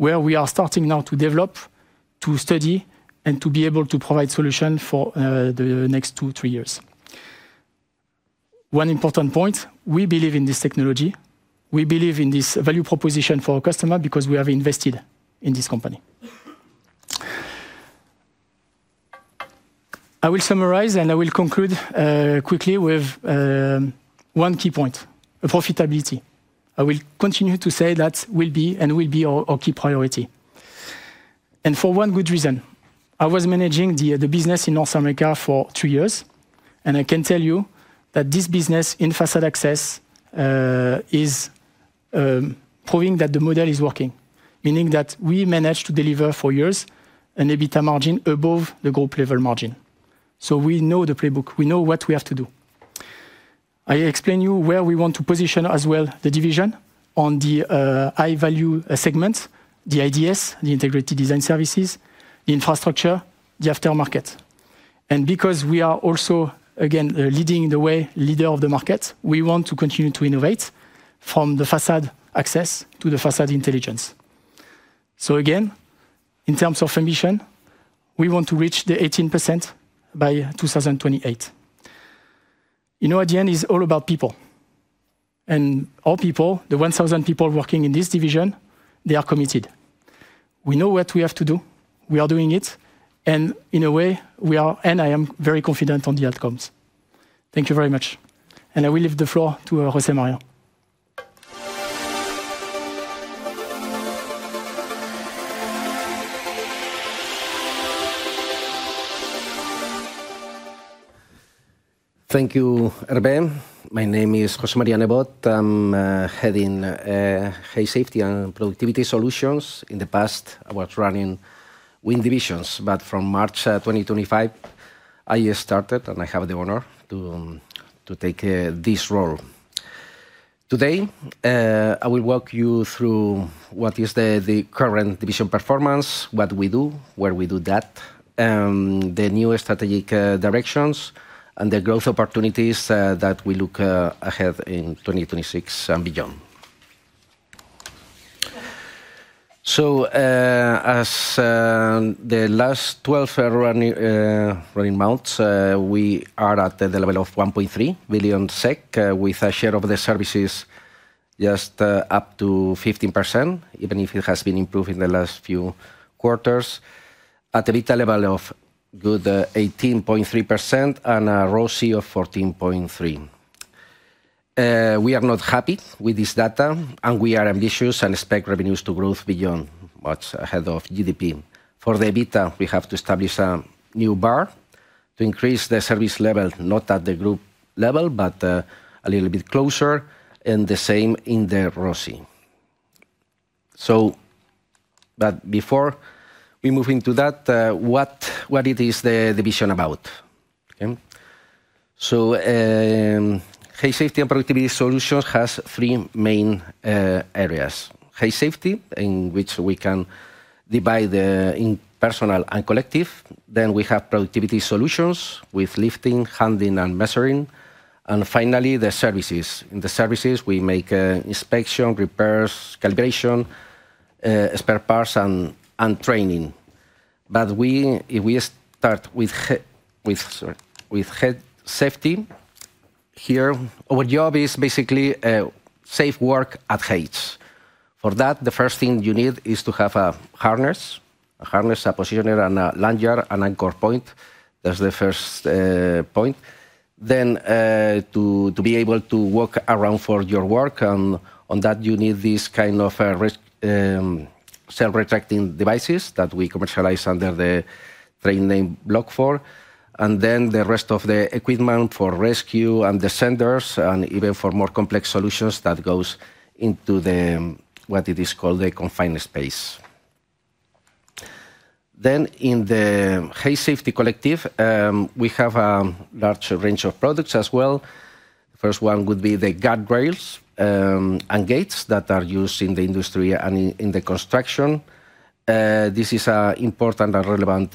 where we are starting now to develop, to study, and to be able to provide solutions for the next two to three years. One important point, we believe in this technology. We believe in this value proposition for our customer because we have invested in this company. I will summarize and I will conclude quickly with one key point, profitability. I will continue to say that will be and will be our key priority. For one good reason. I was managing the business in North America for two years. I can tell you that this business in facade access is proving that the model is working, meaning that we managed to deliver for years an EBITDA margin above the group level margin. We know the playbook. We know what we have to do. I explain to you where we want to position as well the division on the high-value segments, the IDS, the integrated design services, the infrastructure, the aftermarket. Because we are also, again, leading the way, leader of the market, we want to continue to innovate from the facade access to the facade intelligence. Again, in terms of ambition, we want to reach the 18% by 2028. You know, at the end, it's all about people. And our people, the 1,000 people working in this division, they are committed. We know what we have to do. We are doing it. In a way, we are, and I am very confident on the outcomes. Thank you very much. I will leave the floor to José Maria. Thank you, Hervé. My name is José Maria Nevot. I'm heading height safety and productivity solutions. In the past, I was running wind divisions, but from March 2025, I started and I have the honor to take this role. Today, I will walk you through what is the current division performance, what we do, where we do that, the new strategic directions, and the growth opportunities that we look ahead in 2026 and beyond. As the last 12 running months, we are at the level of 1.3 billion SEK with a share of the services just up to 15%, even if it has been improved in the last few quarters, at an EBITDA level of a good 18.3% and a ROSI of 14.3%. We are not happy with this data, and we are ambitious and expect revenues to grow beyond what's ahead of GDP. For the EBITDA, we have to establish a new bar to increase the service level, not at the group level, but a little bit closer, and the same in the ROSI. Before we move into that, what is the division about? Height safety and productivity solutions has three main areas. Height safety, in which we can divide in personal and collective. Then we have productivity solutions with lifting, handling, and measuring. Finally, the services. In the services, we make inspection, repairs, calibration, spare parts, and training. If we start with height safety, here, our job is basically safe work at heights. For that, the first thing you need is to have a harness, a harness, a positioner, and a lanyard, and an anchor point. That's the first point. To be able to walk around for your work, on that, you need these kind of self-retracting devices that we commercialize under the trade name Blocfor. The rest of the equipment for rescue and the senders, and even for more complex solutions that go into what it is called the confined space. In the height safety collective, we have a large range of products as well. The first one would be the guardrails and gates that are used in the industry and in the construction. This is an important and relevant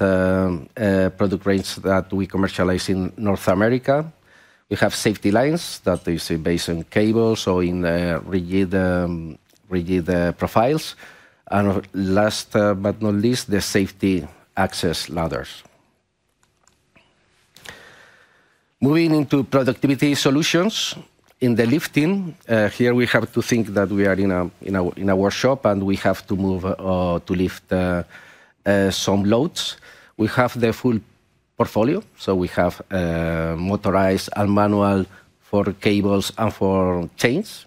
product range that we commercialize in North America. We have safety lines that are based on cables or in rigid profiles. Last but not least, the safety access ladders. Moving into productivity solutions, in the lifting, here we have to think that we are in a workshop and we have to move to lift some loads. We have the full portfolio. We have motorized and manual for cables and for chains.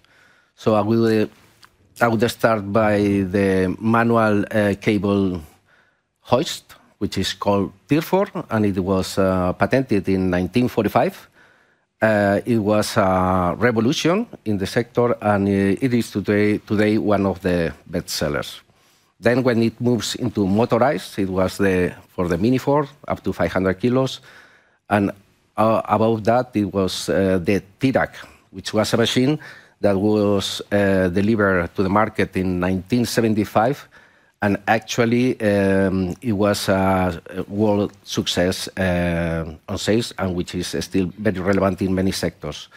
I would start by the manual cable hoist, which is called TIRFOR, and it was patented in 1945. It was a revolution in the sector, and it is today one of the best sellers. When it moves into motorized, it was for the Mini 4, up to 500 kg. Above that, it was the Tirak which was a machine that was delivered to the market in 1975. Actually, it was a world success on sales, which is still very relevant in many sectors.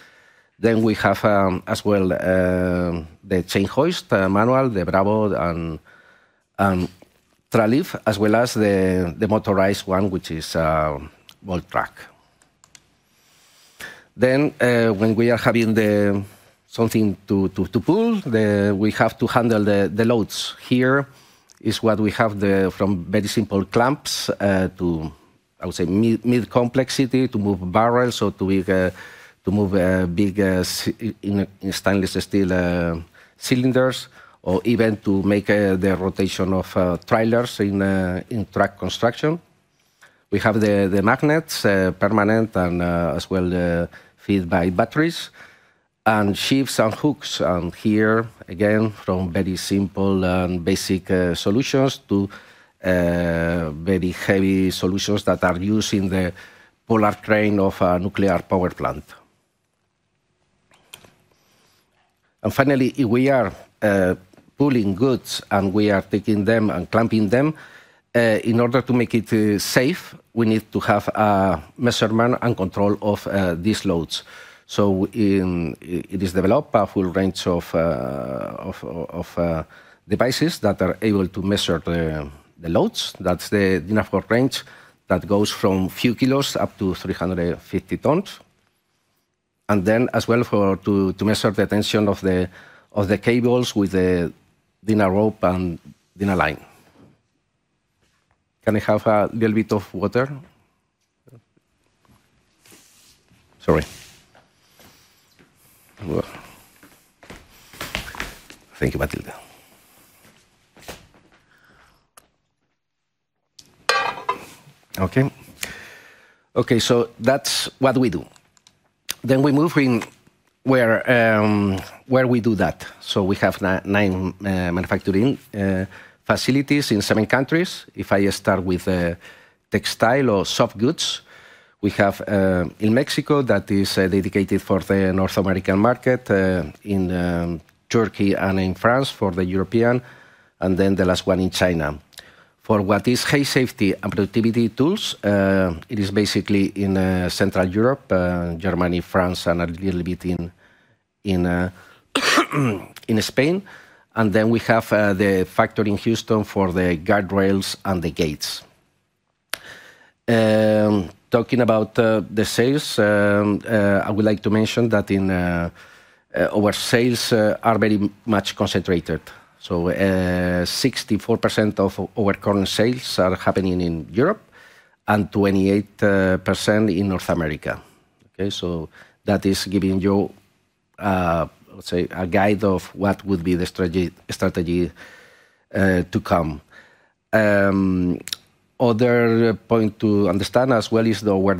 We have as well the chain hoist, manual, the Bravo and Tralift, as well as the motorized one, which is Voltrac. When we are having something to pull, we have to handle the loads. Here is what we have from very simple clamps to, I would say, mid-complexity to move barrels or to move big stainless steel cylinders, or even to make the rotation of trailers in track construction. We have the magnets, permanent and as well fed by batteries, and sheaves and hooks. Here, again, from very simple and basic solutions to very heavy solutions that are used in the polar crane of a nuclear power plant. Finally, if we are pulling goods and we are taking them and clamping them, in order to make it safe, we need to have a measurement and control of these loads. It is developed a full range of devices that are able to measure the loads. That is the DINAFORT range that goes from a few kilos up to 350 tons. As well, to measure the tension of the cables with the DINA rope and DINA line. Can I have a little bit of water? Sorry. Thank you, Matilda. Okay. Okay, that is what we do. We move where we do that. We have nine manufacturing facilities in seven countries. If I start with textile or soft goods, we have in Mexico that is dedicated for the North American market, in Turkey and in France for the European, and the last one in China. For what is height safety and productivity tools, it is basically in Central Europe, Germany, France, and a little bit in Spain. We have the factory in Houston for the guardrails and the gates. Talking about the sales, I would like to mention that our sales are very much concentrated. 64% of our current sales are happening in Europe and 28% in North America. That is giving you, I would say, a guide of what would be the strategy to come. Another point to understand as well is where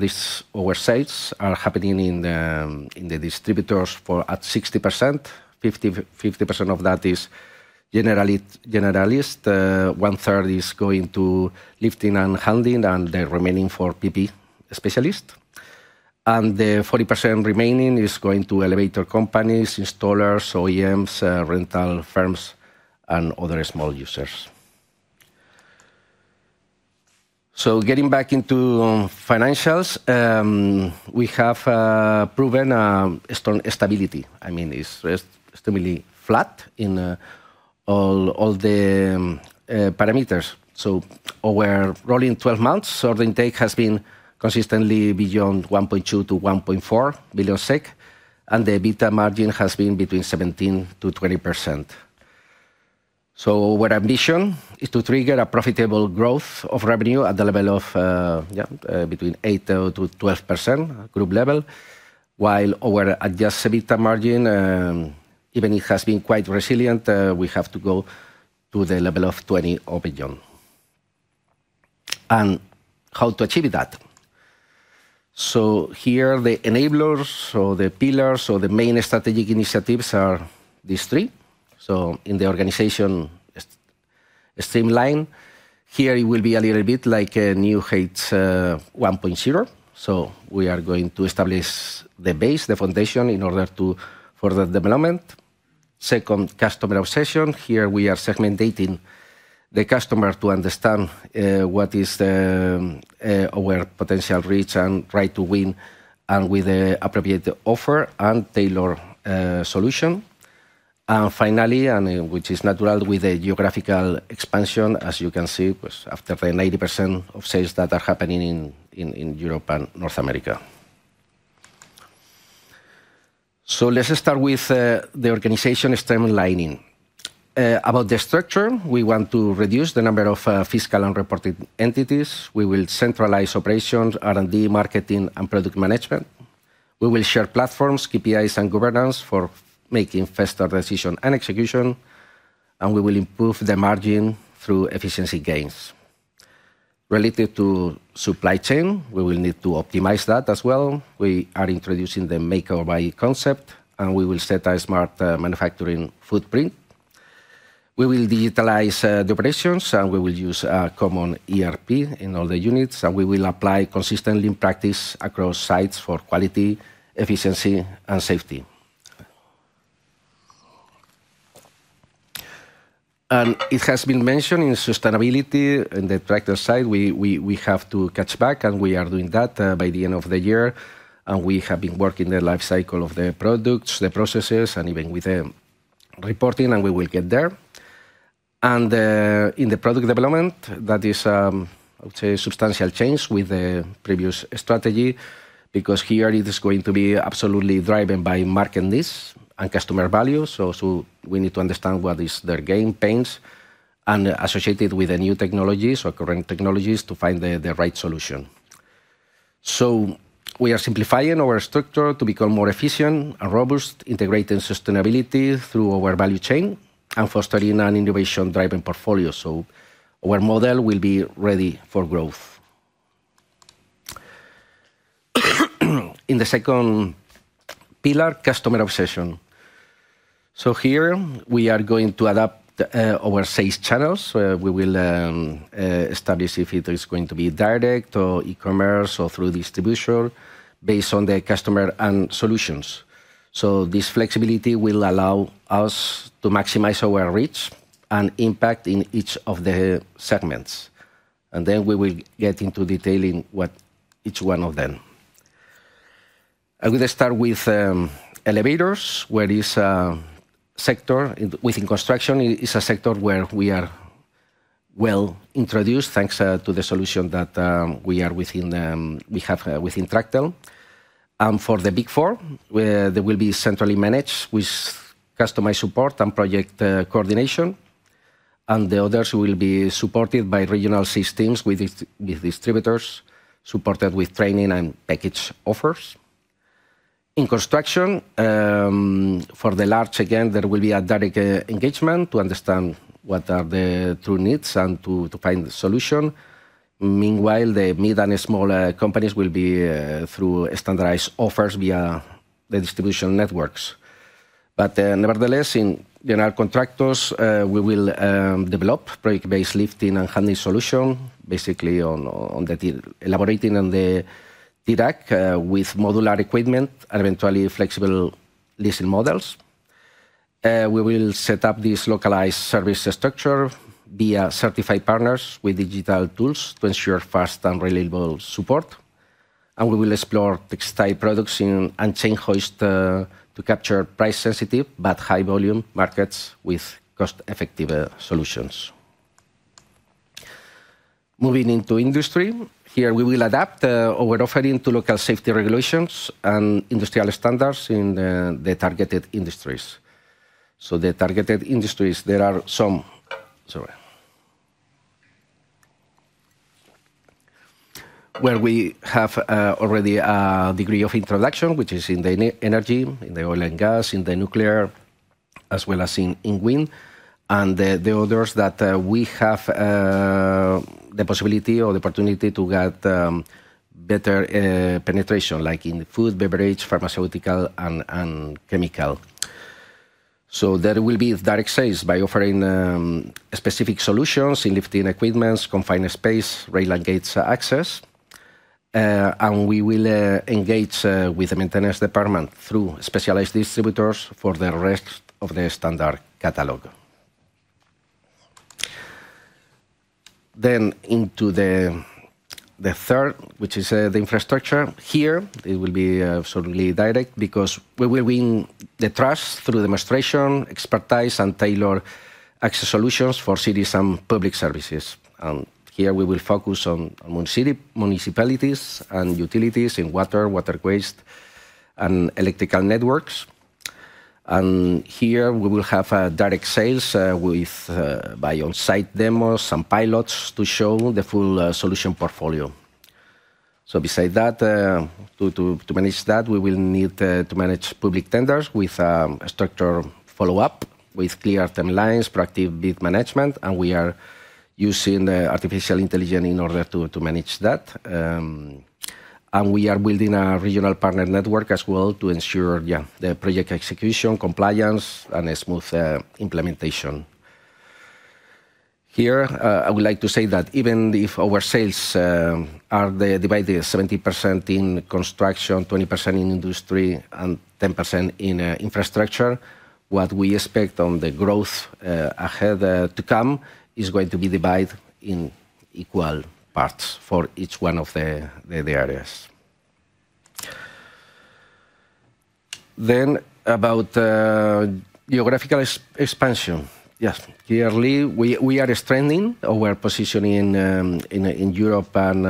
our sales are happening in the distributors for at 60%. 50% of that is generalist. One third is going to lifting and handling, and the remaining for PPE specialist. The 40% remaining is going to elevator companies, installers, OEMs, rental firms, and other small users. Getting back into financials, we have proven stability. I mean, it's extremely flat in all the parameters. Over roughly 12 months, order intake has been consistently beyond 1.2 billion-1.4 billion SEK, and the EBITDA margin has been between 17%-20%. Our ambition is to trigger a profitable growth of revenue at the level of between 8%-12% group level, while our adjusted EBITDA margin, even if it has been quite resilient, we have to go to the level of 20% or beyond. How to achieve that? Here the enablers or the pillars or the main strategic initiatives are these three. In the organization streamline, here it will be a little bit like a new height 1.0. We are going to establish the base, the foundation in order to further development. Second, customer obsession. Here we are segmentating the customer to understand what is our potential reach and right to win with the appropriate offer and tailored solution. Finally, which is natural with the geographical expansion, as you can see, after the 90% of sales that are happening in Europe and North America. Let's start with the organization streamlining. About the structure, we want to reduce the number of fiscal and reported entities. We will centralize operations, R&D, marketing, and product management. We will share platforms, KPIs, and governance for making faster decisions and execution, and we will improve the margin through efficiency gains. Related to supply chain, we will need to optimize that as well. We are introducing the make-or-buy concept, and we will set a smart manufacturing footprint. We will digitalize the operations, and we will use a common ERP in all the units, and we will apply consistently in practice across sites for quality, efficiency, and safety. It has been mentioned in sustainability and the traction side, we have to catch back, and we are doing that by the end of the year. We have been working the lifecycle of the products, the processes, and even with the reporting, and we will get there. In the product development, that is, I would say, a substantial change with the previous strategy because here it is going to be absolutely driven by market needs and customer value. We need to understand what is their game pains and associate it with the new technologies or current technologies to find the right solution. We are simplifying our structure to become more efficient and robust, integrating sustainability through our value chain and fostering an innovation-driven portfolio. Our model will be ready for growth. In the second pillar, customer obsession. Here we are going to adapt our sales channels. We will establish if it is going to be direct or e-commerce or through distribution based on the customer and solutions. This flexibility will allow us to maximize our reach and impact in each of the segments. We will get into detailing what each one of them. I will start with elevators, where this sector within construction is a sector where we are well introduced thanks to the solution that we have within Tractel. For the Big Four, there will be centrally managed with customized support and project coordination. The others will be supported by regional systems with distributors supported with training and package offers. In construction, for the large, again, there will be a direct engagement to understand what are the true needs and to find the solution. Meanwhile, the mid and small companies will be through standardized offers via the distribution networks. Nevertheless, in general contractors, we will develop project-based lifting and handling solution, basically elaborating on the Tirak with modular equipment and eventually flexible leasing models. We will set up this localized service structure via certified partners with digital tools to ensure fast and reliable support. We will explore textile products and chain hoist to capture price-sensitive but high-volume markets with cost-effective solutions. Moving into industry, here we will adapt our offering to local safety regulations and industrial standards in the targeted industries. The targeted industries, there are some where we have already a degree of introduction, which is in the energy, in the oil and gas, in the nuclear, as well as in wind. The others that we have the possibility or the opportunity to get better penetration, like in food, beverage, pharmaceutical, and chemical. There will be direct sales by offering specific solutions in lifting equipment, confined space, rail and gates access. We will engage with the maintenance department through specialized distributors for the rest of the standard catalog. Into the third, which is the infrastructure here, it will be absolutely direct because we will win the trust through demonstration, expertise, and tailored access solutions for cities and public services. Here we will focus on city municipalities and utilities in water, water waste, and electrical networks. Here we will have direct sales by on-site demos and pilots to show the full solution portfolio. Beside that, to manage that, we will need to manage public tenders with structured follow-up, with clear timelines, proactive bid management, and we are using artificial intelligence in order to manage that. We are building a regional partner network as well to ensure the project execution, compliance, and a smooth implementation. Here, I would like to say that even if our sales are divided 70% in construction, 20% in industry, and 10% in infrastructure, what we expect on the growth ahead to come is going to be divided in equal parts for each one of the areas. About geographical expansion, yes, clearly, we are strengthening our position in Europe and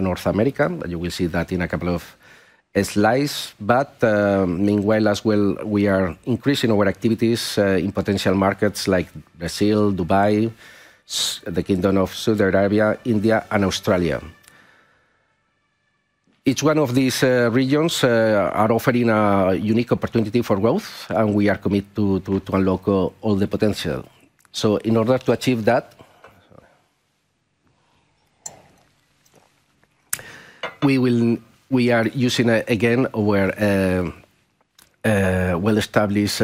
North America. You will see that in a couple of slides. Meanwhile, as well, we are increasing our activities in potential markets like Brazil, Dubai, the Kingdom of Saudi Arabia, India, and Australia. Each one of these regions is offering a unique opportunity for growth, and we are committed to unlock all the potential. In order to achieve that, we are using, again, our well-established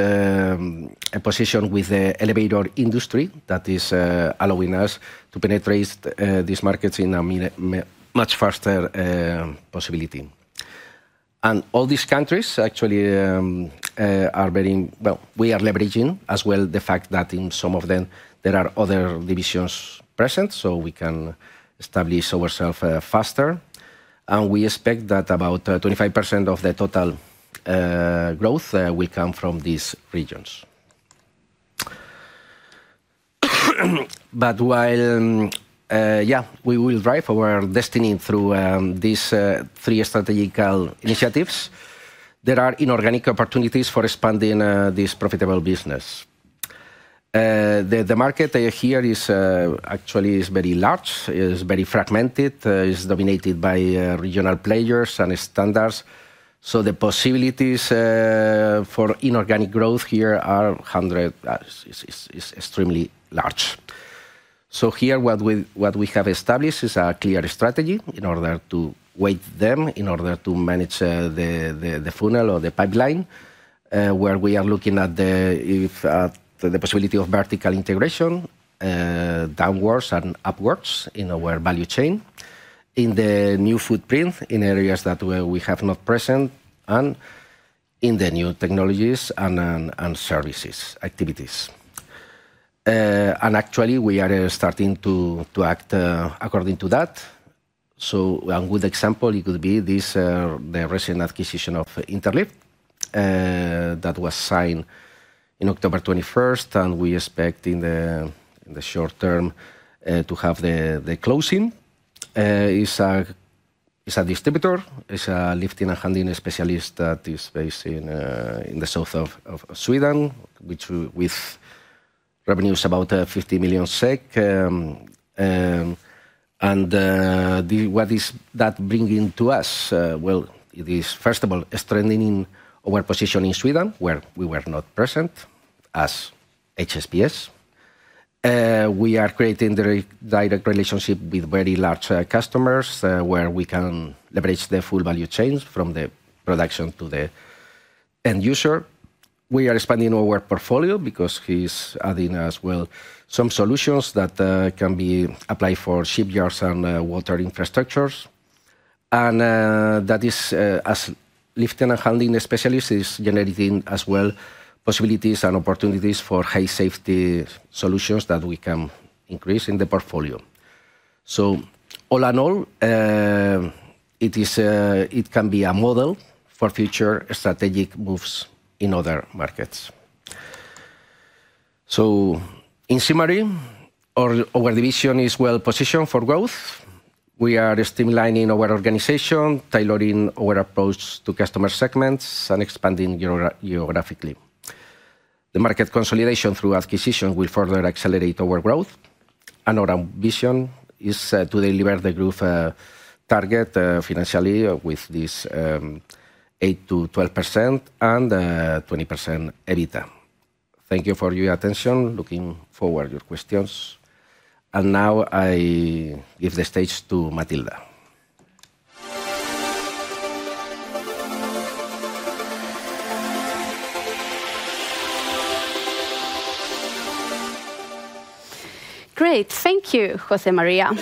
position with the elevator industry that is allowing us to penetrate these markets in a much faster possibility. All these countries actually are very, well, we are leveraging as well the fact that in some of them, there are other divisions present, so we can establish ourselves faster. We expect that about 25% of the total growth will come from these regions. While, yeah, we will drive our destiny through these three strategical initiatives, there are inorganic opportunities for expanding this profitable business. The market here is actually very large, is very fragmented, is dominated by regional players and standards. The possibilities for inorganic growth here are extremely large. Here, what we have established is a clear strategy in order to weigh them in order to manage the funnel or the pipeline, where we are looking at the possibility of vertical integration downwards and upwards in our value chain, in the new footprint in areas that we have not present, and in the new technologies and services activities. Actually, we are starting to act according to that. A good example could be the recent acquisition of Interlift that was signed on October 21, and we expect in the short term to have the closing. It is a distributor, it is a lifting and handling specialist that is based in the south of Sweden, with revenues of about SEK 50 million. What is that bringing to us? It is, first of all, strengthening our position in Sweden, where we were not present as HSPS. We are creating a direct relationship with very large customers, where we can leverage the full value chain from the production to the end user. We are expanding our portfolio because he is adding as well some solutions that can be applied for shipyards and water infrastructures. That is, as lifting and handling specialists, generating as well possibilities and opportunities for high safety solutions that we can increase in the portfolio. All in all, it can be a model for future strategic moves in other markets. In summary, our division is well positioned for growth. We are streamlining our organization, tailoring our approach to customer segments, and expanding geographically. The market consolidation through acquisition will further accelerate our growth. Our ambition is to deliver the growth target financially with this 8%-12% and 20% EBITDA. Thank you for your attention. Looking forward to your questions. I give the stage to Matilda. Great. Thank you, José María.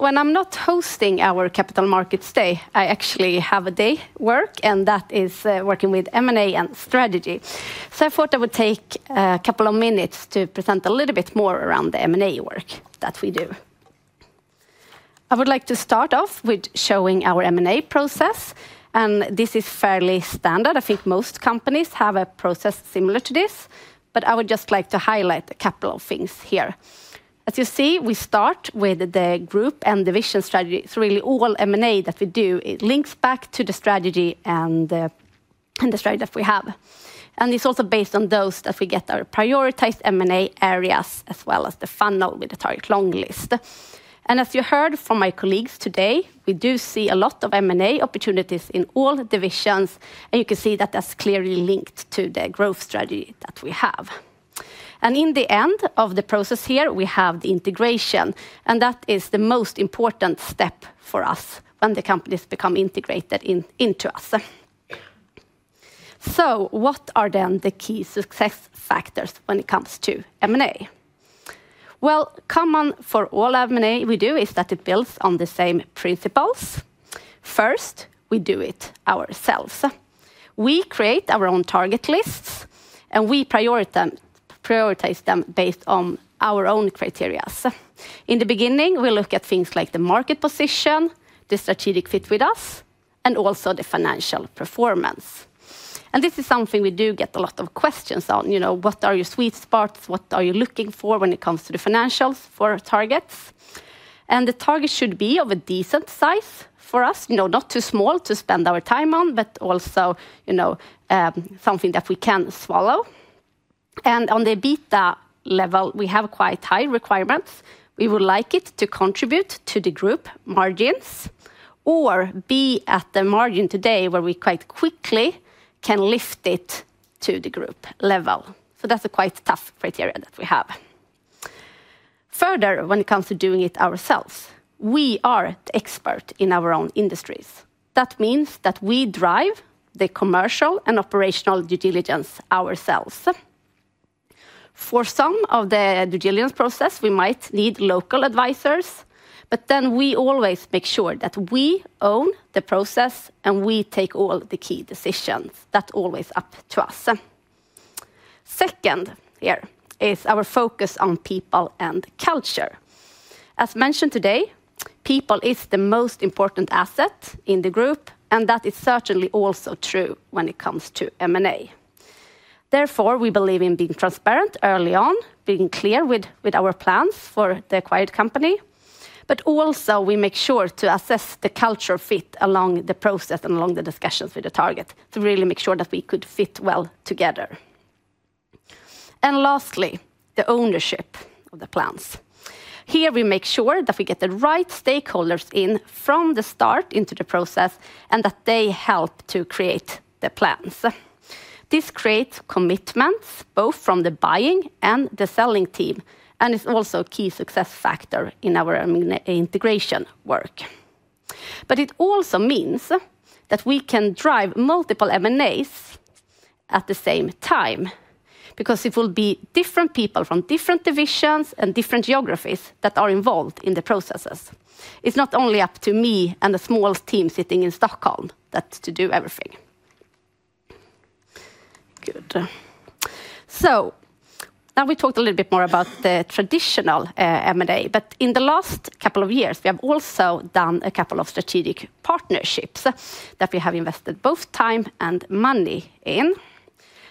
When I'm not hosting our capital markets day, I actually have a day work, and that is working with M&A and strategy. I thought I would take a couple of minutes to present a little bit more around the M&A work that we do. I would like to start off with showing our M&A process, and this is fairly standard. I think most companies have a process similar to this, but I would just like to highlight a couple of things here. As you see, we start with the group and division strategy. It's really all M&A that we do links back to the strategy and the strategy that we have. It's also based on those that we get our prioritized M&A areas, as well as the funnel with the target long list. As you heard from my colleagues today, we do see a lot of M&A opportunities in all divisions, and you can see that that's clearly linked to the growth strategy that we have. In the end of the process here, we have the integration, and that is the most important step for us when the companies become integrated into us. What are then the key success factors when it comes to M&A? Common for all M&A we do is that it builds on the same principles. First, we do it ourselves. We create our own target lists, and we prioritize them based on our own criteria. In the beginning, we look at things like the market position, the strategic fit with us, and also the financial performance. This is something we do get a lot of questions on. What are your sweet spots? What are you looking for when it comes to the financials for targets? The target should be of a decent size for us, not too small to spend our time on, but also something that we can swallow. On the EBITDA level, we have quite high requirements. We would like it to contribute to the group margins or be at the margin today where we quite quickly can lift it to the group level. That is a quite tough criteria that we have. Further, when it comes to doing it ourselves, we are the expert in our own industries. That means that we drive the commercial and operational due diligence ourselves. For some of the due diligence process, we might need local advisors, but we always make sure that we own the process and we take all the key decisions. That is always up to us. Second here is our focus on people and culture. As mentioned today, people is the most important asset in the group, and that is certainly also true when it comes to M&A. Therefore, we believe in being transparent early on, being clear with our plans for the acquired company. Also, we make sure to assess the culture fit along the process and along the discussions with the target to really make sure that we could fit well together. Lastly, the ownership of the plans. Here we make sure that we get the right stakeholders in from the start into the process and that they help to create the plans. This creates commitments both from the buying and the selling team, and it's also a key success factor in our integration work. It also means that we can drive multiple M&As at the same time because it will be different people from different divisions and different geographies that are involved in the processes. It's not only up to me and a small team sitting in Stockholm to do everything. Good. Now we talked a little bit more about the traditional M&A, but in the last couple of years, we have also done a couple of strategic partnerships that we have invested both time and money in.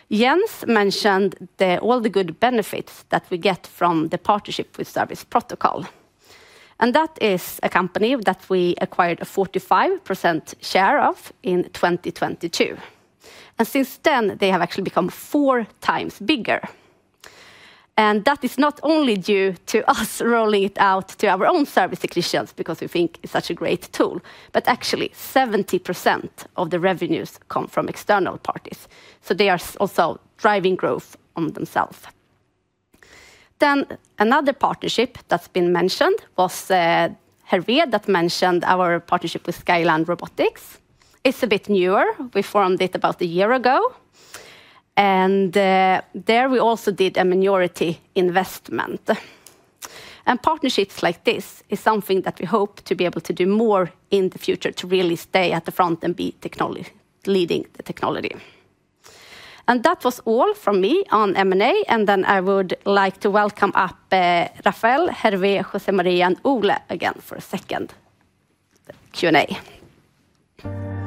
Jens mentioned all the good benefits that we get from the partnership with Service Protocol. That is a company that we acquired a 45% share of in 2022. Since then, they have actually become four times bigger. That is not only due to us rolling it out to our own service equations because we think it is such a great tool, but actually 70% of the revenues come from external parties. They are also driving growth on themselves. Another partnership that has been mentioned was Hervé that mentioned our partnership with Skyline Robotics. It is a bit newer. We formed it about a year ago. There we also did a minority investment. Partnerships like this is something that we hope to be able to do more in the future to really stay at the front and be leading the technology. That was all from me on M&A. I would like to welcome up Rafael, Hervé, José María, and Ole again for a second Q&A. Good.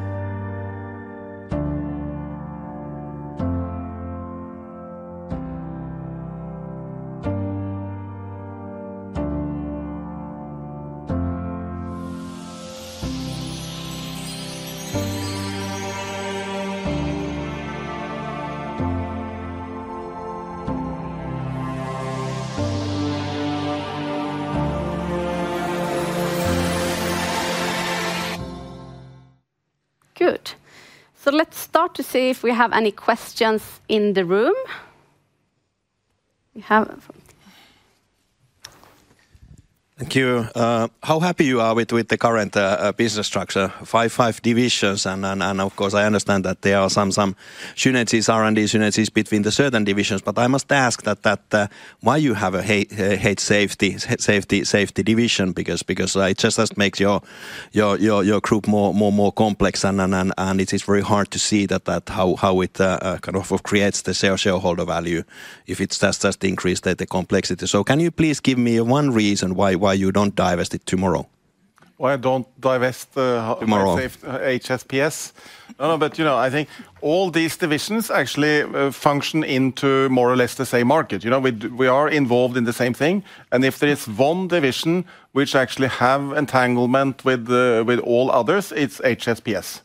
Let's start to see if we have any questions in the room. Thank you. How happy you are with the current business structure? Five, five divisions, and of course, I understand that there are some synergies, R&D synergies between the certain divisions, but I must ask that why you have a height safety division? Because it just makes your group more complex, and it is very hard to see how it kind of creates the shareholder value if it's just increased the complexity. Can you please give me one reason why you don't divest it tomorrow? Why I don't divest HSPS? No, no, but you know I think all these divisions actually function into more or less the same market. We are involved in the same thing. If there is one division which actually has entanglement with all others, it's HSPS.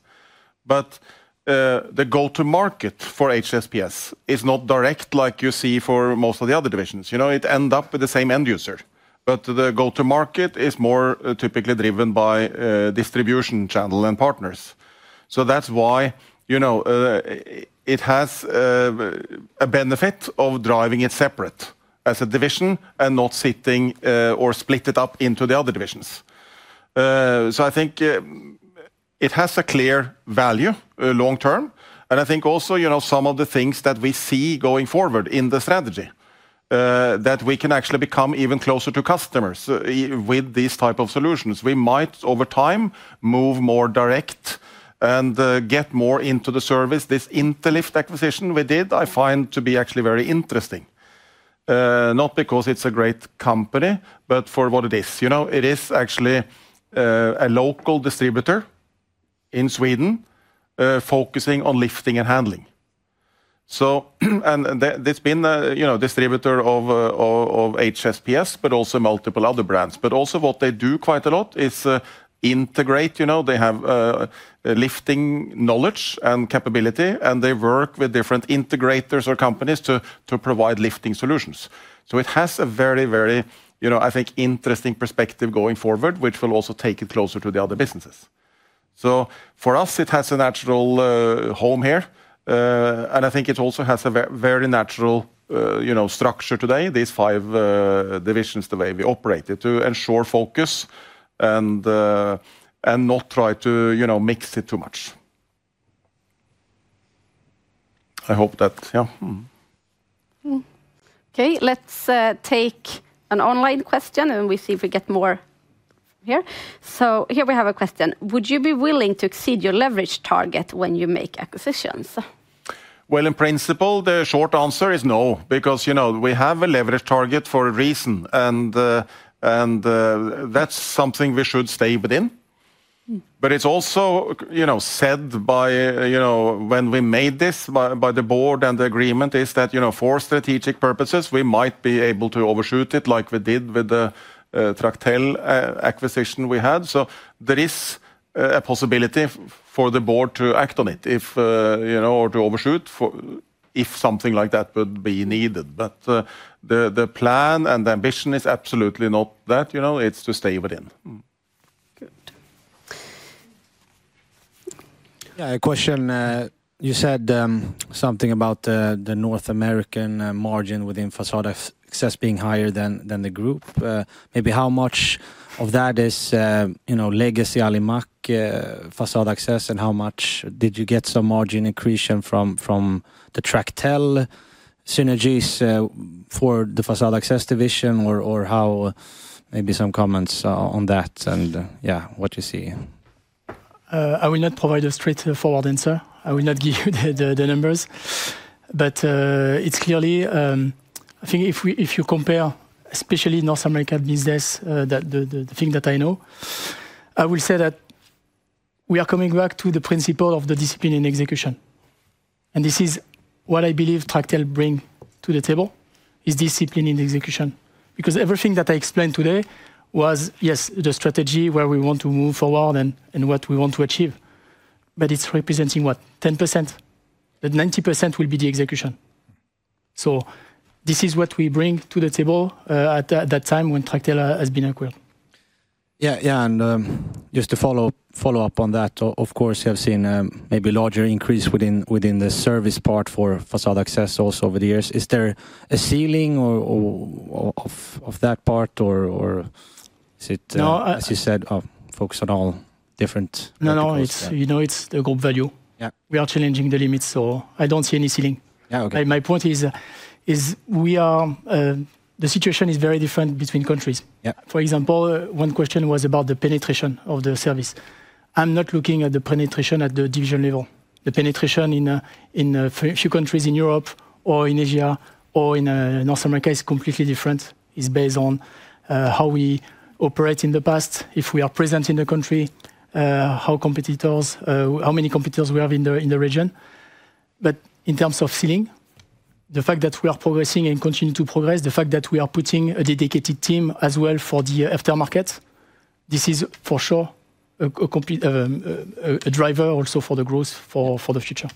The go-to-market for HSPS is not direct like you see for most of the other divisions. It ends up with the same end user. The go-to-market is more typically driven by distribution channel and partners. That is why it has a benefit of driving it separate as a division and not sitting or splitting it up into the other divisions. I think it has a clear value long term. I think also some of the things that we see going forward in the strategy that we can actually become even closer to customers with these types of solutions. We might over time move more direct and get more into the service. This Interlift acquisition we did, I find to be actually very interesting. Not because it's a great company, but for what it is. It is actually a local distributor in Sweden focusing on lifting and handling. It's been a distributor of HSPS, but also multiple other brands. Also what they do quite a lot is integrate. They have lifting knowledge and capability, and they work with different integrators or companies to provide lifting solutions. It has a very, very, I think, interesting perspective going forward, which will also take it closer to the other businesses. For us, it has a natural home here. I think it also has a very natural structure today, these five divisions, the way we operate it to ensure focus and not try to mix it too much. I hope that, yeah. Okay, let's take an online question and we see if we get more here. Here we have a question. Would you be willing to exceed your leverage target when you make acquisitions? In principle, the short answer is no because we have a leverage target for a reason, and that's something we should stay within. It is also said by when we made this by the board and the agreement is that for strategic purposes, we might be able to overshoot it like we did with the Tractel acquisition we had. There is a possibility for the board to act on it or to overshoot if something like that would be needed. The plan and the ambition is absolutely not that. It's to stay within. Yeah, a question. You said something about the North American margin within Facade Access being higher than the group. Maybe how much of that is legacy Alimak Facade Access, and how much did you get some margin increase from the Tractel synergies for the Facade Access division, or how maybe some comments on that and yeah, what you see? I will not provide a straightforward answer. I will not give you the numbers. It's clearly, I think if you compare, especially North America business, the thing that I know, I will say that we are coming back to the principle of the discipline in execution. This is what I believe Tractel brings to the table is discipline in execution. Everything that I explained today was, yes, the strategy where we want to move forward and what we want to achieve. It's representing what, 10%? The 90% will be the execution. This is what we bring to the table at that time when Tractel has been acquired. Yeah, yeah. Just to follow up on that, of course, you have seen maybe a larger increase within the service part for Facade Access also over the years. Is there a ceiling of that part, or is it, as you said, focused on all different? No, no, it's the group value. We are challenging the limits, so I don't see any ceiling. My point is the situation is very different between countries. For example, one question was about the penetration of the service. I'm not looking at the penetration at the division level. The penetration in a few countries in Europe or in Asia or in North America is completely different. It's based on how we operate in the past, if we are present in the country, how many competitors we have in the region. In terms of ceiling, the fact that we are progressing and continue to progress, the fact that we are putting a dedicated team as well for the aftermarket, this is for sure a driver also for the growth for the future.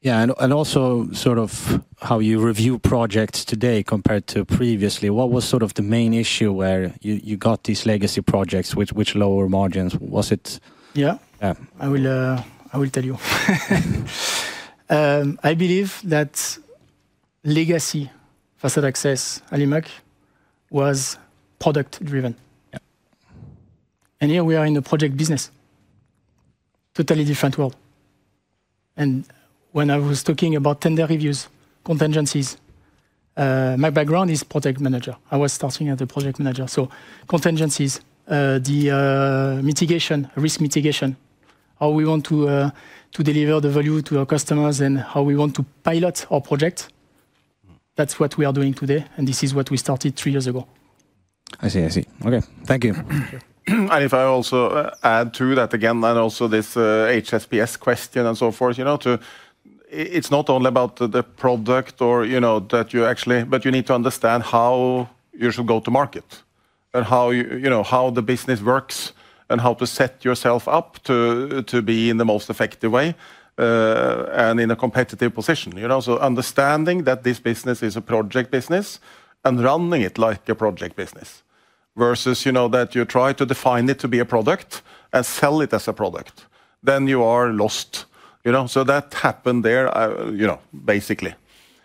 Yeah, and also sort of how you review projects today compared to previously, what was sort of the main issue where you got these legacy projects with lower margins? Was it? Yeah, I will tell you. I believe that legacy Facade Access Alimak was product-driven. Here we are in a project business, totally different world. When I was talking about tender reviews, contingencies, my background is project manager. I was starting as a project manager. Contingencies, the mitigation, risk mitigation, how we want to deliver the value to our customers and how we want to pilot our project, that's what we are doing today. This is what we started three years ago. I see, I see. Okay, thank you. If I also add to that again, and also this HSPS question and so forth, it's not only about the product or that you actually, but you need to understand how you should go to market and how the business works and how to set yourself up to be in the most effective way and in a competitive position. Understanding that this business is a project business and running it like a project business versus that you try to define it to be a product and sell it as a product, then you are lost. That happened there basically.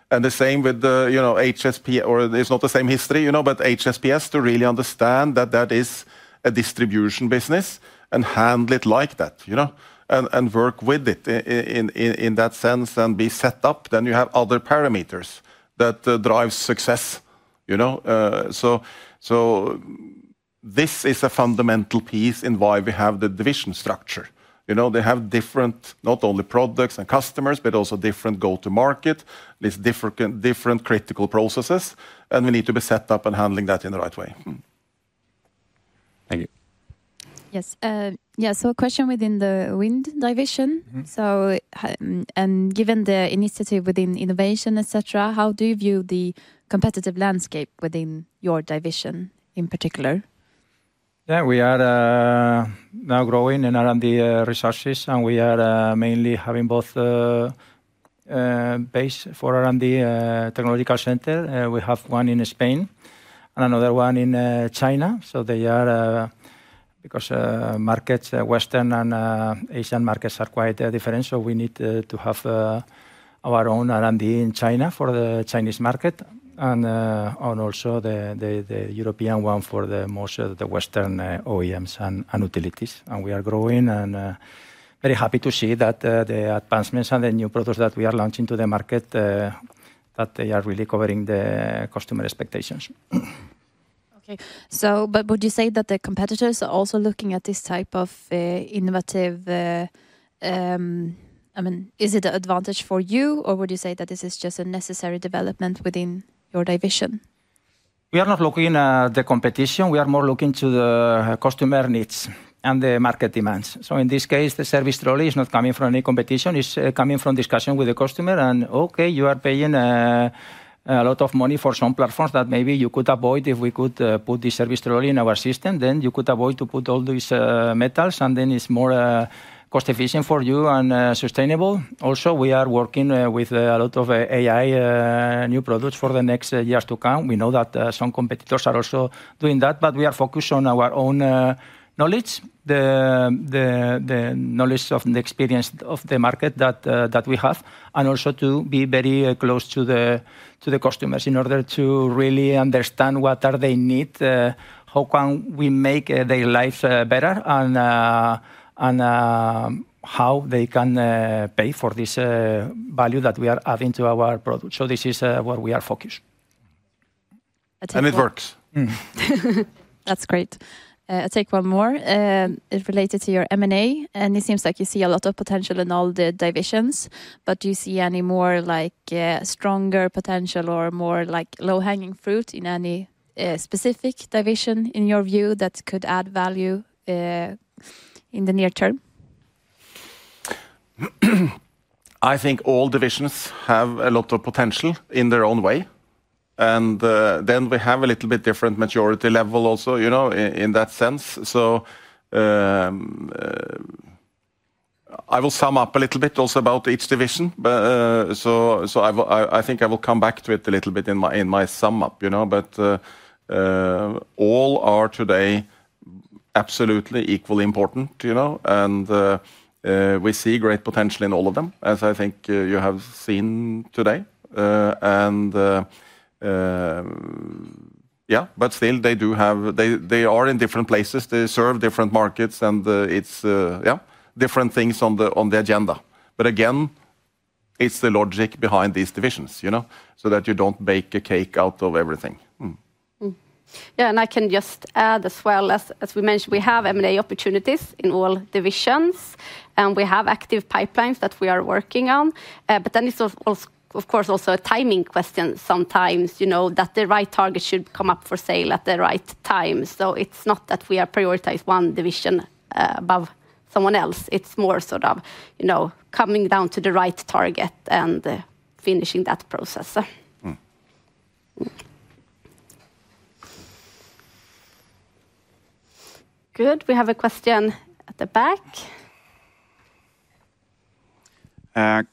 The same with HSPS, or it's not the same history, but HSPS to really understand that that is a distribution business and handle it like that and work with it in that sense and be set up. You have other parameters that drive success. This is a fundamental piece in why we have the division structure. They have different not only products and customers, but also different go-to-market, different critical processes, and we need to be set up and handling that in the right way. Thank you. Yes. Yeah, a question within the wind division. Given the initiative within innovation, et cetera, how do you view the competitive landscape within your division in particular? Yeah, we are now growing in R&D resources, and we are mainly having both base for R&D technological center. We have one in Spain and another one in China. Because Western and Asian markets are quite different, we need to have our own R&D in China for the Chinese market and also the European one for most of the Western OEMs and utilities. We are growing and very happy to see that the advancements and the new products that we are launching to the market, that they are really covering the customer expectations. Okay. Would you say that the competitors are also looking at this type of innovative? I mean, is it an advantage for you, or would you say that this is just a necessary development within your division? We are not looking at the competition. We are more looking to the customer needs and the market demands. In this case, the service trolley is not coming from any competition. It is coming from discussion with the customer. Okay, you are paying a lot of money for some platforms that maybe you could avoid if we could put the service trolley in our system, then you could avoid to put all these metals, and it is more cost-efficient for you and sustainable. Also, we are working with a lot of AI new products for the next years to come. We know that some competitors are also doing that, but we are focused on our own knowledge, the knowledge of the experience of the market that we have, and also to be very close to the customers in order to really understand what they need, how can we make their lives better, and how they can pay for this value that we are adding to our product. This is where we are focused. It works. That's great. I'll take one more. It related to your M&A, and it seems like you see a lot of potential in all the divisions, but do you see any more stronger potential or more low-hanging fruit in any specific division in your view that could add value in the near term? I think all divisions have a lot of potential in their own way. We have a little bit different maturity level also in that sense. I will sum up a little bit also about each division. I think I will come back to it a little bit in my sum up. All are today absolutely equally important, and we see great potential in all of them, as I think you have seen today. Yeah, still they are in different places. They serve different markets, and it's different things on the agenda. Again, it's the logic behind these divisions so that you don't bake a cake out of everything. Yeah, and I can just add as well, as we mentioned, we have M&A opportunities in all divisions, and we have active pipelines that we are working on. It is of course also a timing question sometimes that the right target should come up for sale at the right time. It is not that we are prioritizing one division above someone else. It is more sort of coming down to the right target and finishing that process. Good. We have a question at the back.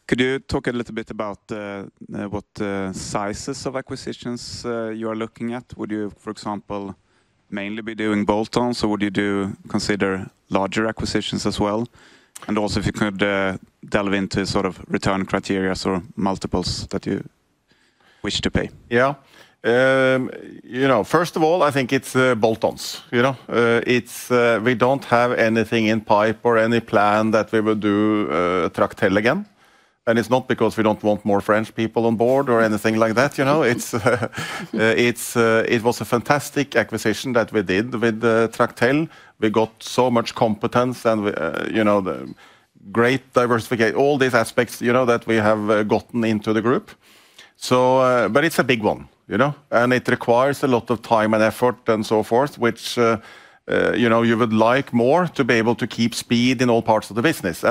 Could you talk a little bit about what sizes of acquisitions you are looking at? Would you, for example, mainly be doing bolt-ons, or would you consider larger acquisitions as well? If you could delve into sort of return criteria or multiples that you wish to pay. Yeah. First of all, I think it's bolt-ons. We don't have anything in pipe or any plan that we will do Tractel again. It's not because we don't want more French people on board or anything like that. It was a fantastic acquisition that we did with Tractel. We got so much competence and great diversification, all these aspects that we have gotten into the group. It is a big one, and it requires a lot of time and effort and so forth, which you would like more to be able to keep speed in all parts of the business.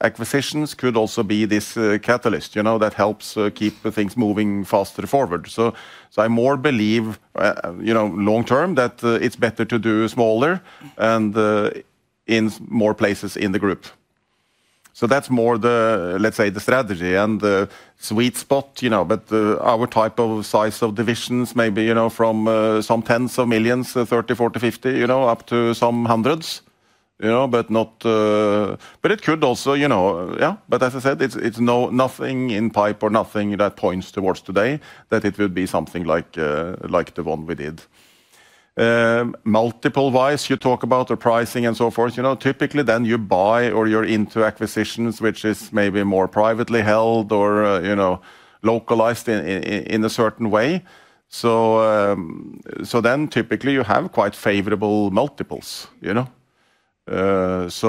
Acquisitions could also be this catalyst that helps keep things moving faster forward. I more believe long-term that it's better to do smaller and in more places in the group. That's more, let's say, the strategy and the sweet spot. Our type of size of divisions may be from some tens of millions, 30, 40, 50, up to some hundreds, but it could also, yeah. As I said, it's nothing in pipe or nothing that points towards today that it would be something like the one we did. Multiple-wise, you talk about the pricing and so forth. Typically, then you buy or you're into acquisitions, which is maybe more privately held or localized in a certain way. Then typically you have quite favorable multiples. As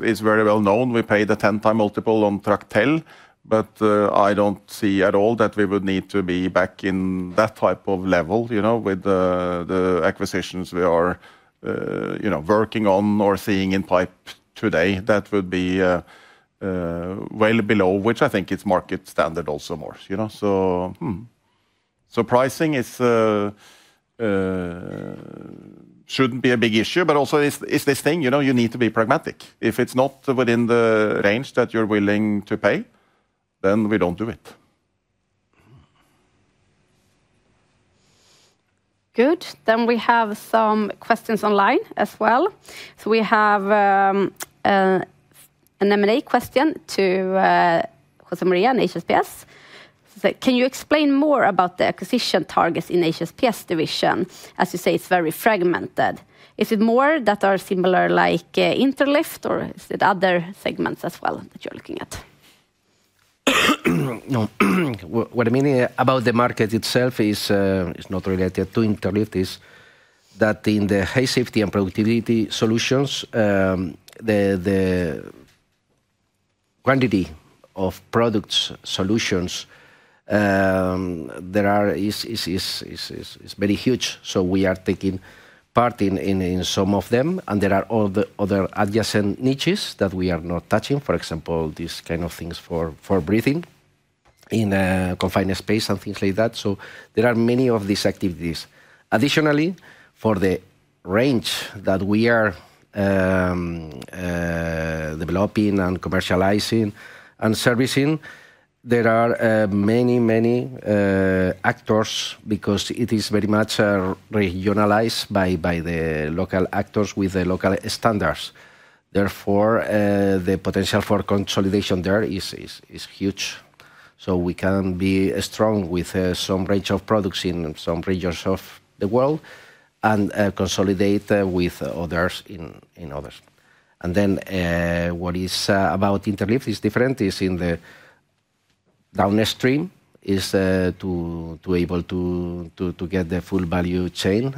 is very well known, we paid a 10x multiple on Tractel, but I don't see at all that we would need to be back in that type of level with the acquisitions we are working on or seeing in pipe today. That would be well below, which I think it's market standard also more. Pricing shouldn't be a big issue, but also it's this thing. You need to be pragmatic. If it's not within the range that you're willing to pay, then we don't do it. Good. We have some questions online as well. We have an M&A question to José Maria in HSPS. Can you explain more about the acquisition targets in HSPS division? As you say, it's very fragmented. Is it more that are similar like Interlift, or is it other segments as well that you're looking at? What I mean about the market itself is not related to Interlift. It's that in the height safety and productivity solutions, the quantity of product solutions that are is very huge. We are taking part in some of them, and there are other adjacent niches that we are not touching, for example, these kind of things for breathing in confined space and things like that. There are many of these activities. Additionally, for the range that we are developing and commercializing and servicing, there are many, many actors because it is very much regionalized by the local actors with the local standards. Therefore, the potential for consolidation there is huge. We can be strong with some range of products in some regions of the world and consolidate with others in others. What is different about Interlift is in the downstream, to be able to get the full value chain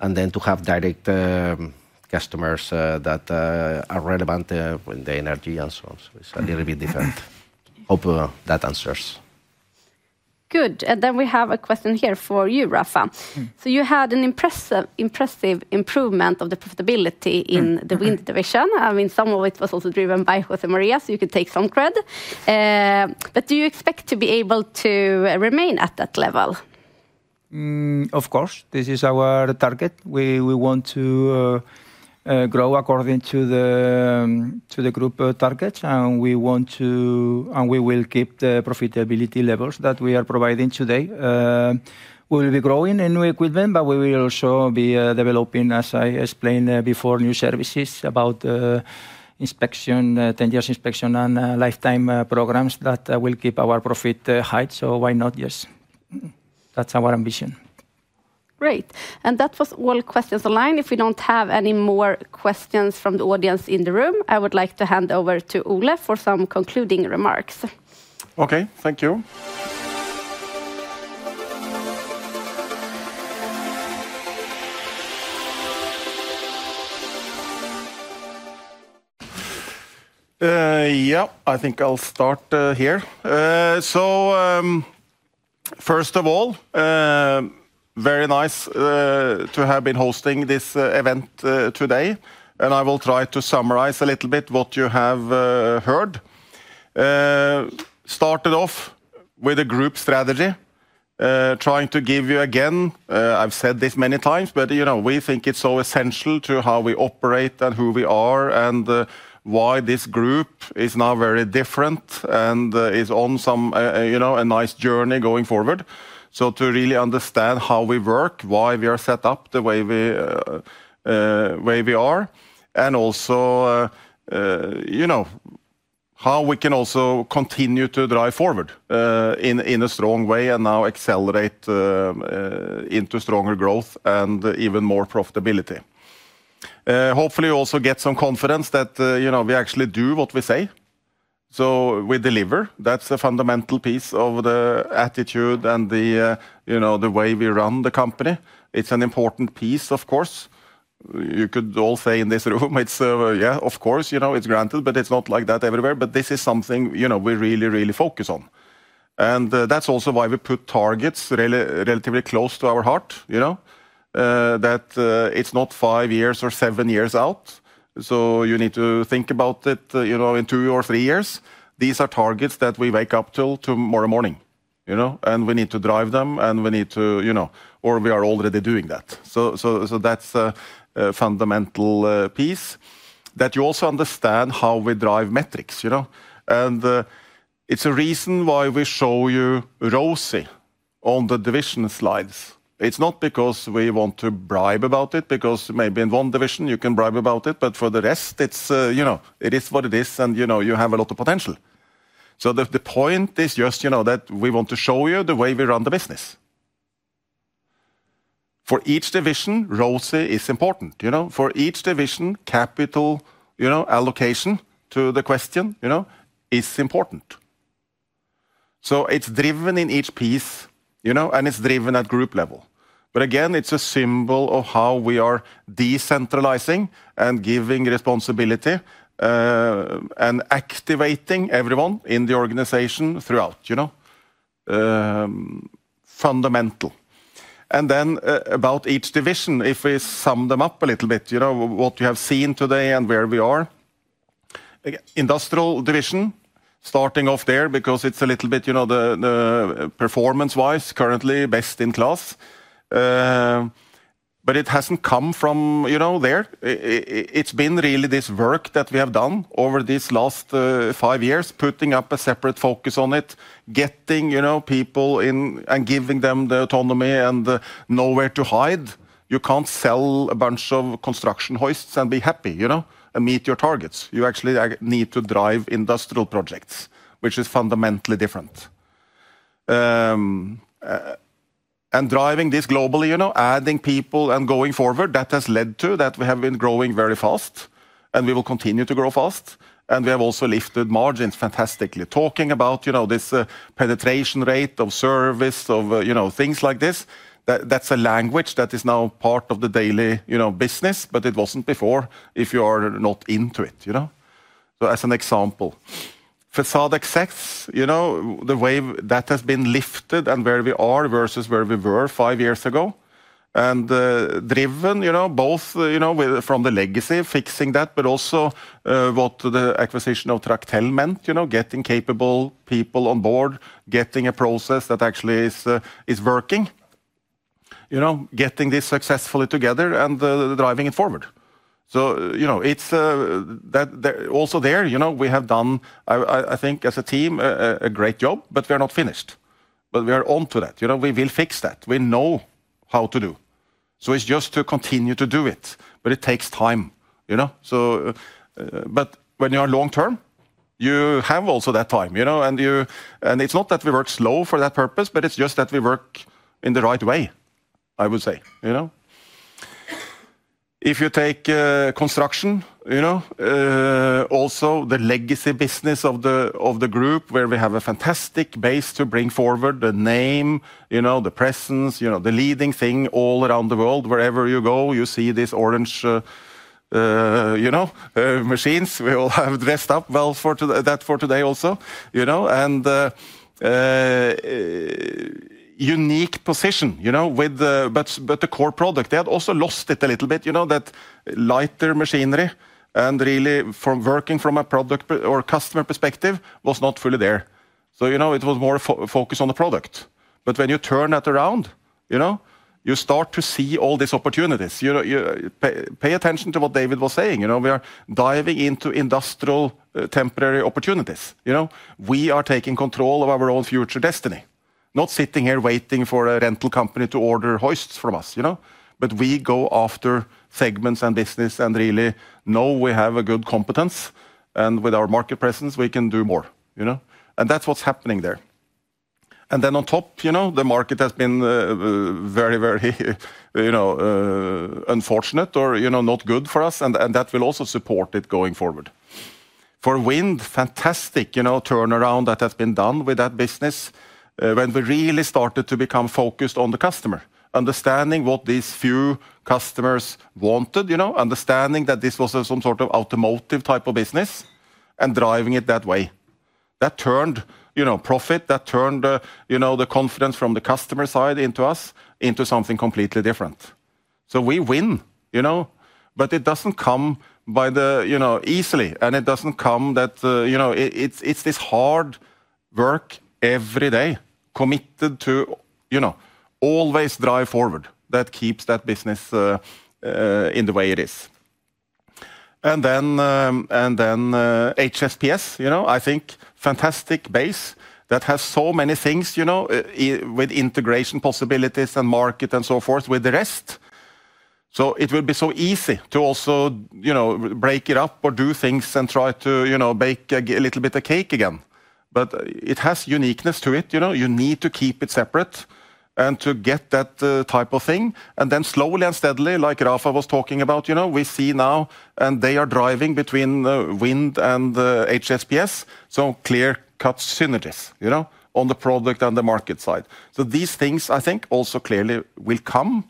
and then to have direct customers that are relevant in the energy and so on. It is a little bit different. Hope that answers. Good. We have a question here for you, Rafa. You had an impressive improvement of the profitability in the wind division. I mean, some of it was also driven by José Maria, so you could take some cred. Do you expect to be able to remain at that level? Of course. This is our target. We want to grow according to the group targets, and we will keep the profitability levels that we are providing today. We will be growing in equipment, but we will also be developing, as I explained before, new services about inspection, 10 years inspection, and lifetime programs that will keep our profit high. Yes. That is our ambition. Great. That was all questions online. If we do not have any more questions from the audience in the room, I would like to hand over to Ole for some concluding remarks. Okay, thank you. Yeah, I think I'll start here. First of all, very nice to have been hosting this event today. I will try to summarize a little bit what you have heard. Started off with a group strategy, trying to give you again, I've said this many times, but we think it's so essential to how we operate and who we are and why this group is now very different and is on a nice journey going forward. To really understand how we work, why we are set up the way we are, and also how we can also continue to drive forward in a strong way and now accelerate into stronger growth and even more profitability. Hopefully, also get some confidence that we actually do what we say. We deliver. That's a fundamental piece of the attitude and the way we run the company. It's an important piece, of course. You could all say in this room, yeah, of course, it's granted, but it's not like that everywhere. This is something we really, really focus on. That's also why we put targets relatively close to our heart, that it's not five years or seven years out. You need to think about it in two or three years. These are targets that we wake up to tomorrow morning. We need to drive them, and we need to, or we are already doing that. That's a fundamental piece that you also understand how we drive metrics. It's a reason why we show you ROSI on the division slides. It's not because we want to brag about it, because maybe in one division you can brag about it, but for the rest, it is what it is, and you have a lot of potential. The point is just that we want to show you the way we run the business. For each division, ROSI is important. For each division, capital allocation to the question is important. It is driven in each piece, and it is driven at group level. Again, it is a symbol of how we are decentralizing and giving responsibility and activating everyone in the organization throughout. Fundamental. Then about each division, if we sum them up a little bit, what you have seen today and where we are. Industrial division, starting off there because it is a little bit performance-wise currently best in class. It has not come from there. It's been really this work that we have done over these last five years, putting up a separate focus on it, getting people in and giving them the autonomy and nowhere to hide. You can't sell a bunch of construction hoists and be happy and meet your targets. You actually need to drive industrial projects, which is fundamentally different. Driving this globally, adding people and going forward, that has led to that we have been growing very fast, and we will continue to grow fast. We have also lifted margins fantastically. Talking about this penetration rate of service, of things like this, that's a language that is now part of the daily business, but it wasn't before if you are not into it. As an example, facade access, the way that has been lifted and where we are versus where we were five years ago. Driven both from the legacy, fixing that, but also what the acquisition of Tractel meant, getting capable people on board, getting a process that actually is working, getting this successfully together and driving it forward. Also there, we have done, I think as a team, a great job, but we are not finished. We are on to that. We will fix that. We know how to do. It is just to continue to do it, but it takes time. When you are long-term, you have also that time. It is not that we work slow for that purpose, but it is just that we work in the right way, I would say. If you take construction, also the legacy business of the group where we have a fantastic base to bring forward the name, the presence, the leading thing all around the world. Wherever you go, you see these orange machines. We all have dressed up well for that for today also. A unique position, but the core product. They had also lost it a little bit, that lighter machinery and really working from a product or customer perspective was not fully there. It was more focused on the product. When you turn that around, you start to see all these opportunities. Pay attention to what David was saying. We are diving into industrial temporary opportunities. We are taking control of our own future destiny, not sitting here waiting for a rental company to order hoists from us. We go after segments and business and really know we have a good competence. With our market presence, we can do more. That is what is happening there. Then on top, the market has been very, very unfortunate or not good for us, and that will also support it going forward. For wind, fantastic turnaround that has been done with that business when we really started to become focused on the customer, understanding what these few customers wanted, understanding that this was some sort of automotive type of business and driving it that way. That turned profit, that turned the confidence from the customer side into us into something completely different. We win, but it does not come easily, and it does not come that it is this hard work every day, committed to always drive forward that keeps that business in the way it is. Then HSPS, I think, fantastic base that has so many things with integration possibilities and market and so forth with the rest. It will be so easy to also break it up or do things and try to bake a little bit of cake again. It has uniqueness to it. You need to keep it separate and to get that type of thing. Slowly and steadily, like Rafa was talking about, we see now, and they are driving between wind and HSPS, so clear-cut synergies on the product and the market side. These things, I think, also clearly will come,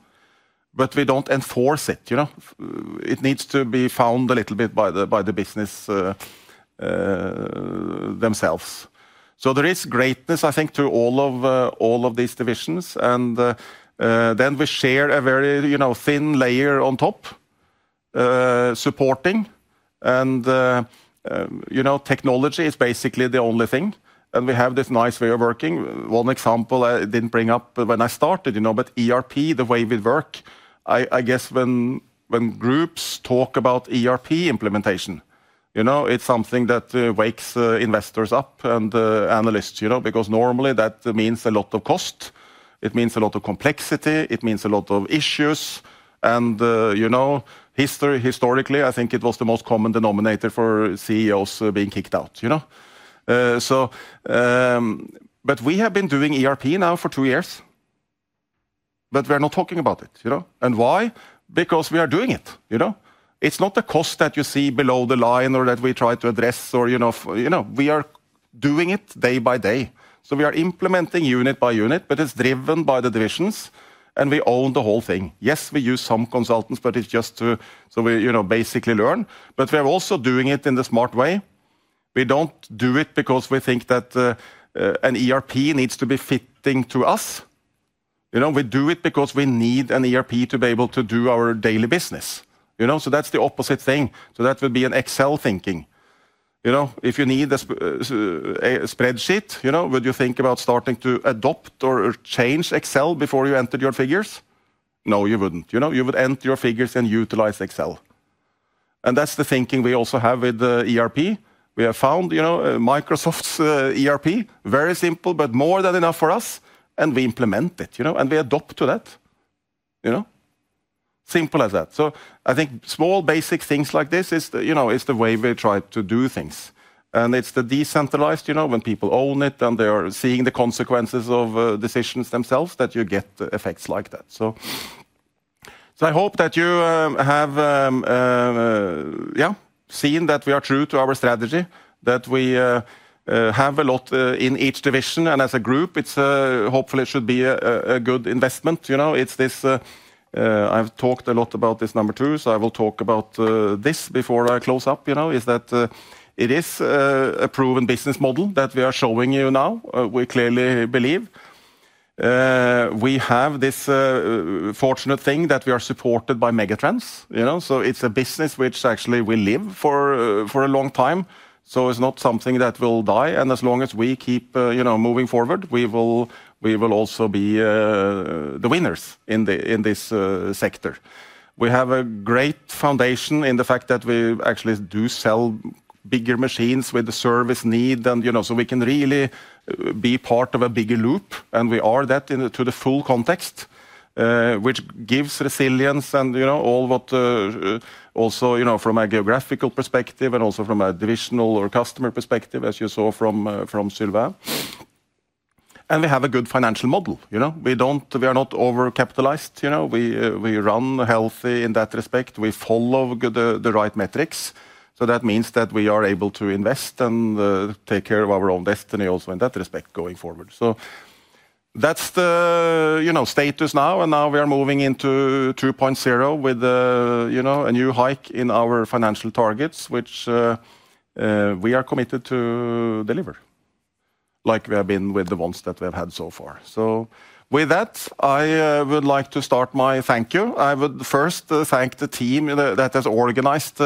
but we do not enforce it. It needs to be found a little bit by the business themselves. There is greatness, I think, to all of these divisions. We share a very thin layer on top supporting. Technology is basically the only thing. We have this nice way of working. One example I did not bring up when I started, but ERP, the way we work, I guess when groups talk about ERP implementation, it is something that wakes investors up and analysts because normally that means a lot of cost. It means a lot of complexity. It means a lot of issues. Historically, I think it was the most common denominator for CEOs being kicked out. We have been doing ERP now for two years, but we are not talking about it. Why? Because we are doing it. It is not the cost that you see below the line or that we try to address. We are doing it day by day. We are implementing unit by unit, but it is driven by the divisions, and we own the whole thing. Yes, we use some consultants, but it is just to basically learn. We are also doing it in the smart way. We do not do it because we think that an ERP needs to be fitting to us. We do it because we need an ERP to be able to do our daily business. That is the opposite thing. That would be an Excel thinking. If you need a spreadsheet, would you think about starting to adopt or change Excel before you entered your figures? No, you would not. You would enter your figures and utilize Excel. That is the thinking we also have with ERP. We have found Microsoft's ERP, very simple, but more than enough for us, and we implement it, and we adopt to that. Simple as that. I think small basic things like this is the way we try to do things. It's the decentralized when people own it and they are seeing the consequences of decisions themselves that you get effects like that. I hope that you have seen that we are true to our strategy, that we have a lot in each division. As a group, hopefully, it should be a good investment. I've talked a lot about this number two, so I will talk about this before I close up, is that it is a proven business model that we are showing you now. We clearly believe we have this fortunate thing that we are supported by megatrends. It's a business which actually will live for a long time. It's not something that will die. As long as we keep moving forward, we will also be the winners in this sector. We have a great foundation in the fact that we actually do sell bigger machines with the service need. We can really be part of a bigger loop, and we are that to the full context, which gives resilience and all what also from a geographical perspective and also from a divisional or customer perspective, as you saw from Sylvain. We have a good financial model. We are not over-capitalized. We run healthy in that respect. We follow the right metrics. That means that we are able to invest and take care of our own destiny also in that respect going forward. That is the status now. Now we are moving into 2.0 with a new hike in our financial targets, which we are committed to deliver, like we have been with the ones that we have had so far. With that, I would like to start my thank you. I would first thank the team that has organized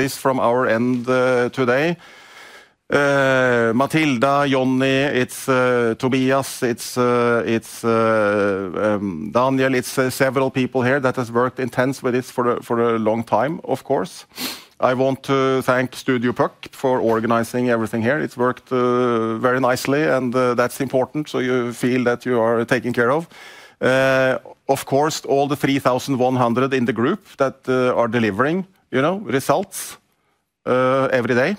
this from our end today, Matilda, Johnny, it is Tobias, it is Daniel, it is several people here that have worked intense with this for a long time, of course. I want to thank Studio Puck for organizing everything here. It has worked very nicely, and that is important so you feel that you are taken care of. Of course, all the 3,100 in the group that are delivering results every day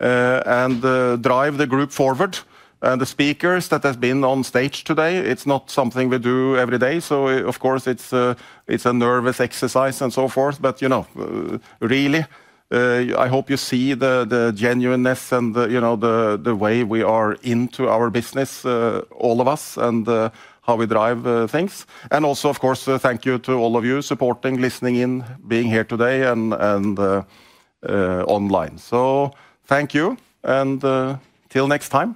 and drive the group forward. And the speakers that have been on stage today, it is not something we do every day. Of course, it is a nervous exercise and so forth. I really hope you see the genuineness and the way we are into our business, all of us, and how we drive things. Of course, thank you to all of you supporting, listening in, being here today and online. Thank you, and till next time.